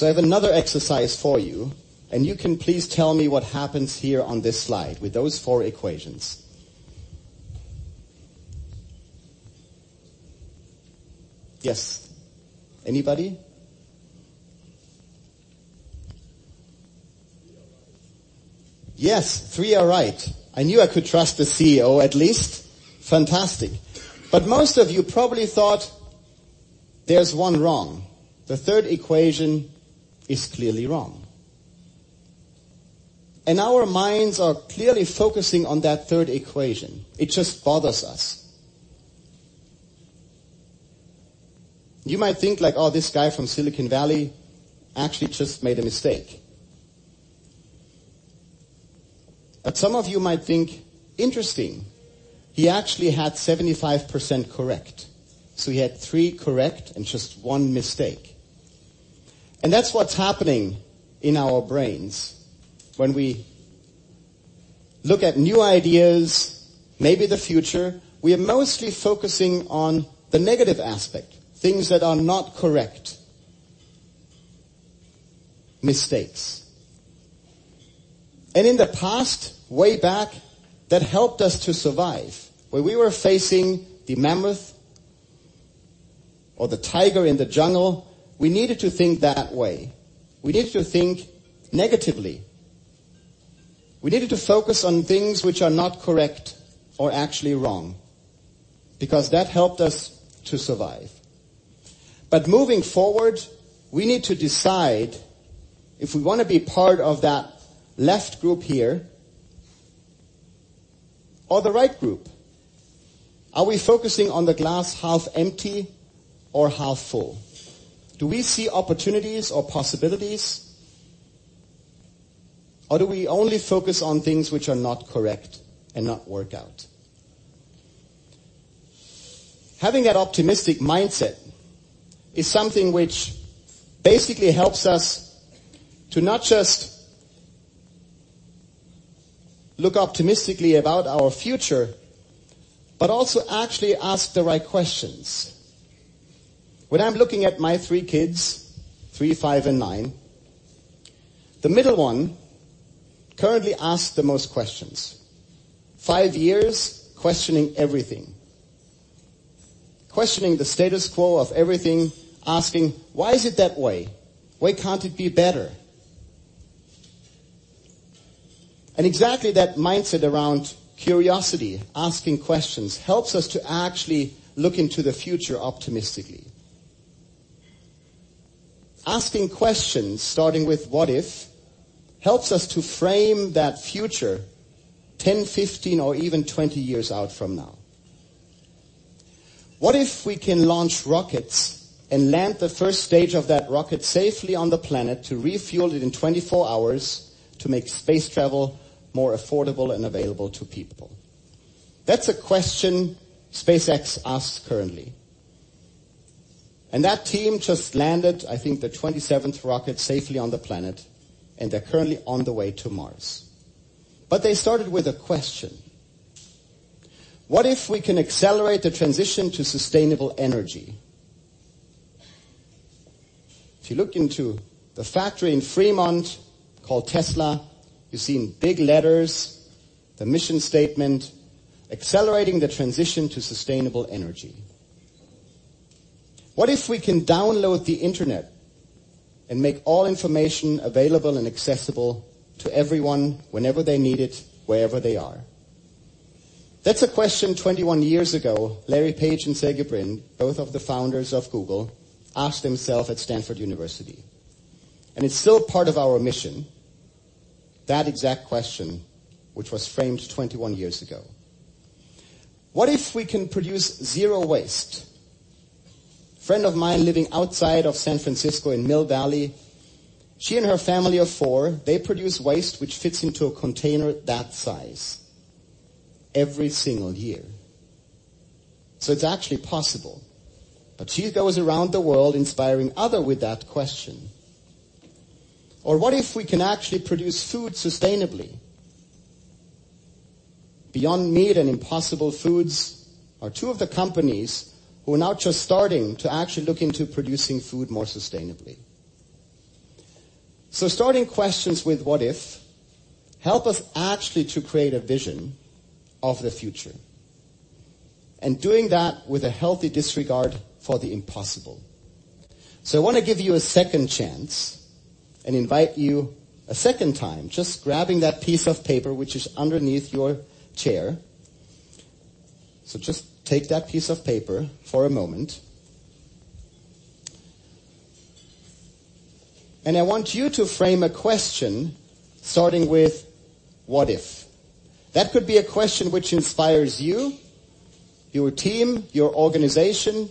I have another exercise for you, and you can please tell me what happens here on this slide with those four equations. Yes. Anybody? Three are right. Yes, three are right. I knew I could trust the CEO at least. Fantastic. Most of you probably thought there's one wrong. The third equation is clearly wrong. Our minds are clearly focusing on that third equation. It just bothers us. You might think, like, "Oh, this guy from Silicon Valley actually just made a mistake." Some of you might think, interesting, he actually had 75% correct. He had three correct and just one mistake. That's what's happening in our brains when we look at new ideas, maybe the future. We are mostly focusing on the negative aspect, things that are not correct. Mistakes. In the past, way back, that helped us to survive. When we were facing the mammoth or the tiger in the jungle, we needed to think that way. We needed to think negatively. We needed to focus on things which are not correct or actually wrong, because that helped us to survive. Moving forward, we need to decide if we want to be part of that left group here or the right group. Are we focusing on the glass half empty or half full? Do we see opportunities or possibilities? Do we only focus on things which are not correct and not work out? Having that optimistic mindset is something which basically helps us to not just look optimistically about our future, but also actually ask the right questions. When I'm looking at my three kids, three, five, and nine, the middle one currently asks the most questions. Five years questioning everything. Questioning the status quo of everything, asking, "Why is it that way? Why can't it be better?" Exactly that mindset around curiosity, asking questions, helps us to actually look into the future optimistically. Asking questions starting with what if helps us to frame that future 10, 15, or even 20 years out from now. What if we can launch rockets and land the first stage of that rocket safely on the planet to refuel it in 24 hours to make space travel more affordable and available to people? That's a question SpaceX asks currently. That team just landed, I think, the 27th rocket safely on the planet, and they're currently on the way to Mars. They started with a question. What if we can accelerate the transition to sustainable energy? If you look into the factory in Fremont called Tesla, you see in big letters the mission statement, accelerating the transition to sustainable energy. What if we can download the internet and make all information available and accessible to everyone whenever they need it, wherever they are? That's a question 21 years ago, Larry Page and Sergey Brin, both of the founders of Google, asked themselves at Stanford University. It's still part of our mission, that exact question, which was framed 21 years ago. What if we can produce zero waste? Friend of mine living outside of San Francisco in Mill Valley, she and her family of four, they produce waste which fits into a container that size every single year. It's actually possible. She goes around the world inspiring others with that question. What if we can actually produce food sustainably? Beyond Meat and Impossible Foods are two of the companies who are now just starting to actually look into producing food more sustainably. Starting questions with "what if" help us actually to create a vision of the future, and doing that with a healthy disregard for the impossible. I want to give you a second chance and invite you a second time, just grabbing that piece of paper, which is underneath your chair. Just take that piece of paper for a moment. I want you to frame a question starting with "what if." That could be a question which inspires you, your team, your organization,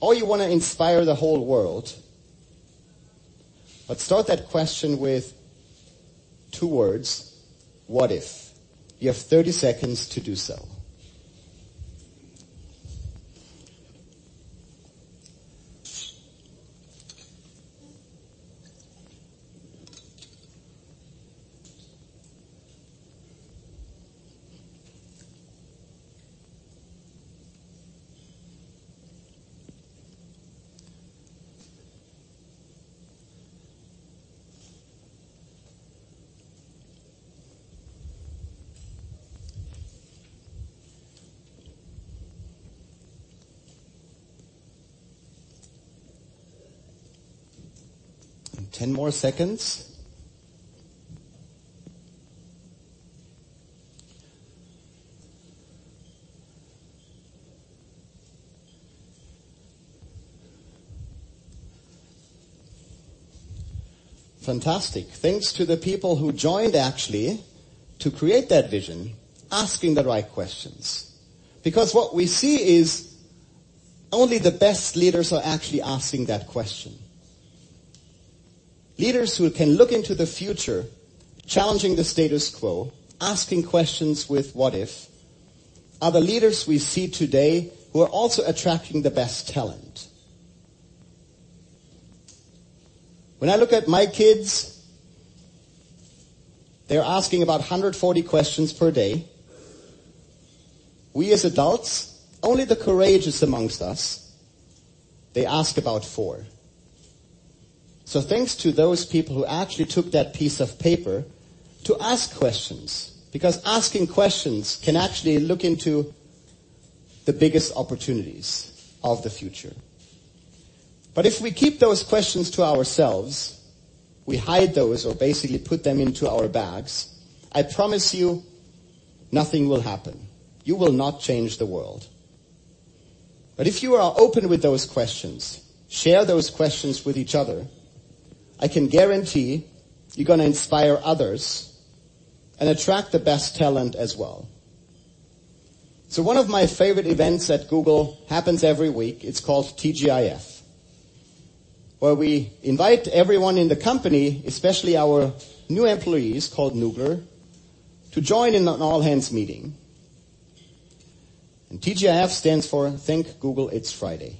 or you want to inspire the whole world. Start that question with two words: what if. You have 30 seconds to do so. 10 more seconds. Fantastic. Thanks to the people who joined actually to create that vision, asking the right questions. What we see is only the best leaders are actually asking that question. Leaders who can look into the future, challenging the status quo, asking questions with what if, are the leaders we see today who are also attracting the best talent. When I look at my kids, they're asking about 140 questions per day. We as adults, only the courageous amongst us, they ask about four. So thanks to those people who actually took that piece of paper to ask questions, because asking questions can actually look into the biggest opportunities of the future. If we keep those questions to ourselves, we hide those or basically put them into our bags, I promise you nothing will happen. You will not change the world. If you are open with those questions, share those questions with each other, I can guarantee you're going to inspire others and attract the best talent as well. One of my favorite events at Google happens every week. It's called TGIF, where we invite everyone in the company, especially our new employees, called Noogler, to join in an all-hands meeting. TGIF stands for Thank Google It's Friday.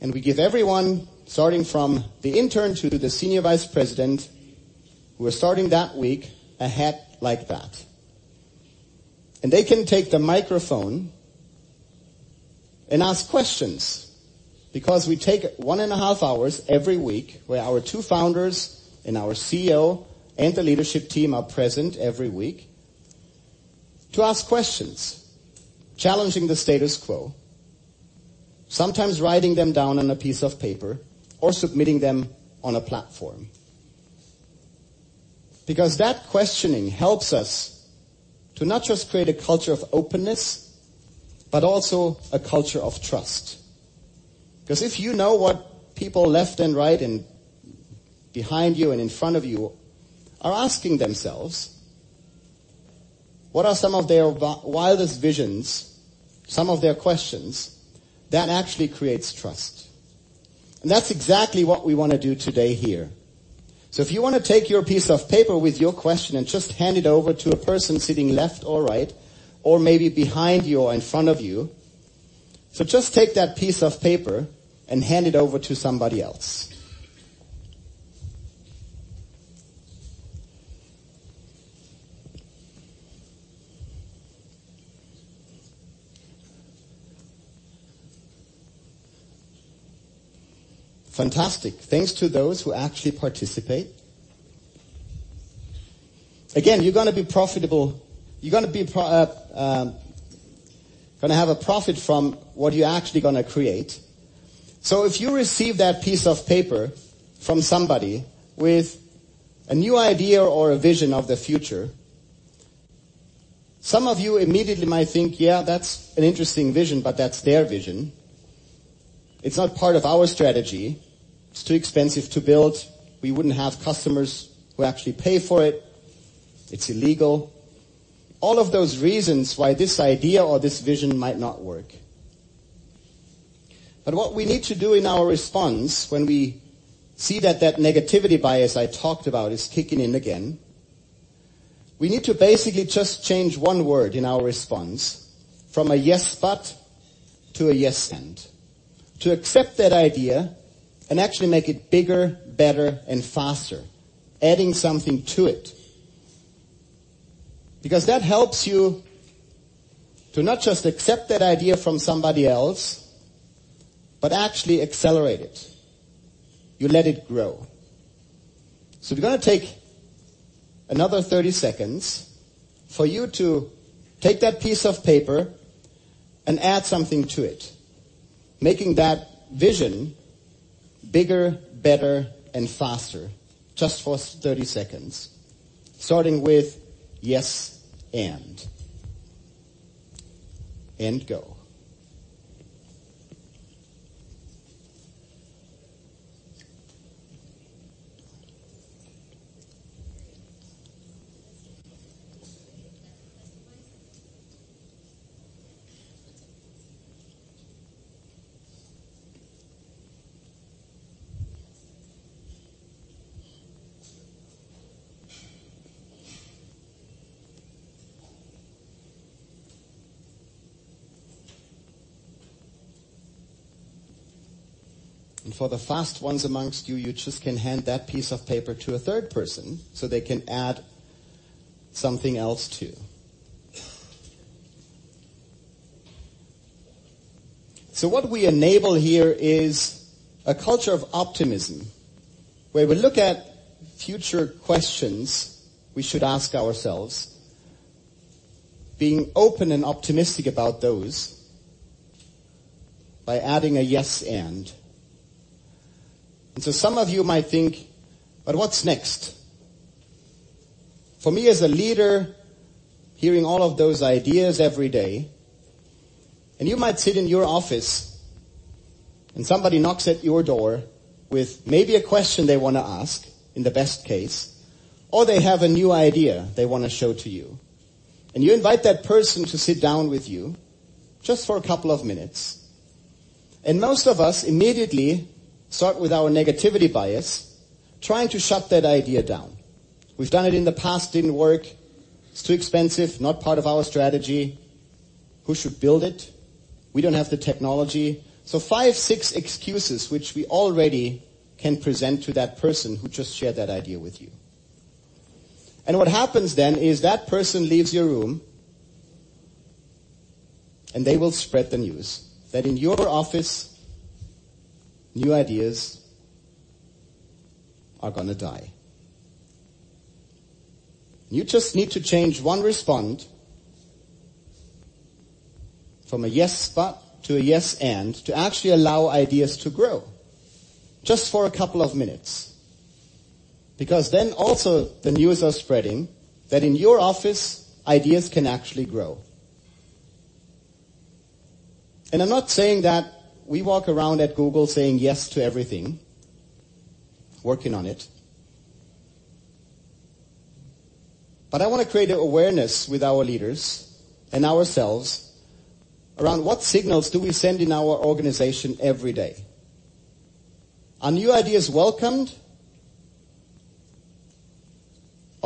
We give everyone, starting from the intern to the senior vice president who are starting that week, a hat like that. They can take the microphone and ask questions because we take one and a half hours every week where our two founders and our CEO and the leadership team are present every week to ask questions, challenging the status quo. Sometimes writing them down on a piece of paper or submitting them on a platform. That questioning helps us to not just create a culture of openness, but also a culture of trust. If you know what people left and right and behind you and in front of you are asking themselves, what are some of their wildest visions, some of their questions? That actually creates trust. That's exactly what we want to do today here. If you want to take your piece of paper with your question and just hand it over to a person sitting left or right or maybe behind you or in front of you. Just take that piece of paper and hand it over to somebody else. Fantastic. Thanks to those who actually participate. Again, you're going to have a profit from what you're actually going to create. If you receive that piece of paper from somebody with a new idea or a vision of the future, some of you immediately might think, yeah, that's an interesting vision, that's their vision. It's not part of our strategy. It's too expensive to build. We wouldn't have customers who actually pay for it. It's illegal. All of those reasons why this idea or this vision might not work. What we need to do in our response when we see that negativity bias I talked about is kicking in again, we need to basically just change one word in our response from a yes, but to a yes, and to accept that idea and actually make it bigger, better, and faster, adding something to it. That helps you to not just accept that idea from somebody else, but actually accelerate it. You let it grow. We're going to take another 30 seconds for you to take that piece of paper and add something to it, making that vision bigger, better, and faster. Just for 30 seconds, starting with yes, and. Go. For the fast ones amongst you just can hand that piece of paper to a third person so they can add something else too. What we enable here is a culture of optimism where we look at future questions we should ask ourselves, being open and optimistic about those by adding a yes, and. Some of you might think, but what's next? For me as a leader, hearing all of those ideas every day, and you might sit in your office and somebody knocks at your door with maybe a question they want to ask in the best case, or they have a new idea they want to show to you, and you invite that person to sit down with you just for a couple of minutes. Most of us immediately start with our negativity bias, trying to shut that idea down. We've done it in the past, didn't work. It's too expensive, not part of our strategy. Who should build it? We don't have the technology. Five, six excuses which we already can present to that person who just shared that idea with you. What happens then is that person leaves your room, and they will spread the news that in your office, new ideas are going to die. You just need to change one response from a yes, but to a yes, and to actually allow ideas to grow just for a couple of minutes. Then also the news are spreading that in your office, ideas can actually grow. I'm not saying that we walk around at Google saying yes to everything. Working on it. I want to create awareness with our leaders and ourselves around what signals do we send in our organization every day. Are new ideas welcomed?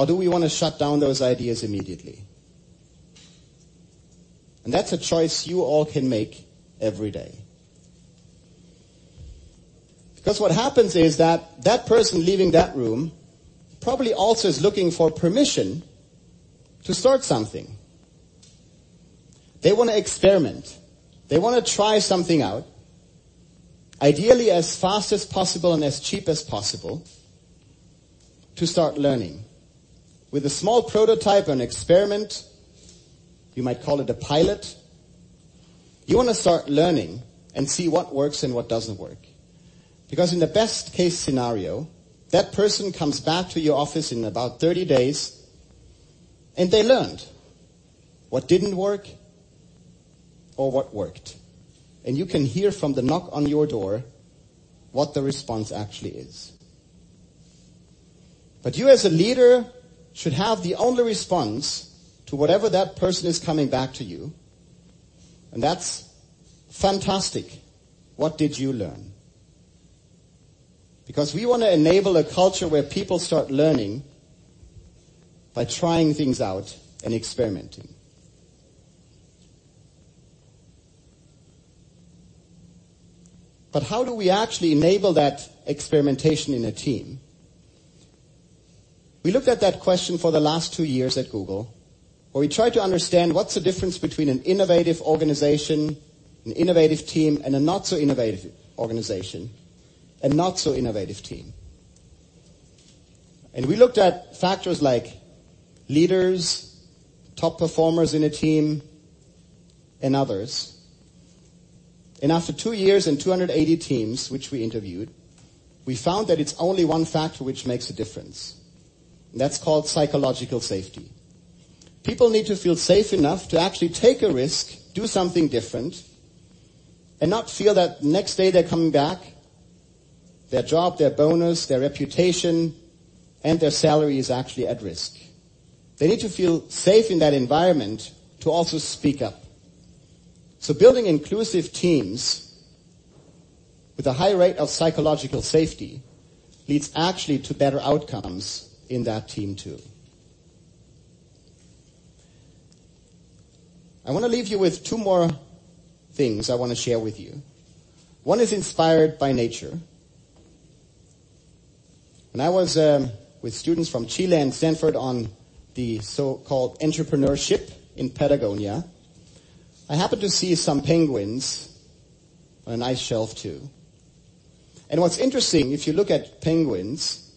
Do we want to shut down those ideas immediately? That's a choice you all can make every day. What happens is that that person leaving that room probably also is looking for permission to start something. They want to experiment. They want to try something out, ideally as fast as possible and as cheap as possible to start learning. With a small prototype or an experiment, you might call it a pilot, you want to start learning and see what works and what doesn't work. In the best case scenario, that person comes back to your office in about 30 days and they learned what didn't work or what worked. You can hear from the knock on your door what the response actually is. You as a leader should have the only response to whatever that person is coming back to you, and that's, "Fantastic. What did you learn?" We want to enable a culture where people start learning by trying things out and experimenting. How do we actually enable that experimentation in a team? We looked at that question for the last two years at Google, where we tried to understand what's the difference between an innovative organization, an innovative team, and a not so innovative organization, a not so innovative team. We looked at factors like leaders, top performers in a team, and others. After two years and 280 teams which we interviewed, we found that it's only one factor which makes a difference, and that's called psychological safety. People need to feel safe enough to actually take a risk, do something different, and not feel that next day they're coming back, their job, their bonus, their reputation, and their salary is actually at risk. They need to feel safe in that environment to also speak up. Building inclusive teams with a high rate of psychological safety leads actually to better outcomes in that team too. I want to leave you with two more things I want to share with you. One is inspired by nature. When I was with students from Chile and Stanford on the so-called entrepreneurship in Patagonia, I happened to see some penguins on an ice shelf too. What's interesting, if you look at penguins,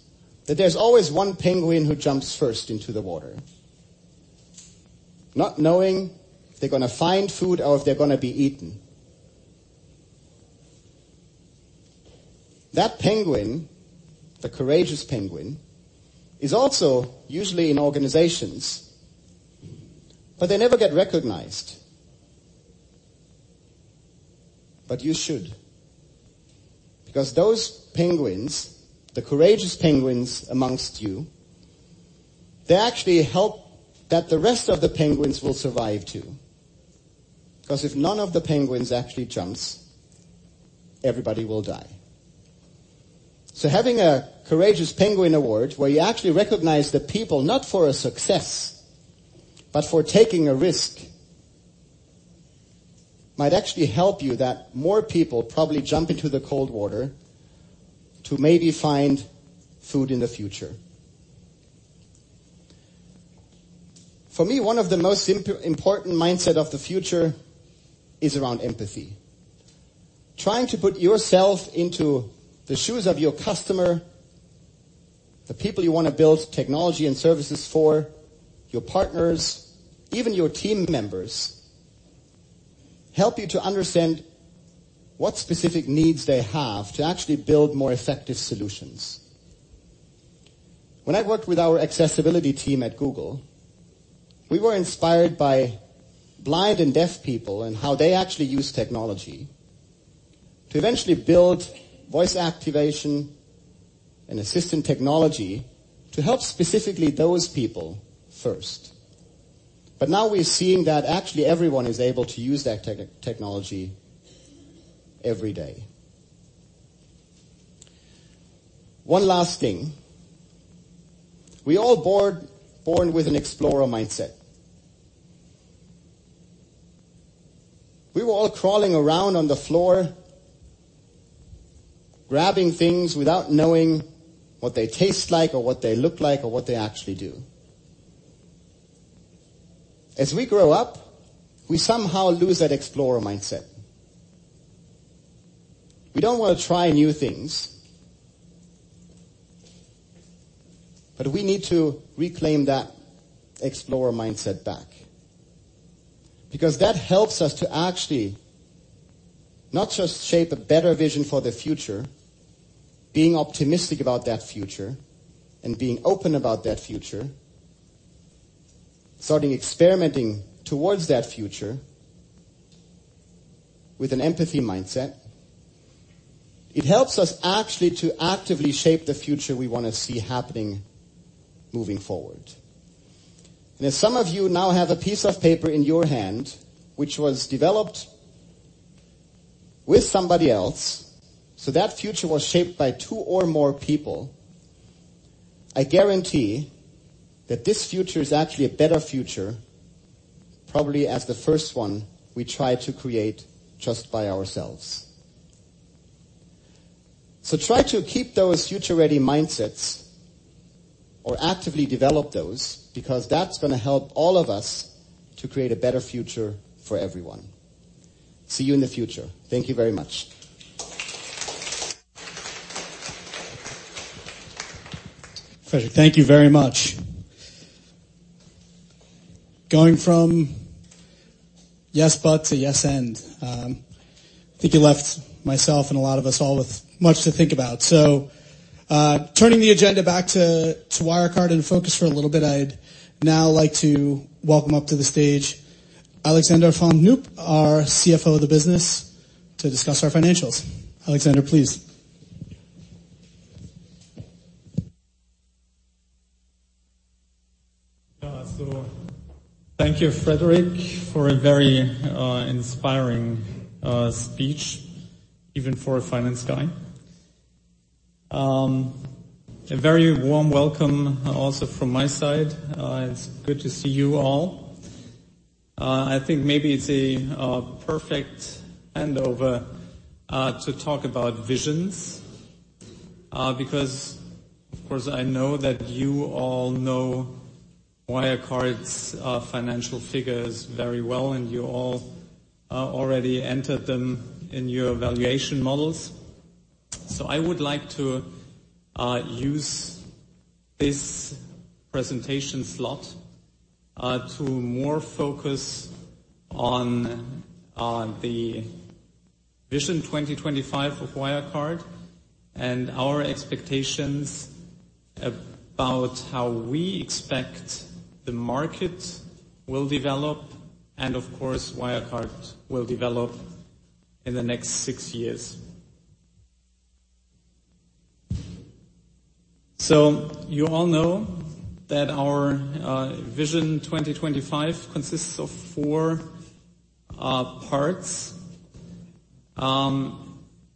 that there's always one penguin who jumps first into the water, not knowing if they're going to find food or if they're going to be eaten. That penguin, the courageous penguin, is also usually in organizations, but they never get recognized. You should. Those penguins, the courageous penguins amongst you, they actually help that the rest of the penguins will survive too. If none of the penguins actually jumps, everybody will die. Having a Courageous Penguin Award, where you actually recognize the people not for a success, but for taking a risk, might actually help you that more people probably jump into the cold water to maybe find food in the future. For me, one of the most important mindset of the future is around empathy. Trying to put yourself into the shoes of your customer, the people you want to build technology and services for, your partners, even your team members, help you to understand what specific needs they have to actually build more effective solutions. When I worked with our accessibility team at Google, we were inspired by blind and deaf people and how they actually use technology to eventually build voice activation and assistant technology to help specifically those people first. Now we're seeing that actually everyone is able to use that technology every day. One last thing. We're all born with an explorer mindset. We were all crawling around on the floor, grabbing things without knowing what they taste like or what they look like, or what they actually do. As we grow up, we somehow lose that explorer mindset. We don't want to try new things. We need to reclaim that explorer mindset back. That helps us to actually not just shape a better vision for the future, being optimistic about that future and being open about that future, starting experimenting towards that future with an empathy mindset. It helps us actually to actively shape the future we want to see happening moving forward. As some of you now have a piece of paper in your hand, which was developed with somebody else, that future was shaped by two or more people, I guarantee that this future is actually a better future, probably as the first one we try to create just by ourselves. Try to keep those future-ready mindsets or actively develop those, because that's going to help all of us to create a better future for everyone. See you in the future. Thank you very much. Frederik, thank you very much. Going from yes but to yes and, I think you left myself and a lot of us all with much to think about. Turning the agenda back to Wirecard and focus for a little bit, I'd now like to welcome up to the stage Alexander von Knoop, our CFO of the business, to discuss our financials. Alexander, please. Thank you, Frederik, for a very inspiring speech, even for a finance guy. A very warm welcome also from my side. It's good to see you all. I think maybe it's a perfect handover to talk about visions, because, of course, I know that you all know Wirecard's financial figures very well, and you all already entered them in your valuation models. I would like to use this presentation slot to more focus on the Vision 2025 for Wirecard and our expectations about how we expect the market will develop and, of course, Wirecard will develop in the next six years. You all know that our Vision 2025 consists of four parts.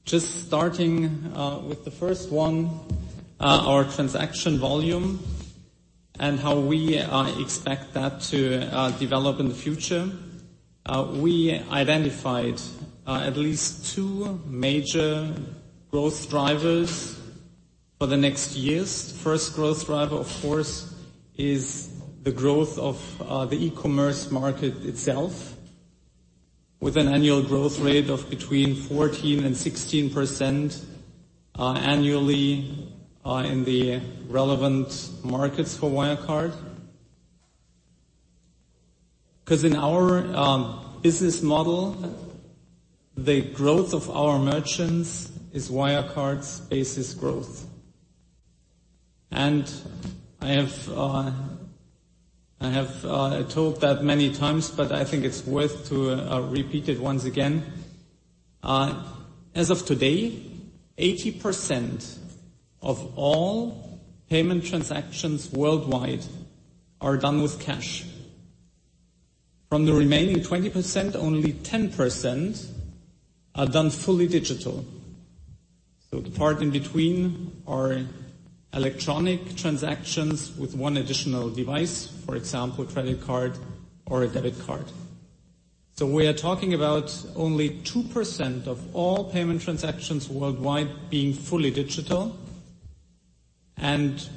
Just starting with the first one, our transaction volume and how we expect that to develop in the future. We identified at least two major growth drivers for the next years. First growth driver, of course, is the growth of the e-commerce market itself, with an annual growth rate of between 14% and 16% annually in the relevant markets for Wirecard. In our business model, the growth of our merchants is Wirecard's basis growth. I have told that many times, but I think it's worth to repeat it once again. As of today, 80% of all payment transactions worldwide are done with cash. From the remaining 20%, only 10% are done fully digital. The part in between are electronic transactions with one additional device, for example, credit card or a debit card. We are talking about only 2% of all payment transactions worldwide being fully digital.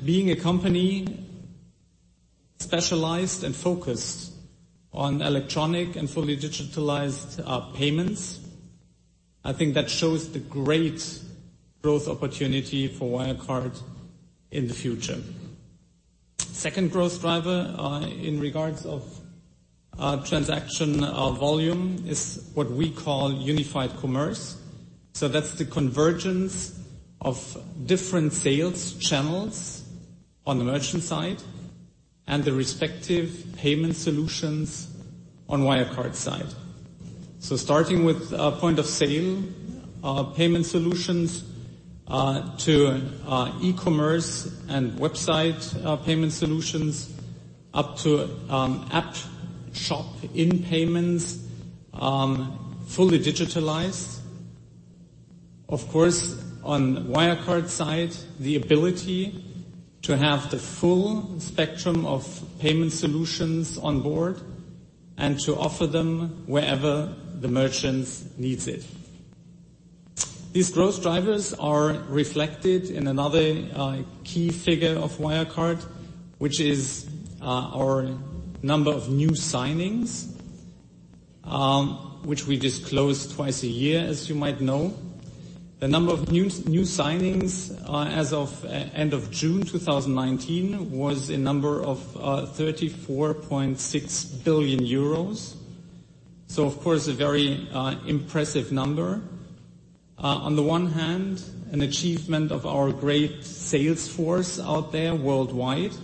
Being a company specialized and focused on electronic and fully digitalized payments, I think that shows the great growth opportunity for Wirecard in the future. Second growth driver in regards of transaction volume is what we call unified commerce. That is the convergence of different sales channels on the merchant side and the respective payment solutions on Wirecard side. Starting with point-of-sale payment solutions to e-commerce and website payment solutions, up to app shop in-payments, fully digitalized. Of course, on Wirecard side, the ability to have the full spectrum of payment solutions on board and to offer them wherever the merchants needs it. These growth drivers are reflected in another key figure of Wirecard, which is our number of new signings, which we disclose twice a year, as you might know. The number of new signings as of end of June 2019 was a number of 34.6 billion euros. Of course, a very impressive number. On the one hand, an achievement of our great sales force out there worldwide.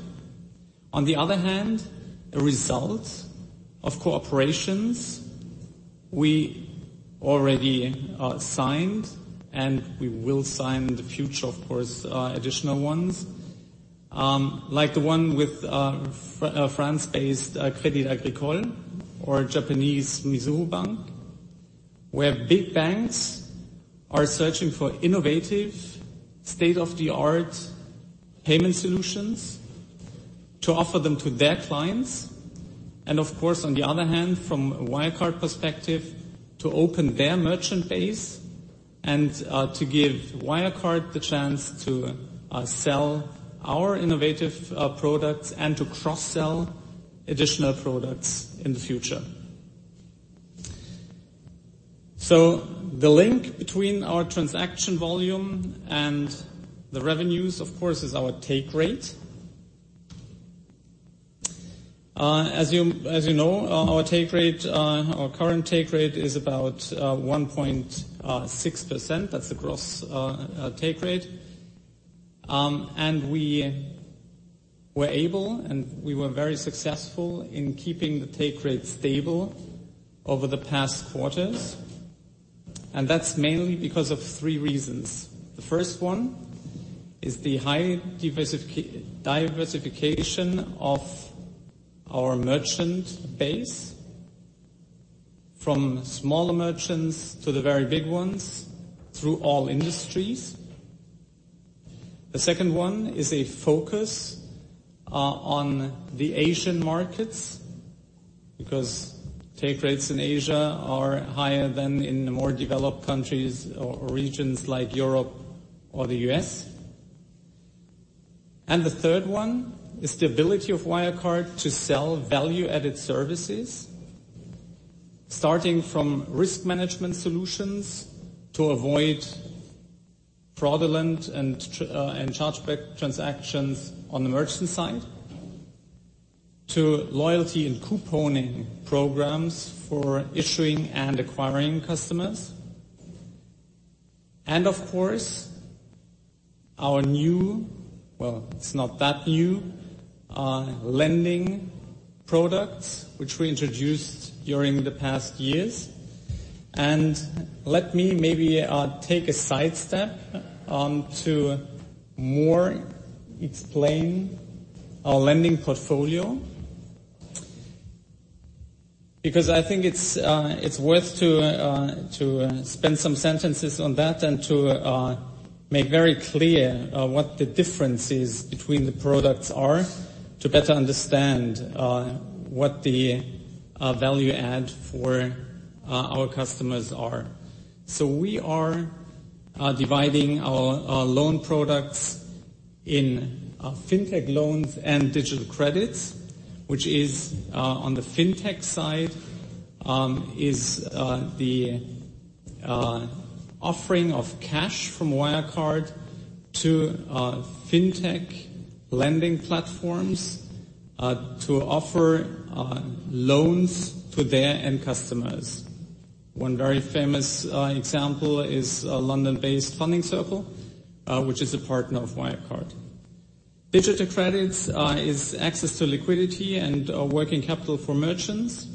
On the other hand, a result of cooperations we already signed, and we will sign in the future, of course, additional ones. Like the one with France-based Crédit Agricole or Japanese Mizuho Bank, where big banks are searching for innovative, state-of-the-art payment solutions to offer them to their clients. Of course, on the other hand, from a Wirecard perspective, to open their merchant base and to give Wirecard the chance to sell our innovative products and to cross-sell additional products in the future. The link between our transaction volume and the revenues, of course, is our take rate. As you know, our current take rate is about 1.6%. That's the gross take rate. We were able, and we were very successful in keeping the take rate stable over the past quarters. That's mainly because of three reasons. The first one is the high diversification of our merchant base, from smaller merchants to the very big ones through all industries. The second one is a focus on the Asian markets, because take rates in Asia are higher than in the more developed countries or regions like Europe or the U.S. The third one is the ability of Wirecard to sell value-added services, starting from risk management solutions to avoid fraudulent and chargeback transactions on the merchant side, to loyalty and couponing programs for issuing and acquiring customers. Of course, our new, well, it's not that new, lending products which we introduced during the past years. Let me maybe take a sidestep to more explain our lending portfolio. Because I think it's worth to spend some sentences on that and to make very clear what the differences between the products are, to better understand what the value add for our customers are. We are dividing our loan products in fintech loans and digital credits, which is on the fintech side, is the offering of cash from Wirecard to fintech lending platforms to offer loans to their end customers. One very famous example is London-based Funding Circle, which is a partner of Wirecard. Digital credits is access to liquidity and working capital for merchants.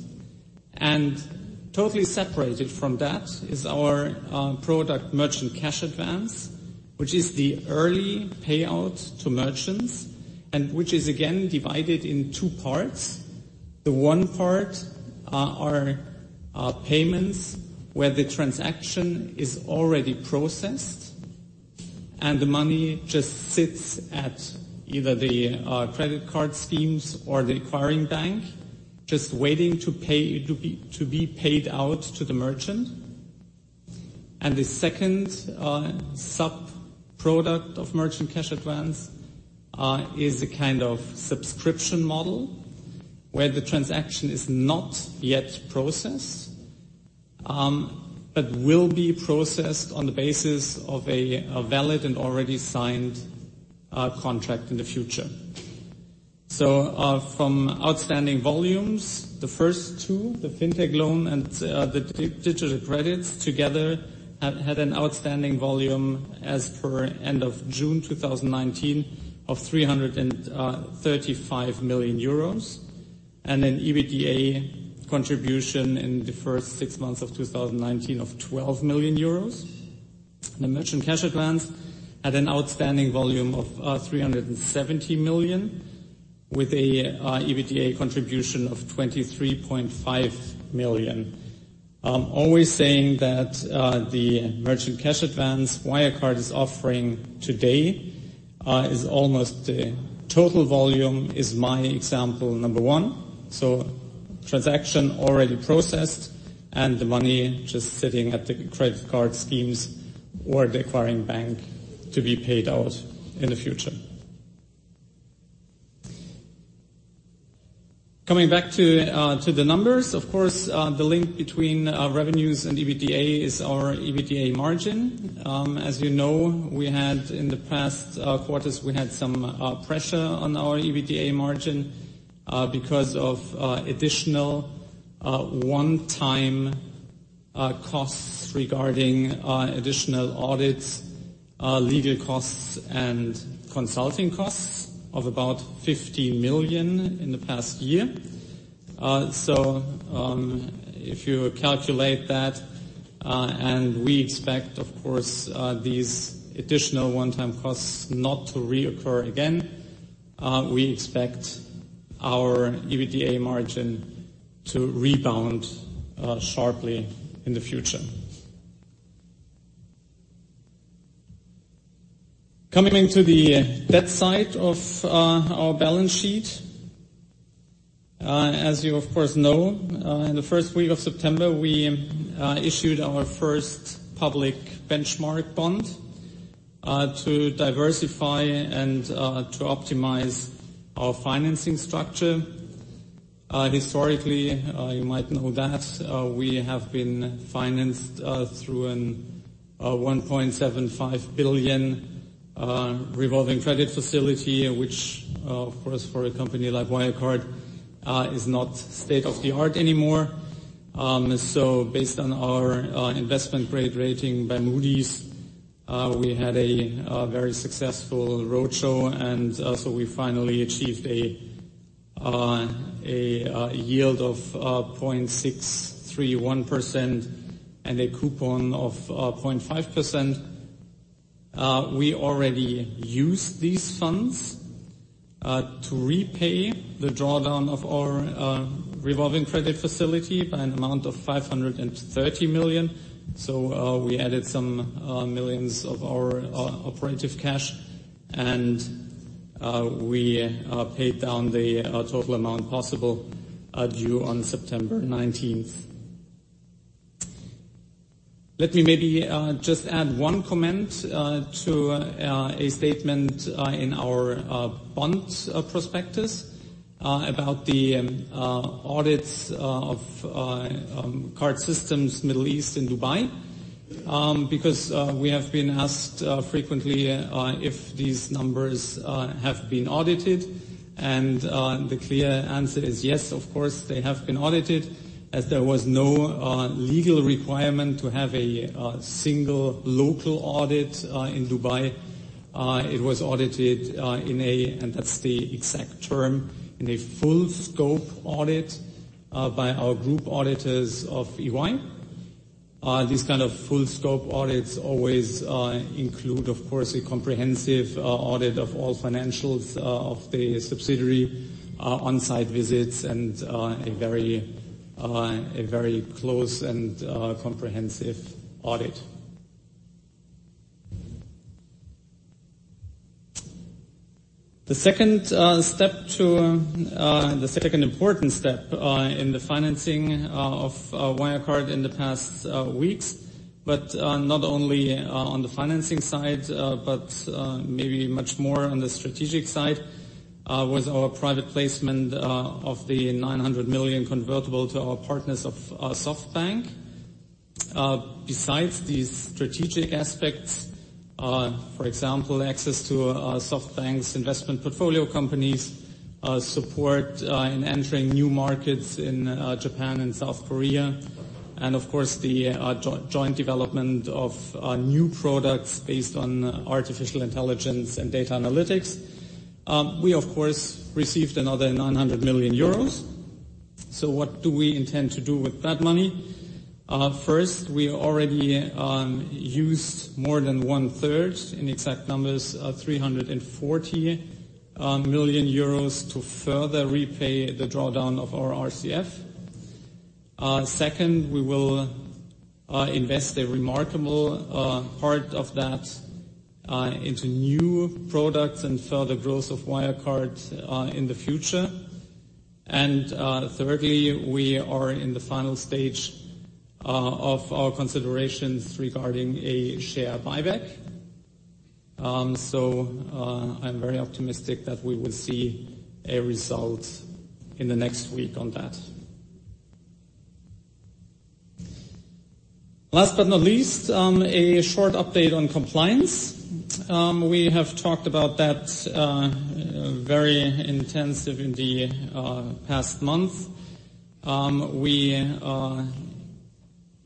Totally separated from that is our product merchant cash advance, which is the early payout to merchants, and which is again divided in two parts. The one part are payments where the transaction is already processed, and the money just sits at either the credit card schemes or the acquiring bank, just waiting to be paid out to the merchant. The second sub-product of merchant cash advance is a kind of subscription model where the transaction is not yet processed, but will be processed on the basis of a valid and already signed contract in the future. From outstanding volumes, the first two, the fintech loan and the digital credits together had an outstanding volume as per end of June 2019 of 335 million euros, and an EBITDA contribution in the first six months of 2019 of 12 million euros. The merchant cash advance had an outstanding volume of 370 million, with a EBITDA contribution of 23.5 million. Always saying that the merchant cash advance Wirecard is offering today is almost total volume is my example number one. Transaction already processed, and the money just sitting at the credit card schemes or the acquiring bank to be paid out in the future. Coming back to the numbers, of course, the link between our revenues and EBITDA is our EBITDA margin. As you know, we had in the past quarters, we had some pressure on our EBITDA margin because of additional one-time costs regarding additional audits, legal costs, and consulting costs of about 50 million in the past year. If you calculate that, and we expect, of course, these additional one-time costs not to reoccur again, we expect our EBITDA margin to rebound sharply in the future. Coming to the debt side of our balance sheet. As you of course know, in the first week of September, we issued our first public benchmark bond to diversify and to optimize our financing structure. Historically, you might know that we have been financed through a 1.75 billion revolving credit facility, which of course, for a company like Wirecard, is not state-of-the-art anymore. Based on our investment grade rating by Moody's, we had a very successful roadshow, and so we finally achieved a yield of 0.631% and a coupon of 0.5%. We already used these funds to repay the drawdown of our revolving credit facility by an amount of 530 million. We added some millions of our operative cash, and we paid down the total amount possible due on September 19th. Let me maybe just add one comment to a statement in our bond prospectus about the audits of CardSystems Middle East in Dubai because we have been asked frequently if these numbers have been audited, and the clear answer is yes, of course, they have been audited as there was no legal requirement to have a single local audit in Dubai. It was audited in a, and that's the exact term, in a full scope audit by our group auditors of EY. These kind of full scope audits always include, of course, a comprehensive audit of all financials of the subsidiary on-site visits and a very close and comprehensive audit. The second important step in the financing of Wirecard in the past weeks, but not only on the financing side, but maybe much more on the strategic side, was our private placement of the 900 million convertible to our partners of SoftBank. Besides these strategic aspects, for example, access to SoftBank's investment portfolio companies, support in entering new markets in Japan and South Korea, and of course, the joint development of new products based on artificial intelligence and data analytics. We, of course, received another 900 million euros. What do we intend to do with that money? First, we already used more than one-third, in exact numbers, 340 million euros to further repay the drawdown of our RCF. Second, we will invest a remarkable part of that into new products and further growth of Wirecard in the future. Thirdly, we are in the final stage of our considerations regarding a share buyback. I'm very optimistic that we will see a result in the next week on that. Last but not least, a short update on compliance. We have talked about that very intensive in the past month. We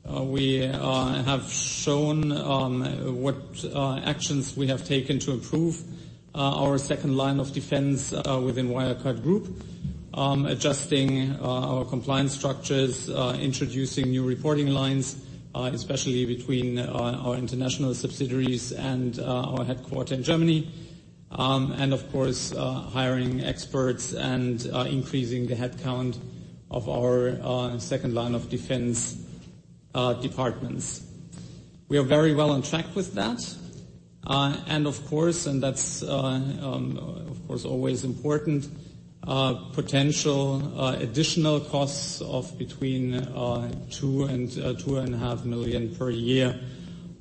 have shown what actions we have taken to improve our second line of defense within Wirecard Group, adjusting our compliance structures, introducing new reporting lines, especially between our international subsidiaries and our headquarter in Germany. Of course, hiring experts and increasing the headcount of our second line of defense departments. We are very well on track with that. That's, of course, always important, potential additional costs of between 2 million and 2.5 million per year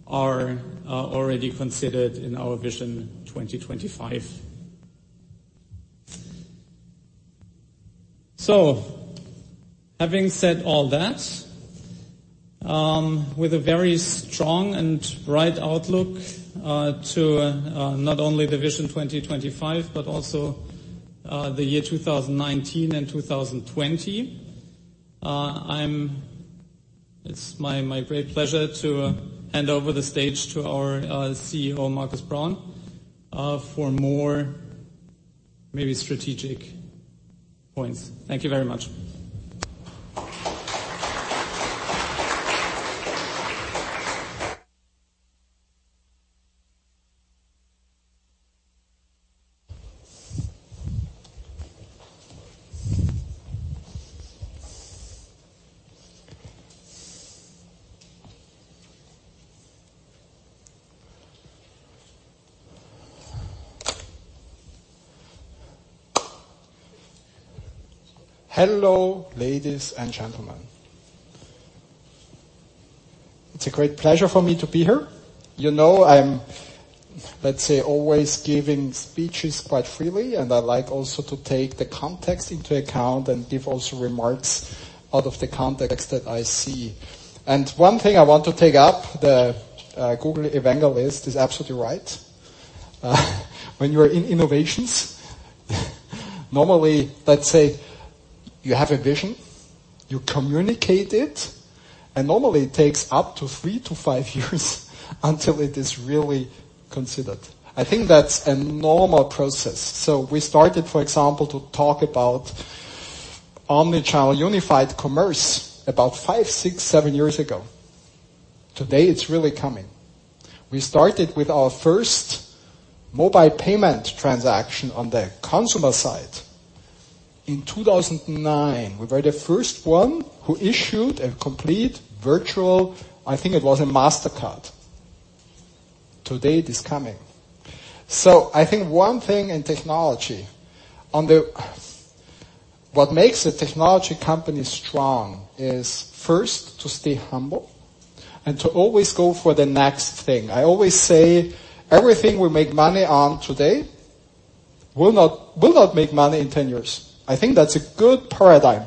are already considered in our Vision 2025. Having said all that, with a very strong and bright outlook to not only the Vision 2025 but also the year 2019 and 2020, it's my great pleasure to hand over the stage to our CEO, Markus Braun, for more maybe strategic points. Thank you very much. Hello, ladies and gentlemen. It's a great pleasure for me to be here. You know I'm, let's say, always giving speeches quite freely, and I like also to take the context into account and give also remarks out of the context that I see. One thing I want to take up, the Google evangelist is absolutely right. When you're in innovations, normally, let's say, you have a vision. You communicate it, and normally it takes up to three to five years until it is really considered. I think that's a normal process. We started, for example, to talk about omni-channel unified commerce about five, six, seven years ago. Today it's really coming. We started with our first mobile payment transaction on the consumer side in 2009. We were the first one who issued a complete virtual, I think it was a Mastercard. Today it is coming. I think one thing in technology, what makes a technology company strong is first to stay humble and to always go for the next thing. I always say everything we make money on today will not make money in 10 years. I think that's a good paradigm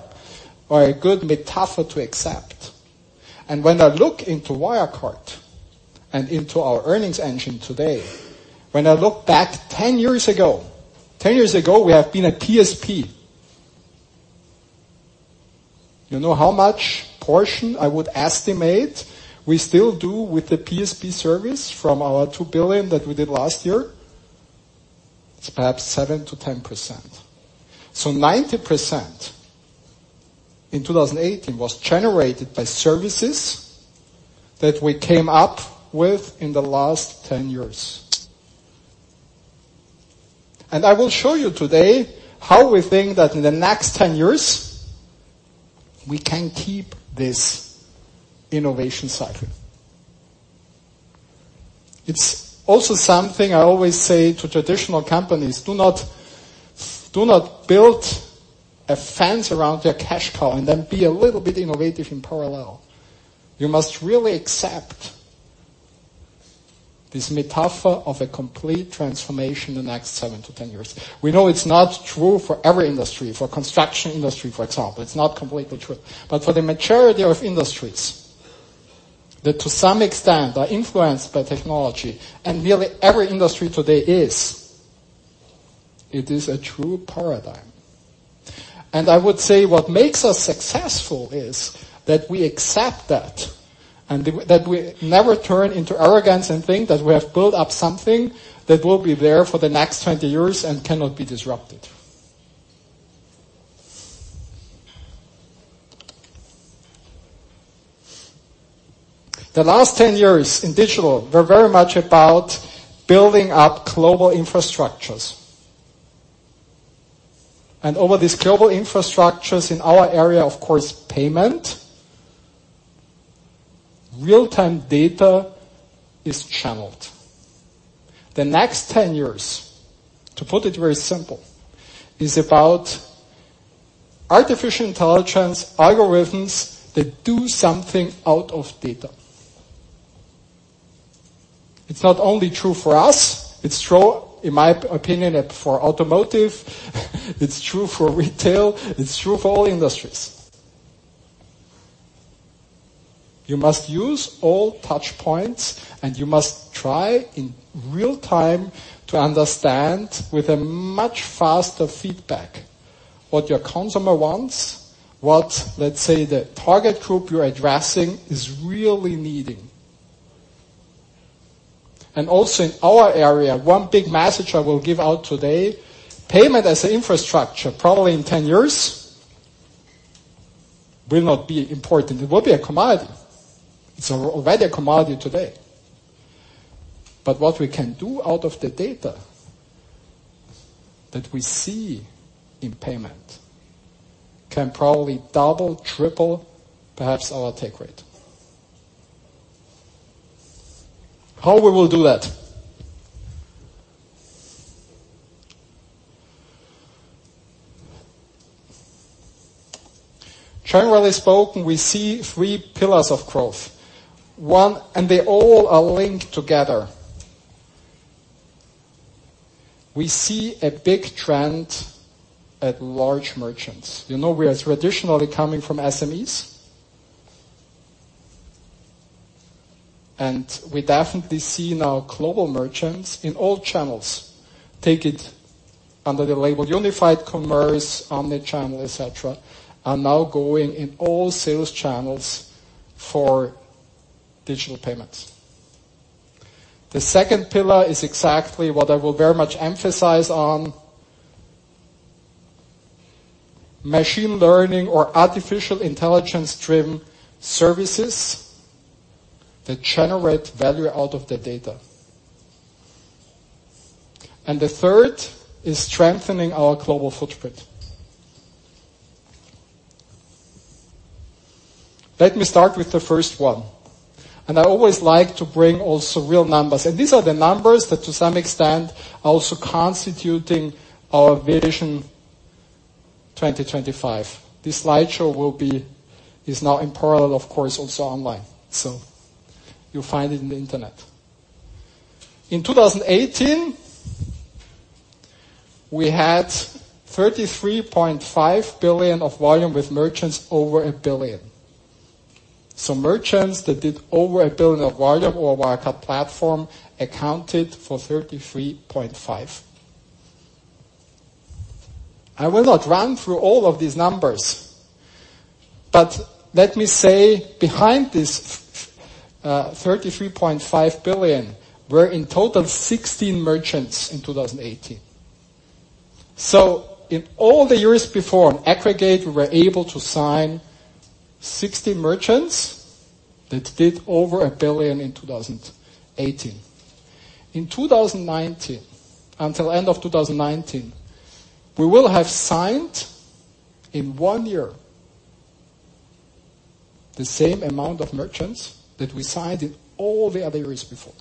or a good metaphor to accept. When I look into Wirecard and into our earnings engine today, when I look back 10 years ago, 10 years ago we have been a PSP. You know how much portion I would estimate we still do with the PSP service from our 2 billion that we did last year? It's perhaps 7%-10%. 90% in 2018 was generated by services that we came up with in the last 10 years. I will show you today how we think that in the next 10 years, we can keep this innovation cycle. It's also something I always say to traditional companies, do not build a fence around their cash cow and then be a little bit innovative in parallel. You must really accept this metaphor of a complete transformation in the next 7 to 10 years. We know it's not true for every industry. For construction industry, for example, it's not completely true. For the majority of industries that to some extent are influenced by technology, and nearly every industry today is, it is a true paradigm. I would say what makes us successful is that we accept that, and that we never turn into arrogance and think that we have built up something that will be there for the next 20 years and cannot be disrupted. The last 10 years in digital were very much about building up global infrastructures. Over these global infrastructures in our area, of course, payment, real-time data is channeled. The next 10 years, to put it very simple, is about artificial intelligence algorithms that do something out of data. It's not only true for us, it's true, in my opinion, for automotive, it's true for retail, it's true for all industries. You must use all touch points, and you must try in real-time to understand with a much faster feedback what your consumer wants, what, let's say, the target group you're addressing is really needing. Also in our area, one big message I will give out today, payment as an infrastructure, probably in 10 years, will not be important. It will be a commodity. It's already a commodity today. What we can do out of the data that we see in payment can probably double, triple, perhaps our take rate. How we will do that. Generally spoken, we see three pillars of growth. One, and they all are linked together. We see a big trend at large merchants. You know we are traditionally coming from SMEs. We definitely see now global merchants in all channels, take it under the label unified commerce, omni-channel, et cetera, are now going in all sales channels for digital payments. The second pillar is exactly what I will very much emphasize on. Machine learning or artificial intelligence-driven services that generate value out of the data. The third is strengthening our global footprint. Let me start with the first one. I always like to bring also real numbers, and these are the numbers that to some extent are also constituting our Vision 2025. This slideshow is now in parallel, of course, also online. You'll find it in the internet. In 2018, we had 33.5 billion of volume with merchants over 1 billion. Merchants that did over 1 billion of volume over Wirecard platform accounted for 33.5. I will not run through all of these numbers, but let me say behind this 33.5 billion were in total 16 merchants in 2018. In all the years before, in aggregate, we were able to sign 60 merchants that did over 1 billion in 2018. In 2019, until end of 2019, we will have signed in one year the same amount of merchants that we signed in all the other years before.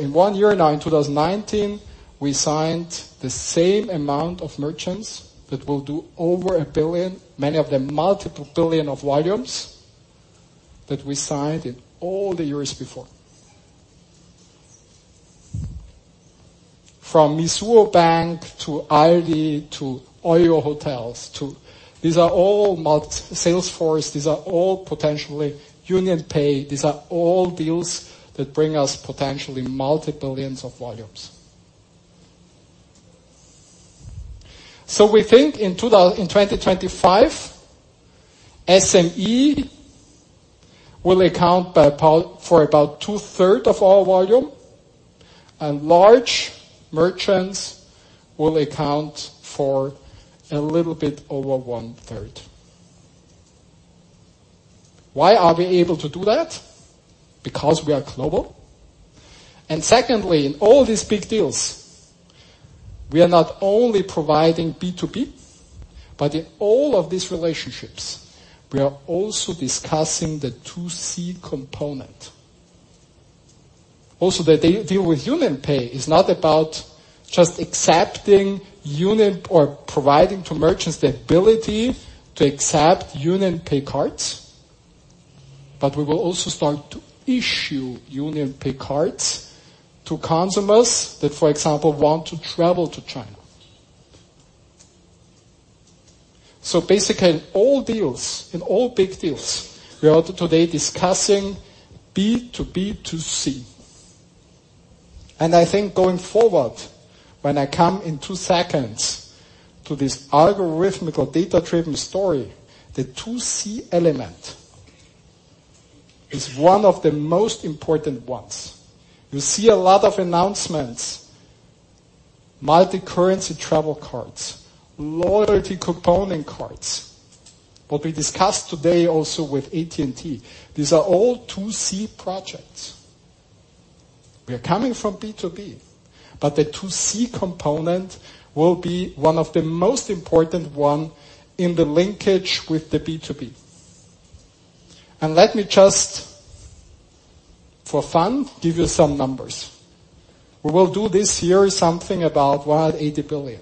In one year now, in 2019, we signed the same amount of merchants that will do over 1 billion, many of them multiple billion of volumes, that we signed in all the years before. From Mizuho Bank to [Aldi] to OYO Hotels to Salesforce, these are all potentially UnionPay. These are all deals that bring us potentially multi-billions of volumes. We think in 2025, SME will account for about two-third of our volume and large merchants will account for a little bit over one-third. Why are we able to do that? Because we are global. Secondly, in all these big deals, we are not only providing B2B, but in all of these relationships, we are also discussing the 2C component. The deal with Union is not about just accepting Union or providing to merchants the ability to accept UnionPay cards, but we will also start to issue UnionPay cards to consumers that, for example, want to travel to China. Basically, in all deals, in all big deals, we are today discussing B2B2C. I think going forward, when I come in two seconds to this algorithmic or data-driven story, the 2C element is one of the most important ones. You see a lot of announcements, multi-currency travel cards, loyalty component cards will be discussed today also with AT&T. These are all 2C projects. We are coming from B2B, but the 2C component will be one of the most important one in the linkage with the B2B. Let me just, for fun, give you some numbers. We will do this year something about 180 billion.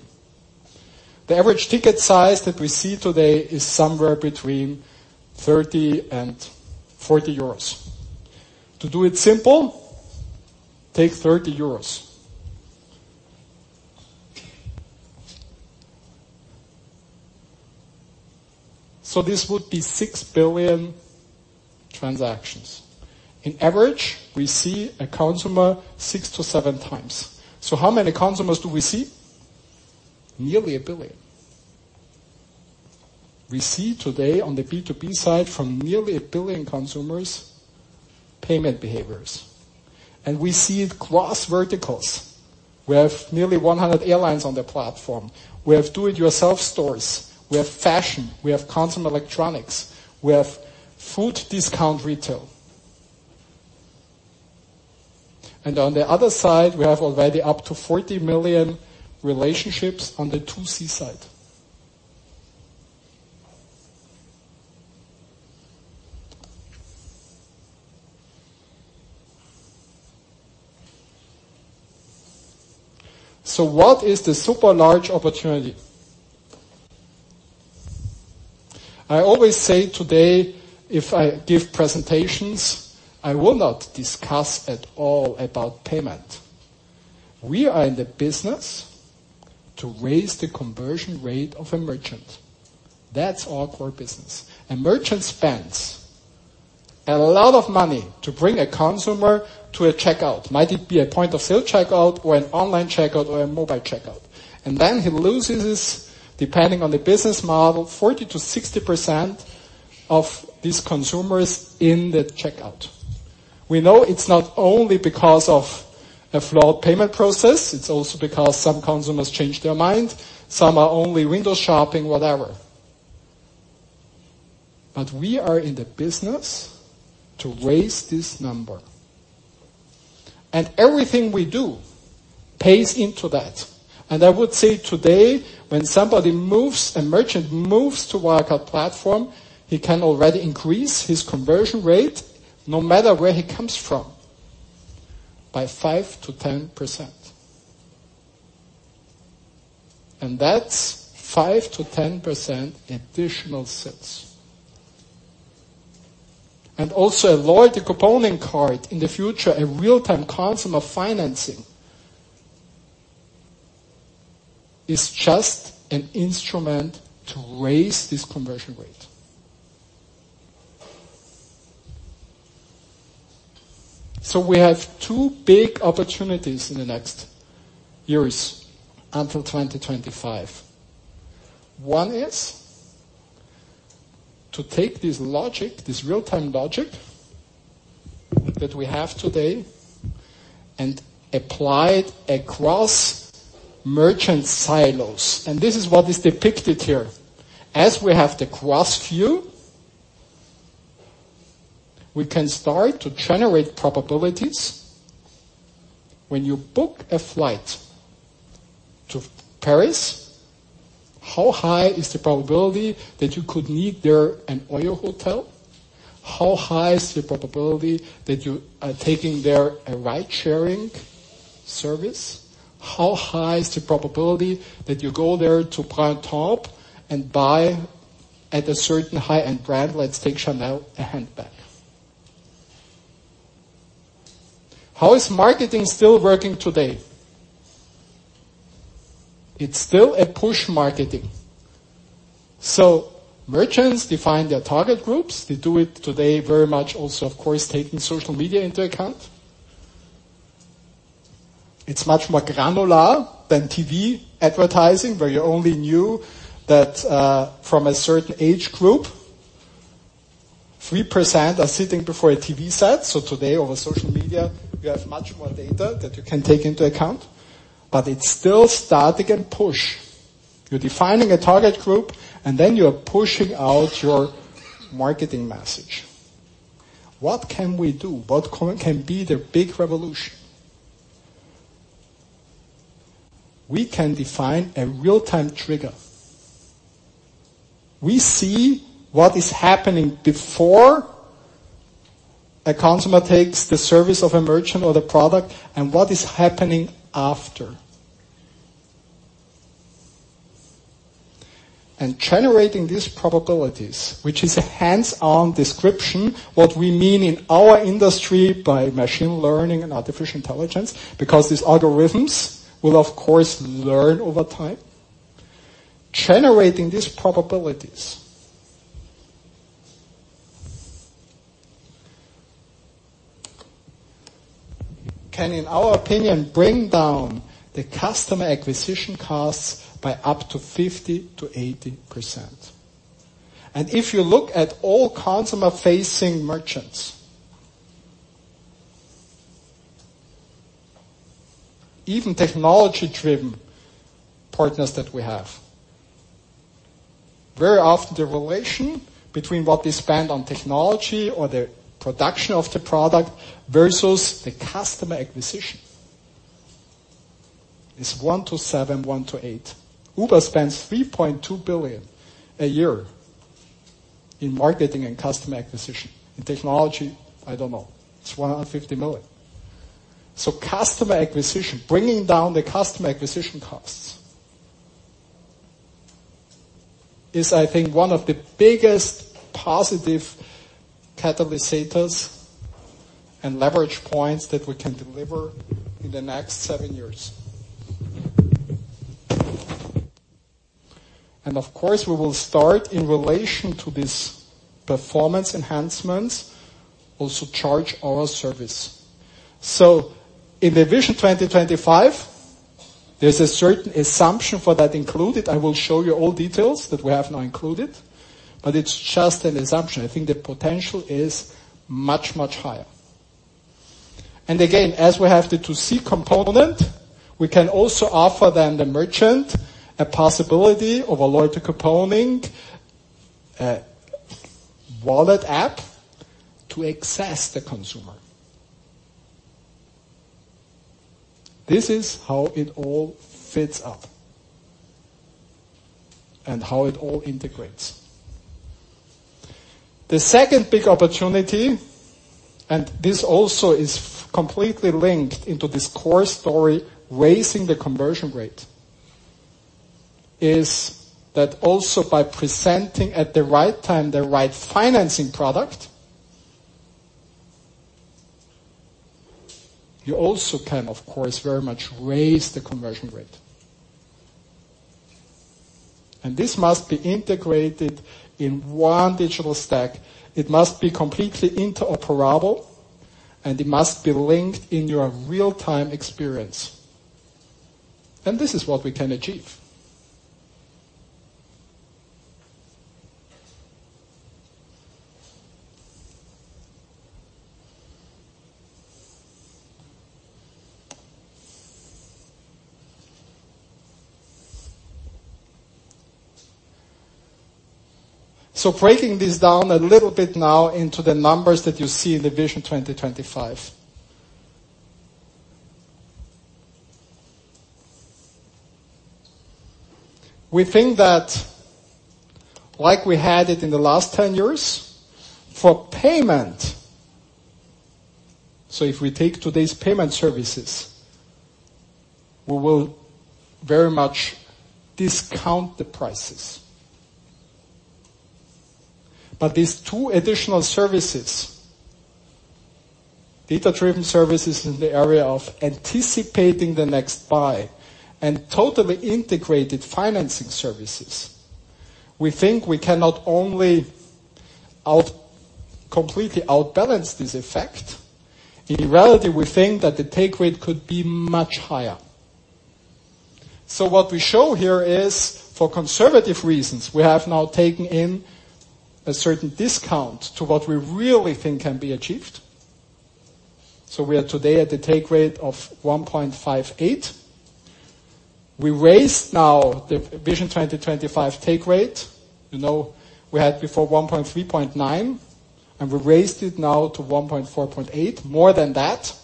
The average ticket size that we see today is somewhere between 30 and 40 euros. To do it simple, take 30 euros. This would be six billion transactions. In average, we see a consumer six to seven times. How many consumers do we see? Nearly a billion. We see today on the B2B side from nearly a billion consumers' payment behaviors. We see it cross verticals. We have nearly 100 airlines on the platform. We have do-it-yourself stores. We have fashion. We have consumer electronics. We have food discount retail. On the other side, we have already up to 40 million relationships on the 2C side. What is the super large opportunity? I always say today, if I give presentations, I will not discuss at all about payment. We are in the business to raise the conversion rate of a merchant. That's our core business. A merchant spends a lot of money to bring a consumer to a checkout, might it be a point-of-sale checkout or an online checkout or a mobile checkout. Then he loses, depending on the business model, 40%-60% of these consumers in the checkout. We know it is not only because of a flawed payment process, it is also because some consumers change their mind, some are only window shopping, whatever. We are in the business to raise this number. Everything we do pays into that. I would say today, when somebody moves, a merchant moves to Wirecard platform, he can already increase his conversion rate no matter where he comes from, by 5%-10%. That is 5%-10% additional sales. Also a loyalty component card in the future, a real-time consumer financing, is just an instrument to raise this conversion rate. We have two big opportunities in the next years until 2025. One is to take this logic, this real-time logic that we have today, and apply it across merchant silos. This is what is depicted here. As we have the cross view, we can start to generate probabilities. When you book a flight to Paris, how high is the probability that you could need there an OYO Hotel? How high is the probability that you are taking there a ridesharing service? How high is the probability that you go there to Printemps and buy at a certain high-end brand, let's take Chanel, a handbag? How is marketing still working today? It's still a push marketing. Merchants define their target groups. They do it today very much also, of course, taking social media into account. It's much more granular than TV advertising, where you only knew that from a certain age group, 3% are sitting before a TV set. Today over social media, we have much more data that you can take into account, but it's still static and push. You're defining a target group, then you are pushing out your marketing message. What can we do? What can be the big revolution? We can define a real-time trigger. We see what is happening before a consumer takes the service of a merchant or the product, and what is happening after. Generating these probabilities, which is a hands-on description, what we mean in our industry by machine learning and artificial intelligence, because these algorithms will, of course, learn over time. Generating these probabilities can, in our opinion, bring down the customer acquisition costs by up to 50%-80%. If you look at all consumer-facing merchants, even technology-driven partners that we have, very often the relation between what they spend on technology or the production of the product versus the customer acquisition is 1 to 7, 1 to 8. Uber spends 3.2 billion a year in marketing and customer acquisition. In technology, I don't know. It's 150 million. Customer acquisition, bringing down the customer acquisition costs is, I think, one of the biggest positive catalysts and leverage points that we can deliver in the next seven years. Of course, we will start in relation to these performance enhancements, also charge our service. In the Vision 2025, there's a certain assumption for that included. I will show you all details that we have now included, but it's just an assumption. I think the potential is much, much higher. Again, as we have the 2C component, we can also offer then the merchant a possibility of a loyalty component, a wallet app to access the consumer. This is how it all fits up and how it all integrates. The second big opportunity, this also is completely linked into this core story, raising the conversion rate, is that also by presenting at the right time the right financing product, you also can, of course, very much raise the conversion rate. This must be integrated in one digital stack. It must be completely interoperable, and it must be linked in your real-time experience. This is what we can achieve. Breaking this down a little bit now into the numbers that you see in the Vision 2025. We think that like we had it in the last 10 years, for payment, so if we take today's payment services, we will very much discount the prices. These two additional services, data-driven services in the area of anticipating the next buy and totally integrated financing services, we think we can not only completely outbalance this effect. In reality, we think that the take rate could be much higher. What we show here is for conservative reasons, we have now taken in a certain discount to what we really think can be achieved. We are today at the take rate of 1.58. We raised now the Vision 2025 take rate. You know, we had before 1.39, we raised it now to 1.48, more than that.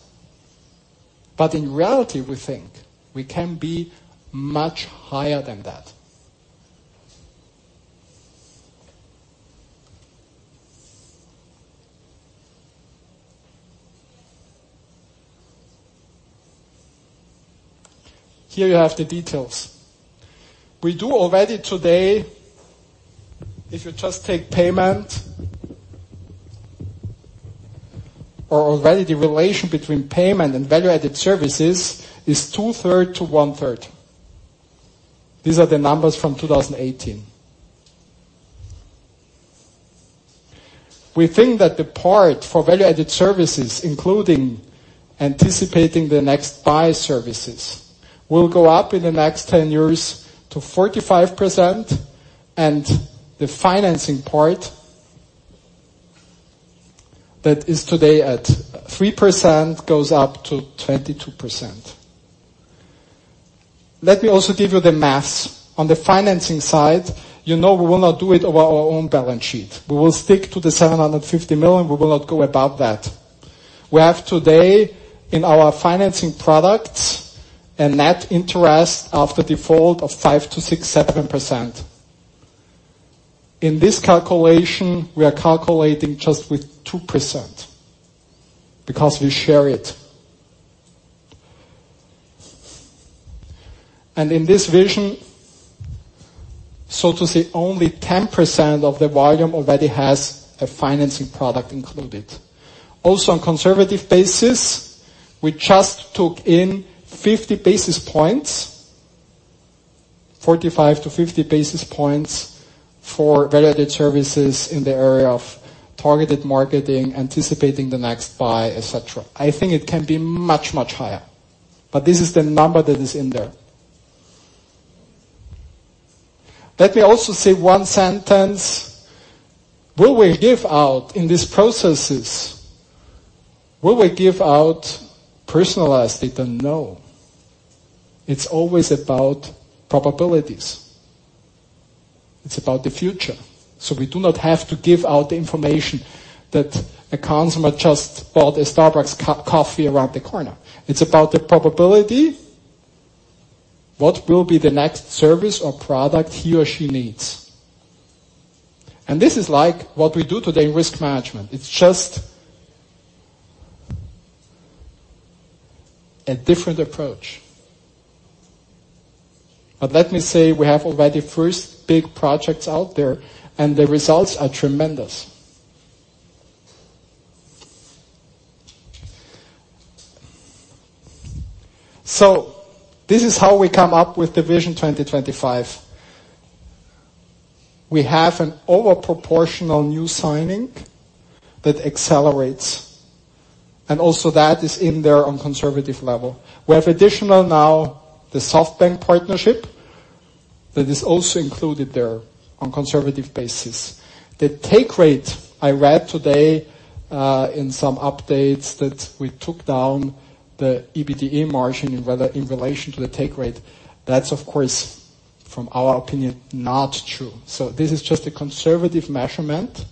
In reality, we think we can be much higher than that. Here you have the details. We do already today, if you just take payment, or already the relation between payment and value-added services is two-thirds to one-third. These are the numbers from 2018. We think that the part for value-added services, including anticipating the next buy services, will go up in the next 10 years to 45%, and the financing part that is today at 3% goes up to 22%. Let me also give you the math. On the financing side, you know we will not do it over our own balance sheet. We will stick to the 750 million. We will not go above that. We have today in our financing products a net interest after default of 5%-6%, 7%. In this calculation, we are calculating just with 2% because we share it. In this vision, so to say, only 10% of the volume already has a financing product included. On conservative basis, we just took in 50 basis points, 45 to 50 basis points for value-added services in the area of targeted marketing, anticipating the next buy, et cetera. I think it can be much, much higher, but this is the number that is in there. Let me also say one sentence. Will we give out in these processes, will we give out personalized data? No. It's always about probabilities. It's about the future. We do not have to give out the information that a consumer just bought a Starbucks coffee around the corner. It's about the probability, what will be the next service or product he or she needs. This is like what we do today in risk management. It's just a different approach. Let me say, we have already first big projects out there, and the results are tremendous. This is how we come up with the Vision 2025. We have an overproportional new signing that accelerates, and also that is in there on conservative level. We have additional now the SoftBank partnership that is also included there on conservative basis. The take rate I read today, in some updates that we took down the EBITDA margin in relation to the take rate. That's, of course, from our opinion, not true. This is just a conservative measurement.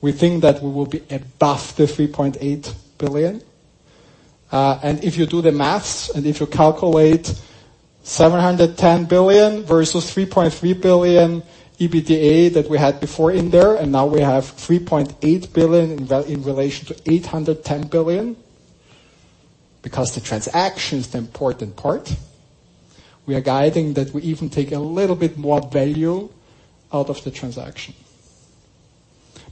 We think that we will be above the 3.8 billion. If you do the maths, and if you calculate 710 billion versus 3.3 billion EBITDA that we had before in there, and now we have 3.8 billion in relation to 810 billion because the transaction's the important part. We are guiding that we even take a little bit more value out of the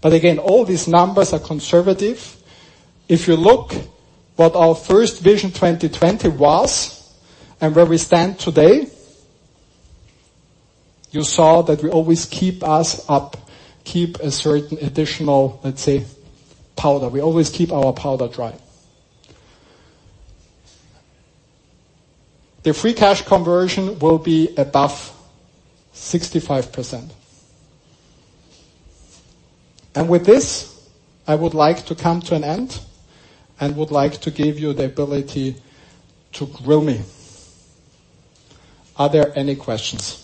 transaction. Again, all these numbers are conservative. If you look what our first Vision 2020 was and where we stand today, you saw that we always keep us up, keep a certain additional, let's say, powder. We always keep our powder dry. The free cash conversion will be above 65%. With this, I would like to come to an end and would like to give you the ability to grill me. Are there any questions?